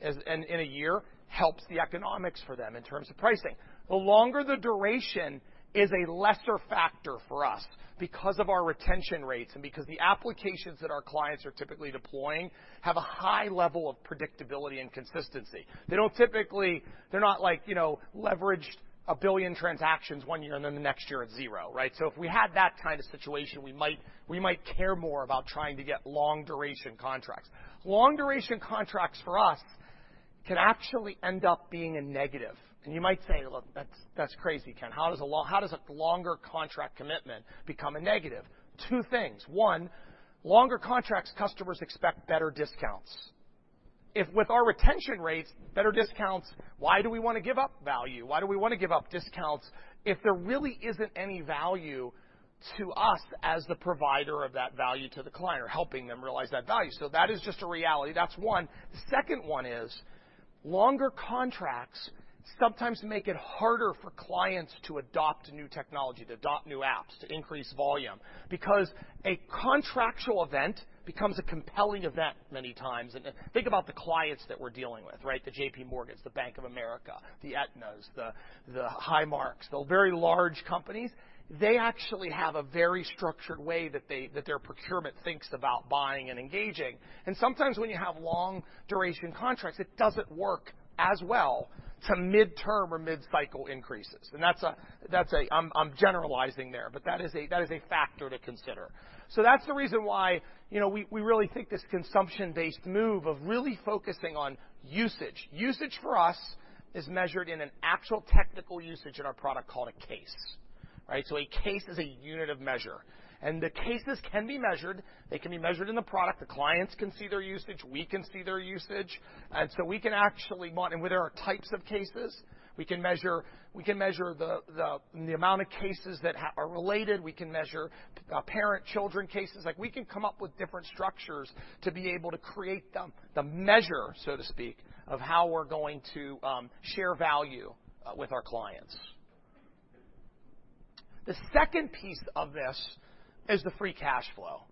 in a year, helps the economics for them in terms of pricing. The longer the duration is a lesser factor for us because of our retention rates and because the applications that our clients are typically deploying have a high level of predictability and consistency. They're not like, you know, leverage one billion transactions one year, and then the next year it's zero, right? So if we had that kind of situation, we might care more about trying to get long-duration contracts. Long-duration contracts for us can actually end up being a negative. And you might say, "Look, that's crazy, Ken. How does a longer contract commitment become a negative?" Two things. One, longer contracts customers expect better discounts. If with our retention rates, better discounts, why do we wanna give up value? Why do we wanna give up discounts if there really isn't any value to us as the provider of that value to the client or helping them realize that value? That is just a reality. That's one. The second one is longer contracts sometimes make it harder for clients to adopt new technology, to adopt new apps, to increase volume, because a contractual event becomes a compelling event many times. Think about the clients that we're dealing with, right? The JPMorgans, the Bank of America, the Aetnas, the Highmarks, the very large companies, they actually have a very structured way that their procurement thinks about buying and engaging. Sometimes when you have long-duration contracts, it doesn't work as well to midterm or mid-cycle increases. That's a. I'm generalizing there, but that is a factor to consider. That's the reason why, you know, we really think this consumption-based move of really focusing on usage. Usage for us is measured in an actual technical usage in our product called a case, right. A case is a unit of measure, and the cases can be measured. They can be measured in the product. The clients can see their usage, we can see their usage, we can actually mon-. Where there are types of cases, we can measure, we can measure the amount of cases that are related, we can measure parent-children cases. Like, we can come up with different structures to be able to create the measure, so to speak, of how we're going to share value with our clients. The second piece of this is the free cash flow,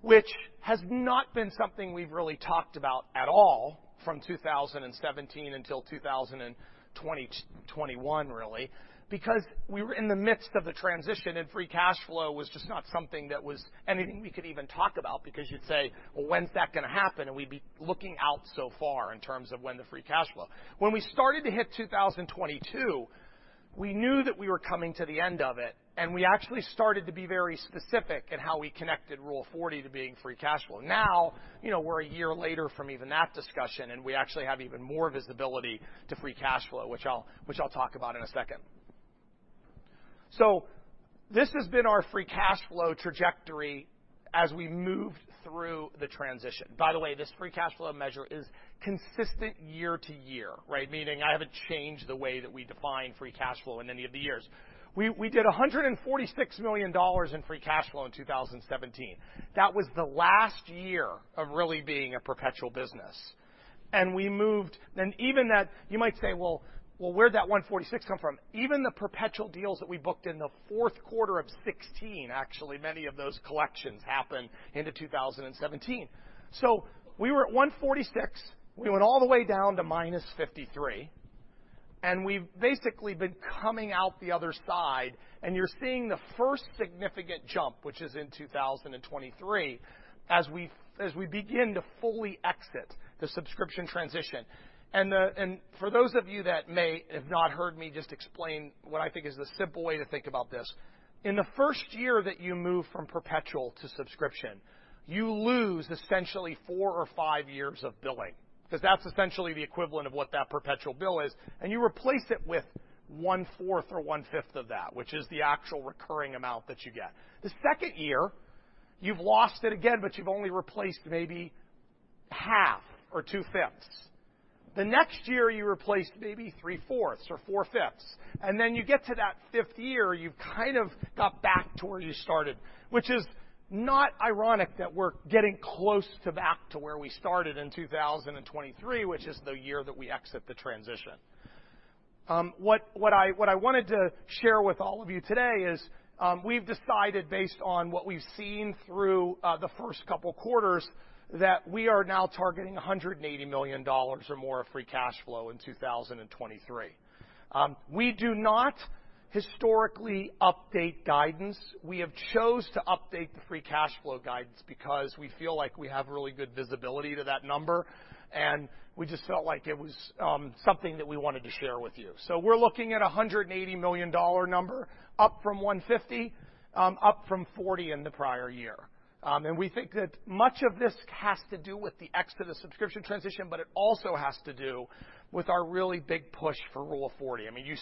which has not been something we've really talked about at all from 2017 until 2021, really, because we were in the midst of the transition, and free cash flow was just not something that was anything we could even talk about because you'd say, "Well, when's that gonna happen?" We'd be looking out so far in terms of when the free cash flow. When we started to hit 2022, we knew that we were coming to the end of it, and we actually started to be very specific in how we connected Rule 40 to being free cash flow. You know, we're a year later from even that discussion, we actually have even more visibility to free cash flow, which I'll talk about in a second. This has been our free cash flow trajectory as we moved through the transition. By the way, this free cash flow measure is consistent year-to-year, right? Meaning I haven't changed the way that we define free cash flow in any of the years. We did $146 million in free cash flow in 2017. That was the last year of really being a perpetual business. Even that, you might say, "Well, where'd that 146 come from?" Even the perpetual deals that we booked in the fourth quarter of 2016, actually, many of those collections happened into 2017. We were at 146. We went all the way down to -53, and we've basically been coming out the other side, and you're seeing the first significant jump, which is in 2023, as we begin to fully exit the subscription transition. For those of you that may have not heard me, just explain what I think is the simple way to think about this. In the first year that you move from perpetual to subscription, you lose essentially four or five years of billing, because that's essentially the equivalent of what that perpetual bill is, and you replace it with one-fourth or one-fifth of that, which is the actual recurring amount that you get. The second year you've lost it again, but you've only replaced maybe half or two-fifths. The next year, you replaced maybe three-fourths or four-fifths, and then you get to that fifth year, you've kind of got back to where you started, which is not ironic that we're getting close to back to where we started in 2023, which is the year that we exit the transition. What I wanted to share with all of you today is, we've decided, based on what we've seen through the first couple quarters, that we are now targeting $180 million or more of free cash flow in 2023. We do not historically update guidance. We have chose to update the free cash flow guidance because we feel like we have really good visibility to that number, and we just felt like it was something that we wanted to share with you. We're looking at a $180 million number, up from $150, up from $40 in the prior year. We think that much of this has to do with the exit of subscription transition, but it also has to do with our really big push for Rule of 40. I mean, you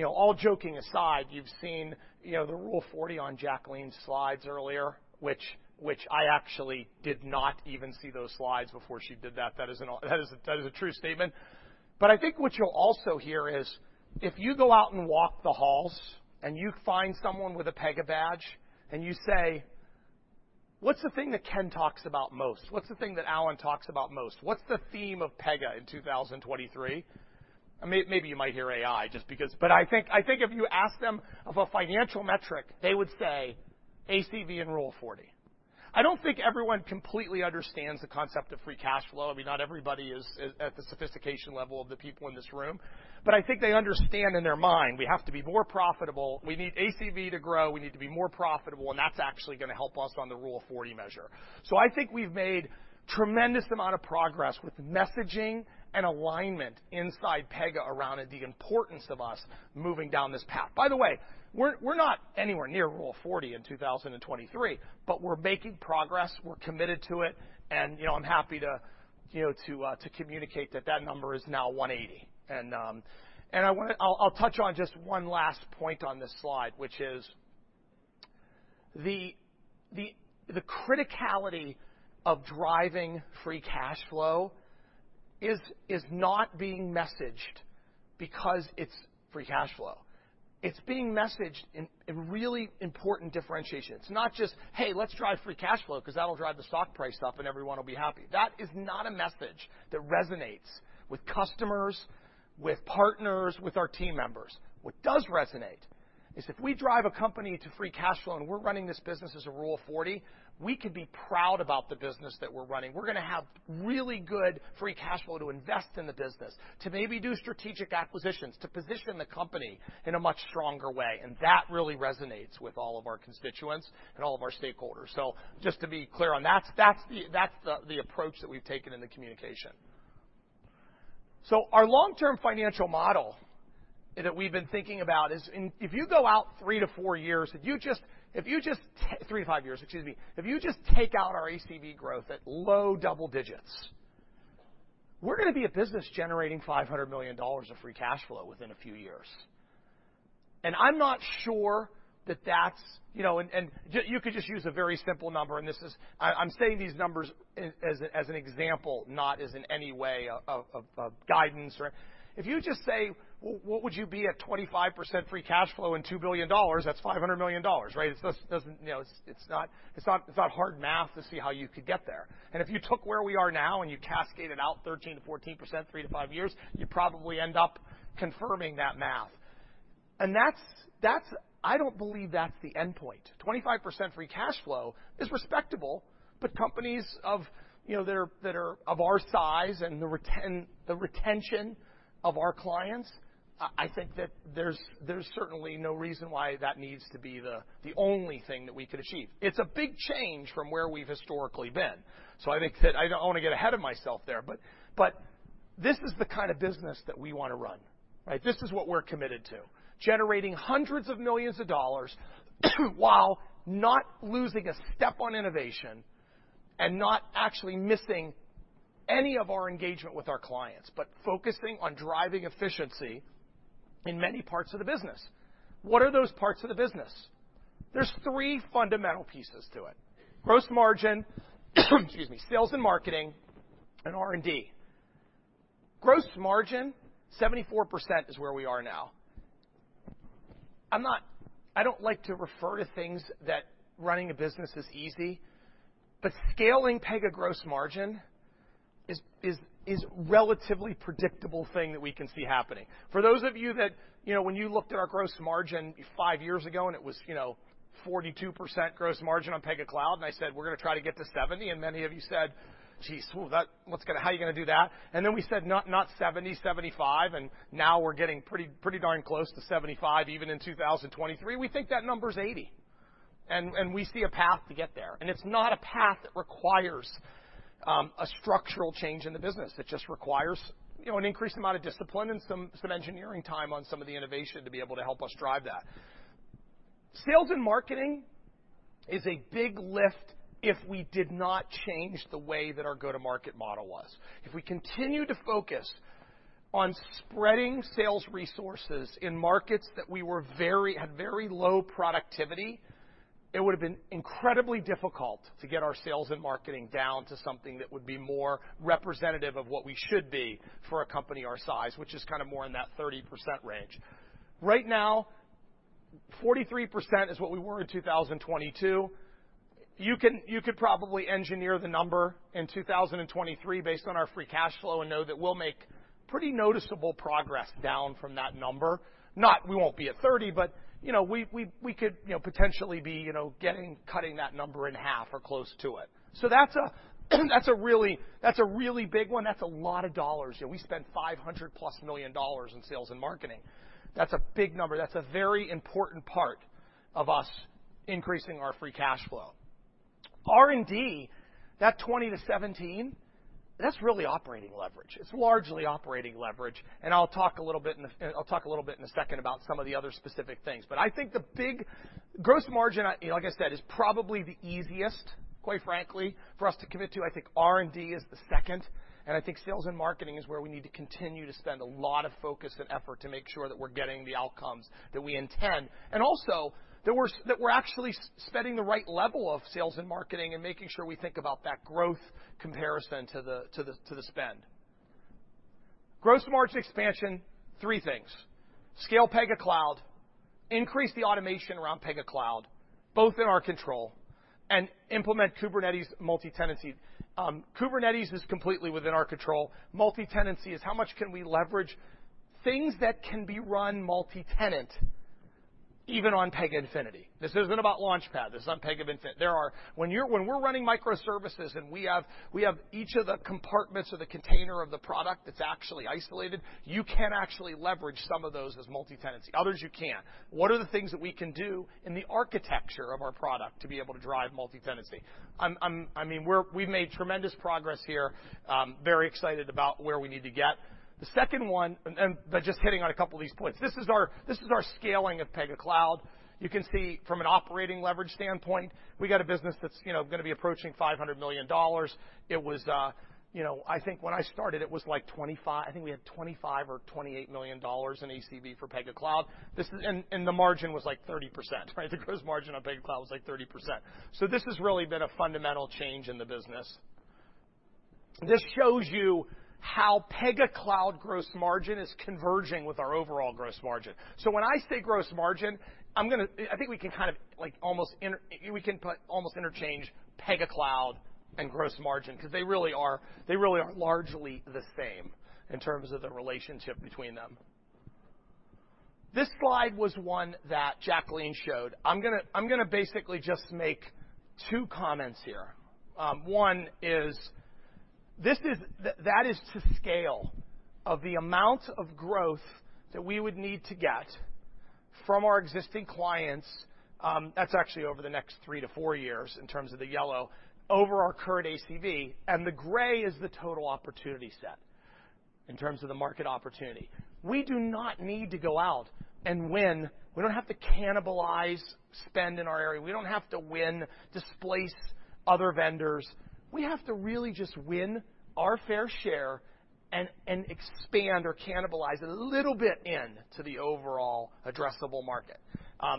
know, all joking aside, you've seen, you know, the Rule of 40 on Jacqueline's slides earlier, which I actually did not even see those slides before she did that. That is a true statement. I think what you'll also hear is, if you go out and walk the halls and you find someone with a Pega badge, and you say, "What's the thing that Ken talks about most? What's the thing that Alan talks about most? What's the theme of Pega in 2023? I mean, maybe you might hear AI, just because. I think if you ask them of a financial metric, they would say ACV and Rule of 40. I don't think everyone completely understands the concept of free cash flow. I mean, not everybody is at the sophistication level of the people in this room, but I think they understand in their mind, we have to be more profitable. We need ACV to grow, we need to be more profitable, and that's actually gonna help us on the Rule of 40 measure. I think we've made tremendous amount of progress with messaging and alignment inside Pega around at the importance of us moving down this path. We're not anywhere near Rule of 40 in 2023, but we're making progress. We're committed to it, and I'm happy to communicate that that number is now 180. I'll touch on just one last point on this slide, which is the criticality of driving free cash flow is not being messaged because it's free cash flow. It's being messaged in really important differentiation. It's not just, "Hey, let's drive free cash flow because that'll drive the stock price up, and everyone will be happy." That is not a message that resonates with customers, with partners, with our team members. What does resonate is if we drive a company to free cash flow, and we're running this business as a Rule of 40, we could be proud about the business that we're running. We're gonna have really good free cash flow to invest in the business, to maybe do strategic acquisitions, to position the company in a much stronger way, and that really resonates with all of our constituents and all of our stakeholders. Just to be clear on that's the approach that we've taken in the communication. Our long-term financial model that we've been thinking about is, if you go out three to four years, if you just three to five years, excuse me. If you just take out our ACV growth at low double digits, we're gonna be a business generating $500 million of free cash flow within a few years. I'm not sure that that's, you know, you could just use a very simple number, and this is... I'm saying these numbers as an example, not as in any way of guidance, right. If you just say, what would you be at 25% free cash flow and $2 billion, that's $500 million, right. It doesn't, you know, it's not, it's not, it's not hard math to see how you could get there. If you took where we are now, and you cascaded out 13%-14%, three to five years, you probably end up confirming that math. That's I don't believe that's the endpoint. 25% free cash flow is respectable, but companies of, you know, that are of our size and the retention of our clients, I think that there's certainly no reason why that needs to be the only thing that we could achieve. It's a big change from where we've historically been. I think that I don't wanna get ahead of myself there, but this is the kind of business that we wanna run, right? This is what we're committed to: generating hundreds of millions of dollars while not losing a step on innovation and not actually missing any of our engagement with our clients, but focusing on driving efficiency in many parts of the business. What are those parts of the business? There's three fundamental pieces to it. Gross margin, excuse me, sales and marketing, and R&D. Gross margin, 74% is where we are now. I don't like to refer to things that running a business is easy, but scaling Pega gross margin is relatively predictable thing that we can see happening. For those of you that, you know, when you looked at our gross margin five years ago, it was, you know, 42% gross margin on Pega Cloud, and I said, "We're gonna try to get to 70." Many of you said, "Geez, well, how are you gonna do that?" Then we said, "Not 70, 75," and now we're getting pretty darn close to 75, even in 2023. We think that number is 80, and we see a path to get there. It's not a path that requires a structural change in the business. It just requires, you know, an increased amount of discipline and some engineering time on some of the innovation to be able to help us drive that. Sales and marketing is a big lift if we did not change the way that our go-to-market model was. If we continue On spreading sales resources in markets that we had very low productivity, it would have been incredibly difficult to get our sales and marketing down to something that would be more representative of what we should be for a company our size, which is kind of more in that 30% range. Right now, 43% is what we were in 2022. You could probably engineer the number in 2023 based on our free cash flow and know that we'll make pretty noticeable progress down from that number. We won't be at 30, but, you know, we could, you know, potentially be, you know, getting, cutting that number in half or close to it. That's a really big one. That's a lot of dollars. You know, we spent $500+ million in sales and marketing. That's a big number. That's a very important part of us increasing our free cash flow. R&D, that 20 to 17, that's really operating leverage. It's largely operating leverage, and I'll talk a little bit in a second about some of the other specific things. I think the big... Gross margin, I, like I said, is probably the easiest, quite frankly, for us to commit to. I think R&D is the second, I think sales and marketing is where we need to continue to spend a lot of focus and effort to make sure that we're getting the outcomes that we intend, and also that we're actually spending the right level of sales and marketing and making sure we think about that growth comparison to the spend. Gross margin expansion, three things: scale Pega Cloud, increase the automation around Pega Cloud, both in our control, and implement Kubernetes multitenancy. Kubernetes is completely within our control. Multitenancy is how much can we leverage things that can be run multitenant, even on Pega Infinity. This isn't about Launchpad. This is on Pega Infinity. When you're, when we're running microservices, and we have each of the compartments of the container of the product that's actually isolated, you can actually leverage some of those as multitenancy. Others, you can't. What are the things that we can do in the architecture of our product to be able to drive multitenancy? I mean, we've made tremendous progress here. Very excited about where we need to get. The second one, and just hitting on a couple of these points, this is our scaling of Pega Cloud. You can see from an operating leverage standpoint, we got a business that's, you know, gonna be approaching $500 million. It was, you know, I think when I started, it was, like, 25... I think we had $25 million or $28 million in ACV for Pega Cloud. The margin was, like, 30%, right? The gross margin on Pega Cloud was, like, 30%. This has really been a fundamental change in the business. This shows you how Pega Cloud gross margin is converging with our overall gross margin. When I say gross margin, We can put almost interchange Pega Cloud and gross margin because they really are largely the same in terms of the relationship between them. This slide was one that Jacqueline showed. I'm gonna basically just make 2 comments here. One is, that is to scale of the amount of growth that we would need to get from our existing clients, that's actually over the next three to four years in terms of the yellow, over our current ACV. The gray is the total opportunity set in terms of the market opportunity. We do not need to go out and win. We don't have to cannibalize spend in our area. We don't have to win, displace other vendors. We have to really just win our fair share and expand or cannibalize a little bit in to the overall addressable market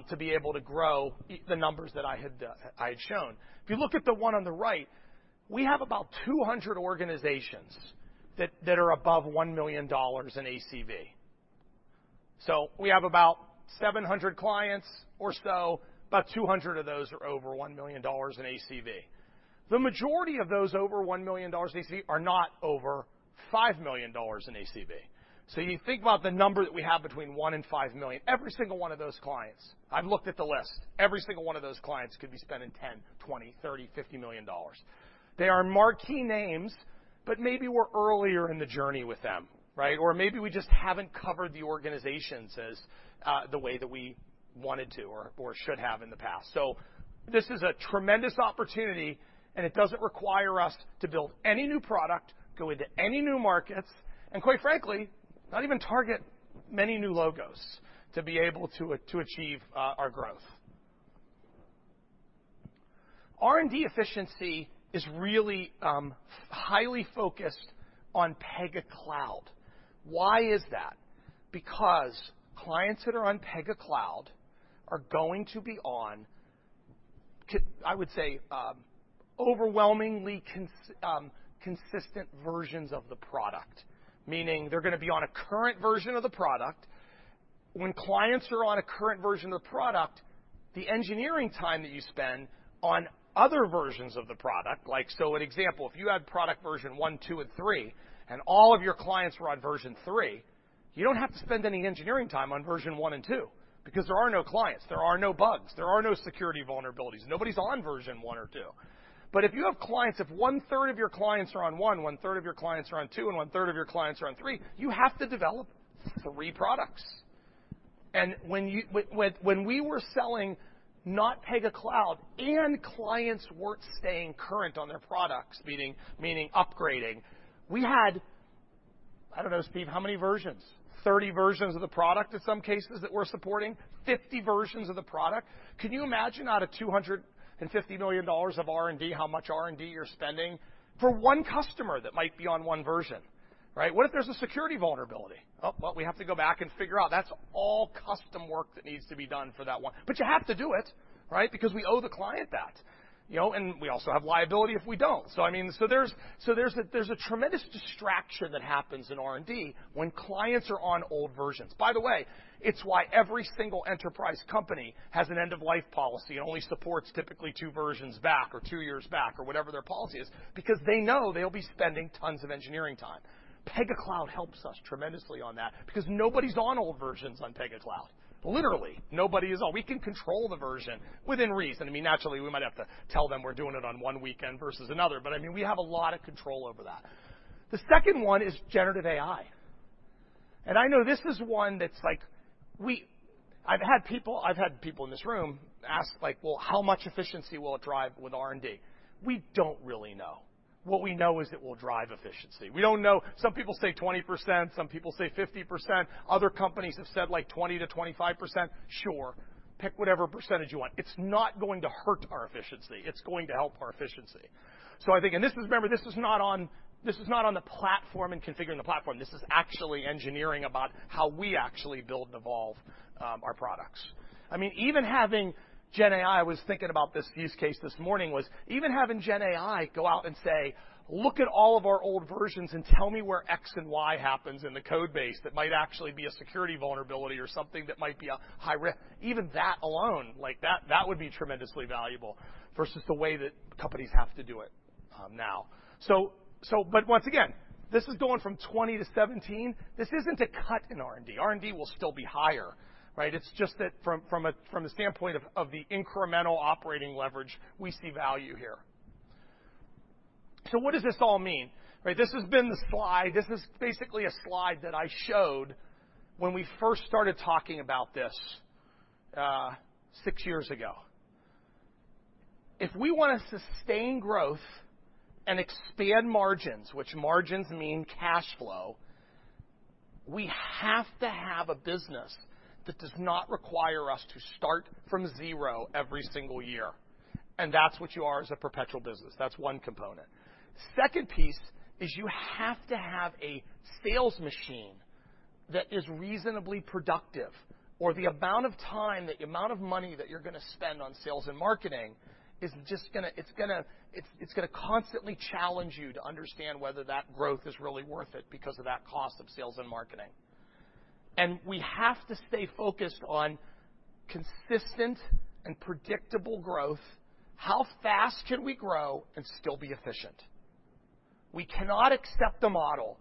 to be able to grow the numbers that I had shown. If you look at the one on the right, we have about 200 organizations that are above $1 million in ACV. We have about 700 clients or so. About 200 of those are over $1 million in ACV. The majority of those over $1 million in ACV are not over $5 million in ACV. You think about the number that we have between $1 million and $5 million, every single one of those clients, I've looked at the list, every single one of those clients could be spending $10 million, $20 million, $30 million, $50 million. They are marquee names, but maybe we're earlier in the journey with them, right? Maybe we just haven't covered the organizations as the way that we wanted to or should have in the past. This is a tremendous opportunity, and it doesn't require us to build any new product, go into any new markets, and quite frankly, not even target many new logos to be able to achieve our growth. R&D efficiency is really highly focused on Pega Cloud. Why is that? Because clients that are on Pega Cloud are going to be on to, I would say, overwhelmingly consistent versions of the product, meaning they're gonna be on a current version of the product. When clients are on a current version of the product, the engineering time that you spend on other versions of the product, like, so an example, if you had product version one, two and three and all of your clients were on version three, you don't have to spend any engineering time on version one and two because there are no clients, there are no bugs, there are no security vulnerabilities. Nobody's on version one or two. If you have clients, if one third of your clients are on one third of your clients are on two, and one third of your clients are on three, you have to develop three products. When we were selling not Pega Cloud and clients weren't staying current on their products, meaning upgrading, we had, I don't know, Steve, how many versions? 30 versions of the product in some cases that we're supporting, 50 versions of the product. Can you imagine out of $250 million of R&D, how much R&D you're spending for one customer that might be on one version? Right? What if there's a security vulnerability? Well, we have to go back and figure out. That's all custom work that needs to be done for that one. You have to do it, right? Because we owe the client that, you know, and we also have liability if we don't. I mean, there's a tremendous distraction that happens in R&D when clients are on old versions. By the way, it's why every single enterprise company has an end-of-life policy and only supports typically two versions back or two years back or whatever their policy is, because they know they'll be spending tons of engineering time. Pega Cloud helps us tremendously on that because nobody's on old versions on Pega Cloud. Literally, nobody is on. We can control the version within reason. I mean, naturally, we might have to tell them we're doing it on one weekend versus another, but, I mean, we have a lot of control over that. The second one is generative AI. I know this is one that's like I've had people in this room ask, like, "Well, how much efficiency will it drive with R&D?" We don't really know. What we know is it will drive efficiency. We don't know. Some people say 20%, some people say 50%, other companies have said, like, 20%-25%. Sure, pick whatever % you want. It's not going to hurt our efficiency. It's going to help our efficiency. I think. Remember, this is not on the platform and configuring the platform. This is actually engineering about how we actually build and evolve our products. I mean, even having GenAI, I was thinking about this use case this morning, was even having GenAI go out and say, "Look at all of our old versions and tell me where X and Y happens in the code base, that might actually be a security vulnerability or something that might be a high risk." Even that alone, like, that would be tremendously valuable versus the way that companies have to do it now. Once again, this is going from 20 to 17. This isn't a cut in R&D. R&D will still be higher, right? It's just that from the standpoint of the incremental operating leverage, we see value here. What does this all mean, right? This has been the slide. This is basically a slide that I showed when we first started talking about this, six years ago. If we want to sustain growth and expand margins, which margins mean cash flow, we have to have a business that does not require us to start from 0 every single year, and that's what you are as a perpetual business. That's one component. Second piece is you have to have a sales machine that is reasonably productive, or the amount of time, the amount of money that you're gonna spend on sales and marketing is just gonna constantly challenge you to understand whether that growth is really worth it because of that cost of sales and marketing. We have to stay focused on consistent and predictable growth. How fast can we grow and still be efficient? We cannot accept a model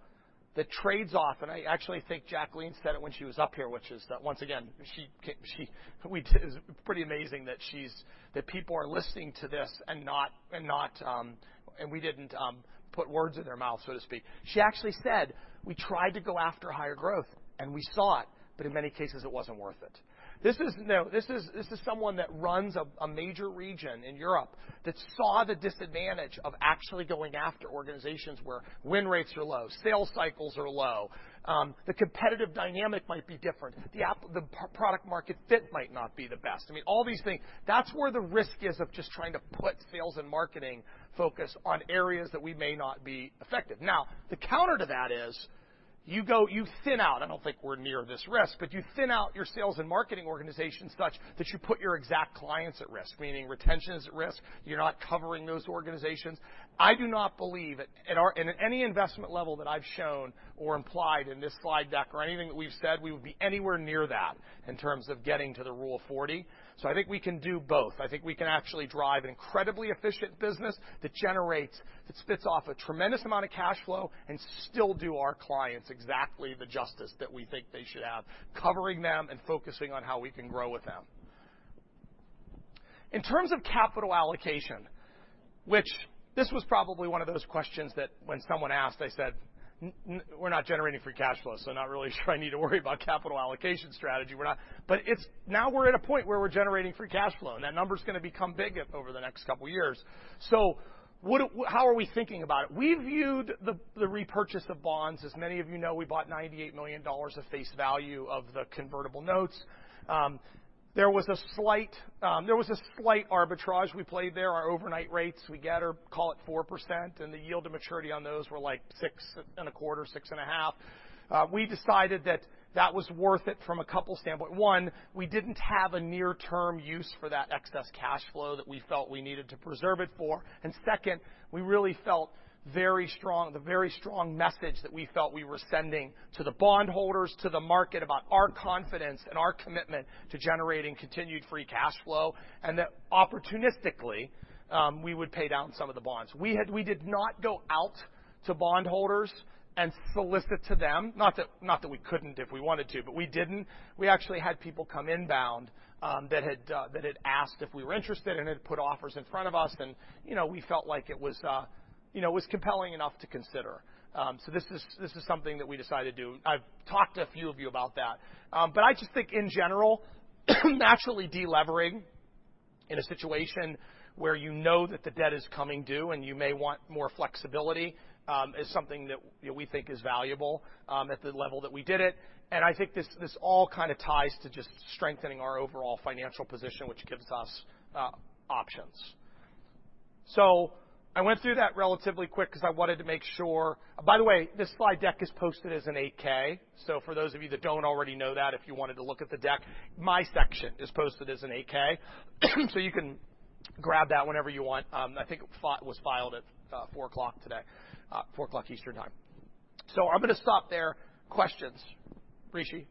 that trades off, and I actually think Jacqueline said it when she was up here, which is that, once again, it's pretty amazing that she's that people are listening to this and not, and not, and we didn't put words in their mouth, so to speak. She actually said, "We tried to go after higher growth, we saw it, in many cases, it wasn't worth it." This is, now, this is someone that runs a major region in Europe that saw the disadvantage of actually going after organizations where win rates are low, sales cycles are low, the competitive dynamic might be different, the product-market fit might not be the best. I mean, all these things. That's where the risk is of just trying to put sales and marketing focus on areas that we may not be effective. The counter to that is you go, you thin out. I don't think we're near this risk, you thin out your sales and marketing organization such that you put your exact clients at risk, meaning retention is at risk. You're not covering those organizations. I do not believe at our in any investment level that I've shown or implied in this slide deck or anything that we've said, we would be anywhere near that in terms of getting to the Rule of 40. I think we can do both. I think we can actually drive an incredibly efficient business that generates, that spits off a tremendous amount of cash flow and still do our clients exactly the justice that we think they should have, covering them and focusing on how we can grow with them. In terms of capital allocation, which this was probably one of those questions that when someone asked, I said, "We're not generating free cash flow, so I'm not really sure I need to worry about capital allocation strategy. It's, now we're at a point where we're generating free cash flow, and that number's gonna become big over the next couple of years. How are we thinking about it? We viewed the repurchase of bonds. As many of you know, we bought $98 million of face value of the convertible notes. There was a slight arbitrage we played there. Our overnight rates, we get, or call it 4%, and the yield to maturity on those were, like, 6.25%, 6.5%. We decided that that was worth it from a couple standpoint. One, we didn't have a near-term use for that excess cash flow that we felt we needed to preserve it for. Second, we really felt very strong, the very strong message that we felt we were sending to the bondholders, to the market, about our confidence and our commitment to generating continued free cash flow, and that opportunistically, we would pay down some of the bonds. We did not go out to bondholders and solicit to them. Not that we couldn't if we wanted to, but we didn't. We actually had people come inbound, that had asked if we were interested and had put offers in front of us, and, you know, we felt like it was, you know, it was compelling enough to consider. This is something that we decided to do. I've talked to a few of you about that. I just think in general, naturally delevering in a situation where you know that the debt is coming due and you may want more flexibility, is something that, you know, we think is valuable at the level that we did it. I think this all kind of ties to just strengthening our overall financial position, which gives us options. I went through that relatively quick because I wanted to make sure. By the way, this slide deck is posted as an 8-K. For those of you that don't already know that, if you wanted to look at the deck, my section is posted as an 8-K, so you can grab that whenever you want. I think it was filed at 4:00 today, 4:00 Eastern Time. I'm going to stop there. Questions. Rishi?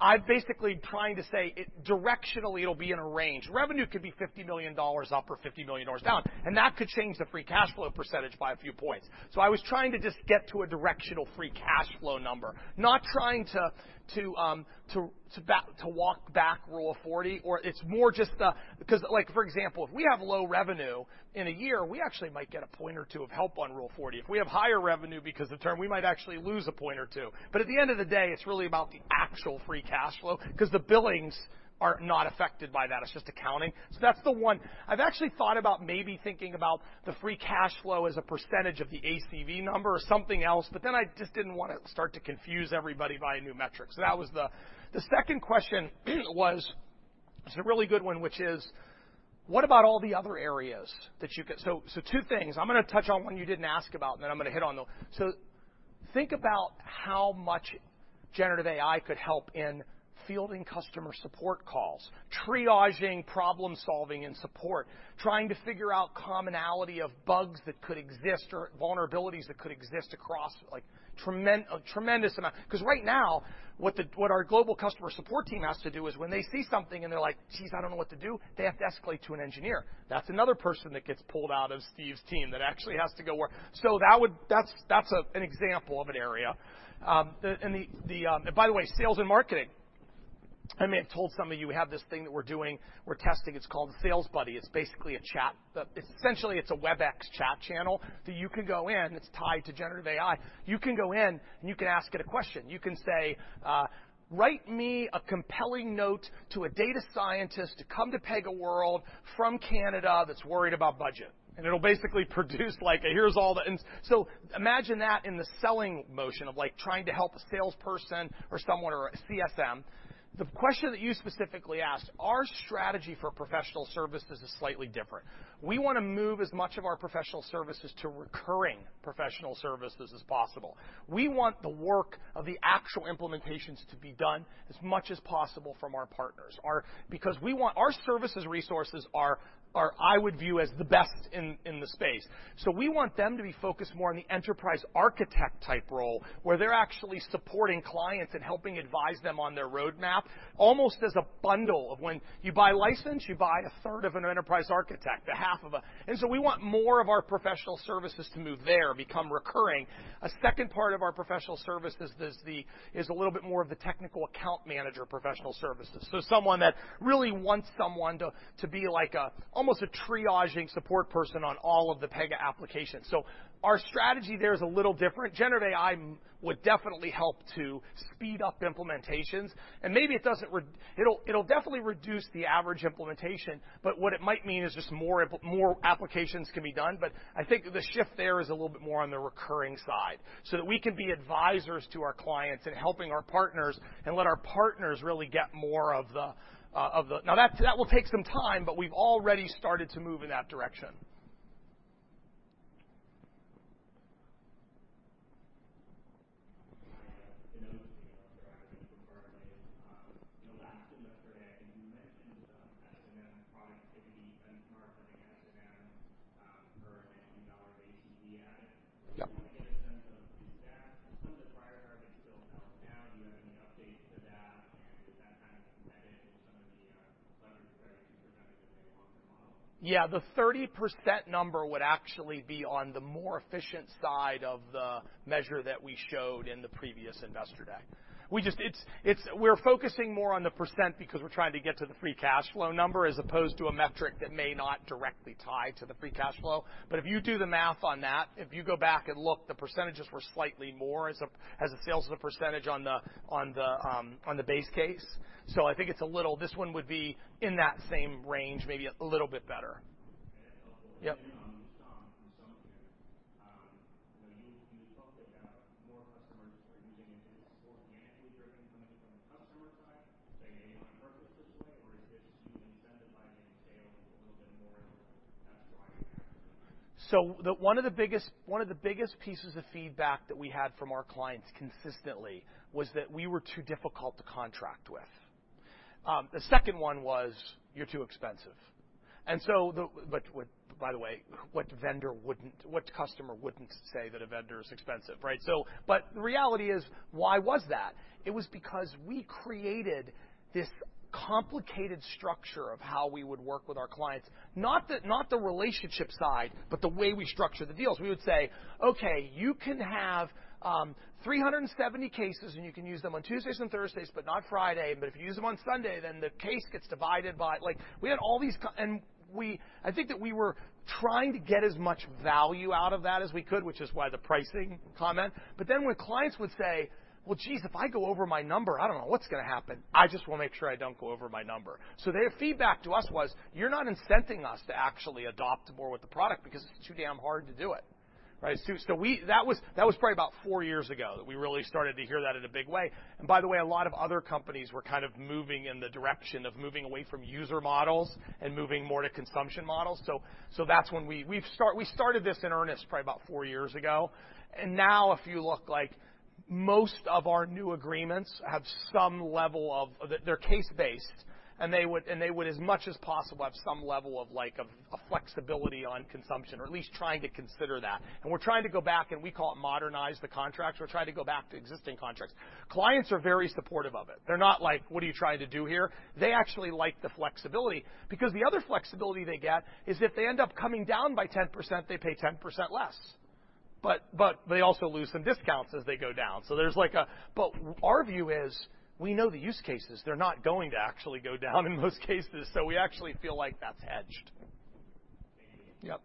I'm basically trying to say it directionally, it'll be in a range. Revenue could be $50 million up or $50 million down, and that could change the free cash flow % by a few points. I was trying to just get to a directional free cash flow number, not trying to walk back Rule of 40, or it's more just the. Because, like, for example, if we have low revenue in a year, we actually might get a point or two of help on Rule of 40. If we have higher revenue because of the term, we might actually lose a point or two. At the end of the day, it's really about the actual free cash flow, because the billings are not affected by that. It's just accounting. That's the one. I've actually thought about maybe thinking about the free cash flow as a percentage of the ACV number or something else, I just didn't want to start to confuse everybody by a new metric. That was the. The second question was, it's a really good one, which is: What about all the other areas that you. Two things. I'm going to touch on one you didn't ask about, I'm going to hit on the. Think about how much generative AI could help in fielding customer support calls, triaging problem solving and support, trying to figure out commonality of bugs that could exist or vulnerabilities that could exist across, like, a tremendous amount. Right now, what our global customer support team has to do is when they see something and they're like: "Geez, I don't know what to do," they have to escalate to an engineer. That's another person that gets pulled out of Steve's team that actually has to go work. That would, that's an example of an area. By the way, sales and marketing. I may have told some of you, we have this thing that we're doing, we're testing. It's called Sales Buddy. It's basically a chat. Essentially, it's a Webex chat channel that you can go in, it's tied to generative AI. You can go in, and you can ask it a question. You can say, "Write me a compelling note to a data scientist to come to PegaWorld from Canada that's worried about budget." It'll basically produce like, here's all the. Imagine that in the selling motion of, like, trying to help a salesperson or someone or a CSM. The question that you specifically asked, our strategy for professional services is slightly different. We want to move as much of our professional services to recurring professional services as possible. We want the work of the actual implementations to be done as much as possible from our partners. Our services resources are, I would view, as the best in the space. We want them to be focused more on the enterprise architect type role, where they're actually supporting clients and helping advise them on their roadmap, almost as a bundle of when you buy a license, you buy a third of an enterprise architect, a half of a. We want more of our professional services to move there, become recurring. A second part of our professional services is the, is a little bit more of the technical account manager professional services. Someone that really wants someone to be like a, almost a triaging support person on all of the Pega applications. Our strategy there is a little different. Generative AI would definitely help to speed up implementations, and maybe it'll definitely reduce the average implementation, but what it might mean is just more applications can be done. I think the shift there is a little bit more on the recurring side, so that we can be advisors to our clients and helping our partners, and let our partners really get more of the, of the... Now, that will take some time, but we've already started to move in that direction. I know Yeah. The 30% number would actually be on the more efficient side of the measure that we showed in the previous investor deck. We just, it's We're focusing more on the % because we're trying to get to the free cash flow number, as opposed to a metric that may not directly tie to the free cash flow. If you do the math on that, if you go back and look, the percentages were slightly more as a sales of the % on the base case. I think it's a little... This one would be in that same range, maybe a little bit better. Yep. You talked about. The one of the biggest pieces of feedback that we had from our clients consistently was that we were too difficult to contract with. The second one was, you're too expensive. But what, by the way, what vendor wouldn't, what customer wouldn't say that a vendor is expensive, right? But the reality is, why was that? It was because we created this complicated structure of how we would work with our clients. Not the, not the relationship side, but the way we structure the deals. We would say, "Okay, you can have 370 cases, and you can use them on Tuesdays and Thursdays, but not Friday. If you use them on Sunday, then the case gets divided by..." Like, we had all these ki- and I think that we were trying to get as much value out of that as we could, which is why the pricing comment. When clients would say, "Well, geez, if I go over my number, I don't know what's gonna happen. I just want to make sure I don't go over my number." Their feedback to us was: You're not incenting us to actually adopt more with the product because it's too damn hard to do it, right? That was probably about four years ago that we really started to hear that in a big way. By the way, a lot of other companies were kind of moving in the direction of moving away from user models and moving more to consumption models. That's when we started this in earnest probably about four years ago. Now if you look, like, most of our new agreements have some level of. They're case-based, and they would, as much as possible, have some level of like a flexibility on consumption or at least trying to consider that. We're trying to go back, and we call it modernize the contracts. We're trying to go back to existing contracts. Clients are very supportive of it. They're not like, "What are you trying to do here?" They actually like the flexibility because the other flexibility they get is if they end up coming down by 10%, they pay 10% less, but they also lose some discounts as they go down. There's like a... Our view is we know the use cases. They're not going to actually go down in most cases, so we actually feel like that's hedged. Yep.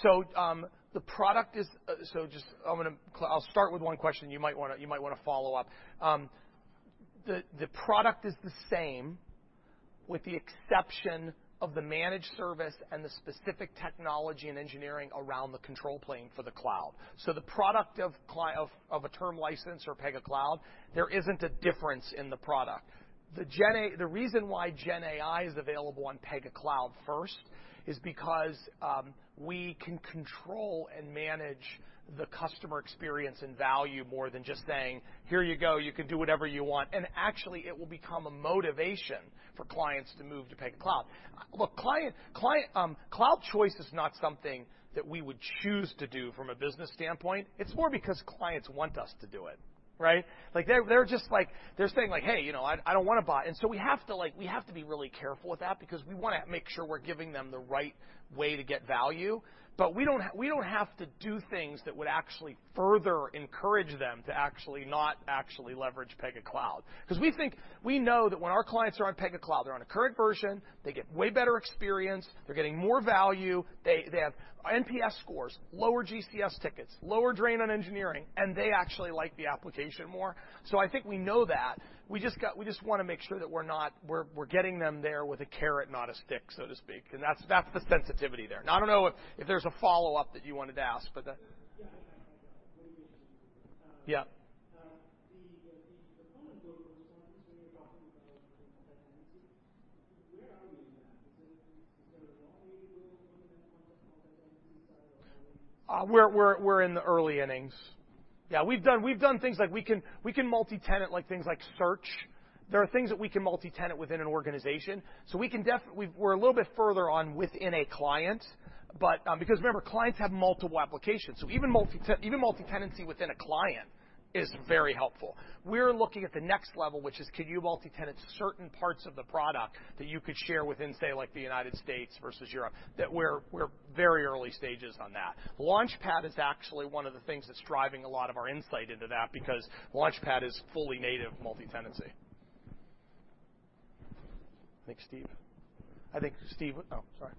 I was thinking more, just I was thinking with the GenAI idea, could that actually might be a solution for the adoption, or are you changing the ideas of, you know, how you were looking at it between on-premise and cloud? Could that be a thing for you also? I'll start with one question, you might wanna follow up. The product is the same, with the exception of the managed service and the specific technology and engineering around the control plane for the cloud. The product of a term license or Pega Cloud, there isn't a difference in the product. The reason why GenAI is available on Pega Cloud first is because we can control and manage the customer experience and value more than just saying, "Here you go, you can do whatever you want." Actually, it will become a motivation for clients to move to Pega Cloud. Look, client cloud choice is not something that we would choose to do from a business standpoint. It's more because clients want us to do it, right? Like, they're just like, they're saying like, "Hey, you know, I don't want to buy." We have to like, we have to be really careful with that because we wanna make sure we're giving them the right way to get value. We don't have to do things that would actually further encourage them to actually not actually leverage Pega Cloud. Because we think we know that when our clients are on Pega Cloud, they're on a current version, they get way better experience, they're getting more value, they have NPS scores, lower GCS tickets, lower drain on engineering, and they actually like the application more. I think we know that. We just wanna make sure that we're not... We're getting them there with a carrot, not a stick, so to speak. That's the sensitivity there. Now, I don't know if there's a follow-up that you wanted to ask. Yeah, I got one. Yeah. The component goes on this, where you're talking about multitenancy, where are we in that? Is there a long way to go on the multitenancy side of things? We're in the early innings. Yeah, we've done things like we can multitenant like things like search. There are things that we can multitenant within an organization, so we're a little bit further on within a client, but because remember, clients have multiple applications, so even multi-tenancy within a client is very helpful. We're looking at the next level, which is, can you multitenant certain parts of the product that you could share within, say, like the United States versus Europe? That we're very early stages on that. Launchpad is actually one of the things that's driving a lot of our insight into that, because Launchpad is fully native multi-tenancy. I think, Steve. Sorry.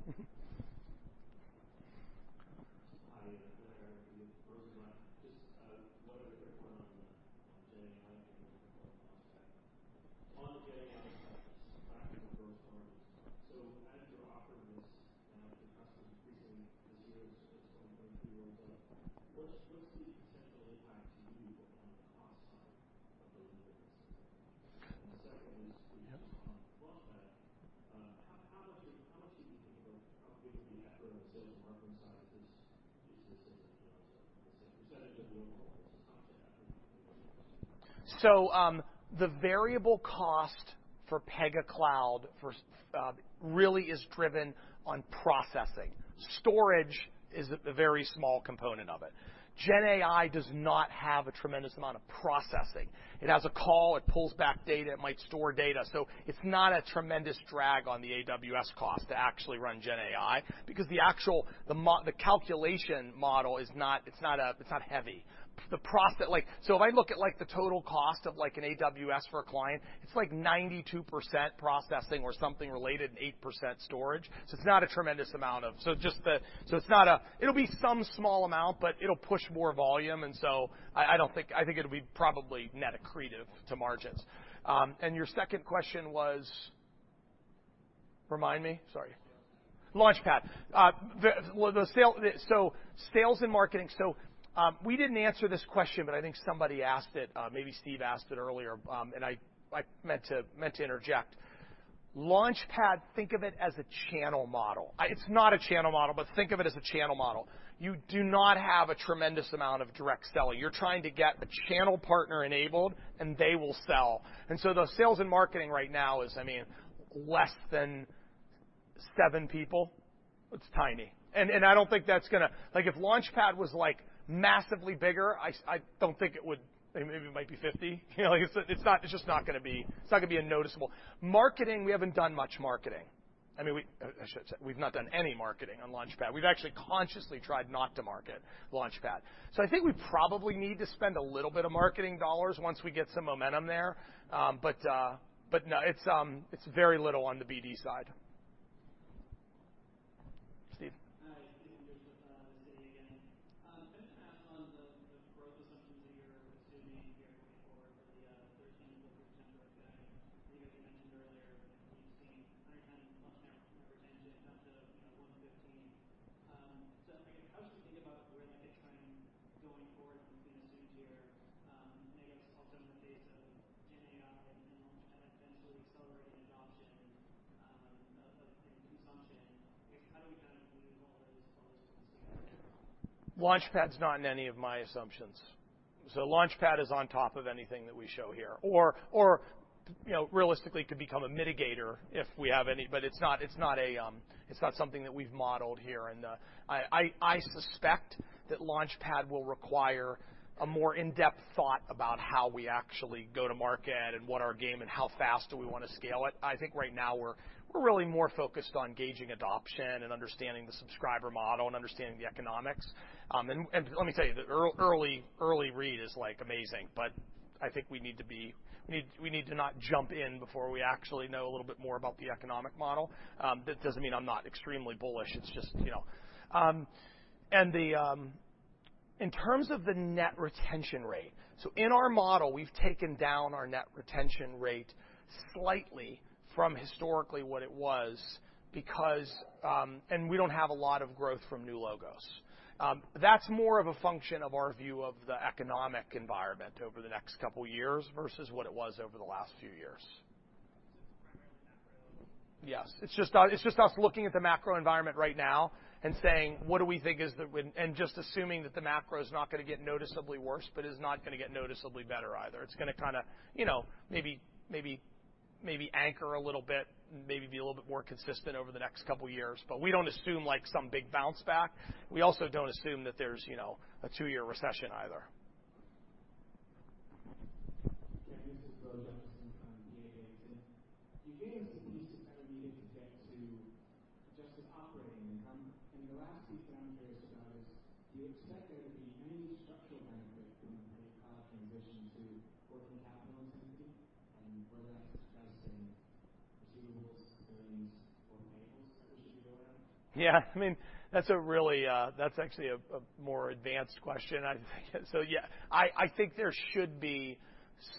Hi, there. Just, what are the current on GenAI and the cost side? On GenAI, back in the growth targets. As you offer this to customers increasing this year, 2023 rolls out, what's the potential impact to you on the cost side of those deliveries? The second is. Yeah. -on Launchpad, how much do you think of how big is the effort on the sales and marketing side of this, is this, you know, the same percentage of normal cost to that? The variable cost for Pega Cloud really is driven on processing. Storage is a very small component of it. GenAI does not have a tremendous amount of processing. It has a call, it pulls back data, it might store data, it's not a tremendous drag on the AWS cost to actually run GenAI because the actual, the calculation model is not heavy. If I look at the total cost of an AWS for a client, it's 92% processing or something related, and 8% storage. It'll be some small amount, but it'll push more volume, I think it'll be probably net accretive to margins. Your second question was? Remind me? Sorry. Launchpad. Launchpad. Well, sales and marketing. We didn't answer this question, but I think somebody asked it, maybe Steve asked it earlier, and I meant to interject. Launchpad, think of it as a channel model. It's not a channel model, but think of it as a channel model. You do not have a tremendous amount of direct selling. You're trying to get the channel partner enabled, and they will sell. The sales and marketing right now is, I mean, less than seven people. It's tiny. I don't think that's gonna... Like, if Launchpad was, like, massively bigger, I don't think it would maybe it might be 50. It's just not gonna be a noticeable. Marketing, we haven't done much marketing. I mean, I should say, we've not done any marketing on Launchpad. We've actually consciously tried not to market Launchpad. I think we probably need to spend a little bit of marketing dollars once we get some momentum there. No, it's very little on the BD side. And let me tell you, the early read is, like, amazing, but I think we need to not jump in before we actually know a little bit more about the economic model. That doesn't mean I'm not extremely bullish. It's just, you know. In terms of the net retention rate, in our model, we've taken down our net retention rate slightly from historically what it was because we don't have a lot of growth from new logos. That's more of a function of our view of the economic environment over the next couple of years versus what it was over the last few years. Just macro? Yes. It's just us looking at the macro environment right now and saying, "What do we think is the..." just assuming that the macro is not gonna get noticeably worse, but is not gonna get noticeably better either. It's gonna kinda, you know, maybe anchor a little bit, maybe be a little bit more consistent over the next couple of years. We don't assume, like, some big bounce back. We also don't assume that there's, you know, a two-year recession either. Yeah, this is Will Jefferson from EA80. You gave us the piece I needed to get to just as operating income. In the last few down years, guys, do you expect there to be any structural benefit from Pega Cloud transition to working capital intensity, and whether that's expressing receivables, payables, as we go around? Yeah, I mean, that's a really, that's actually a more advanced question, I think. Yeah, I think there should be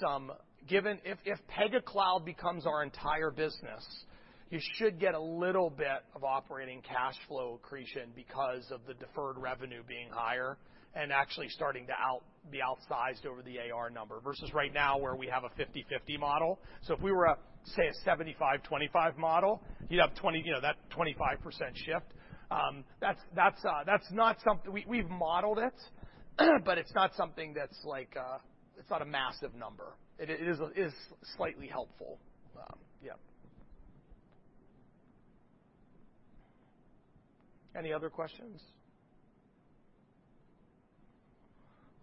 some. If Pega Cloud becomes our entire business, you should get a little bit of operating cash flow accretion because of the deferred revenue being higher and actually starting to be outsized over the AR number, versus right now, where we have a 50/50 model. If we were a, say, a 75/25 model, you'd have 20, you know, that 25% shift. That's not something. We've modeled it, but it's not something that's like, it's not a massive number. It is slightly helpful. Yeah. Any other questions?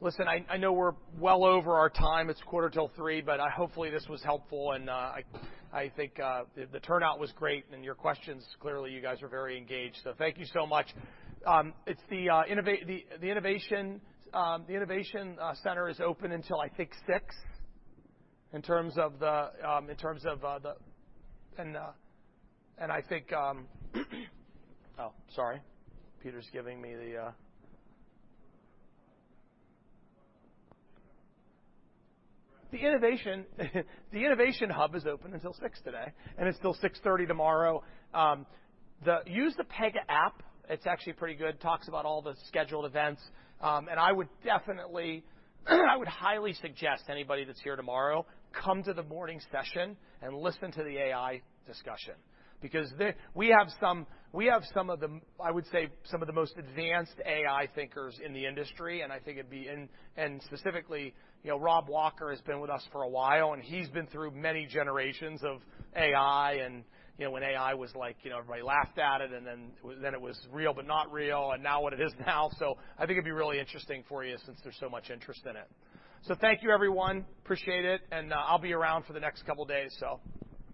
Listen, I know we're well over our time. It's quarter till 3:00, but, hopefully, this was helpful, and, I think, the turnout was great, and your questions, clearly, you guys are very engaged, so thank you so much. It's the innovate, the innovation center is open until, I think, 6:00, in terms of the, in terms of the. I think, oh, sorry. Peter's giving me the. The innovation hub is open until 6:00 today, and it's still 6:30 tomorrow. Use the Pega app. It's actually pretty good. Talks about all the scheduled events. I would definitely, I would highly suggest anybody that's here tomorrow, come to the morning session and listen to the AI discussion, because we have some of the, I would say, some of the most advanced AI thinkers in the industry, and I think it'd be. Specifically, you know, Rob Walker has been with us for a while, and he's been through many generations of AI. You know, when AI was like, you know, everybody laughed at it, and then it was real, but not real, and now what it is now. I think it'd be really interesting for you since there's so much interest in it. Thank you, everyone. Appreciate it, and I'll be around for the next couple of days, so.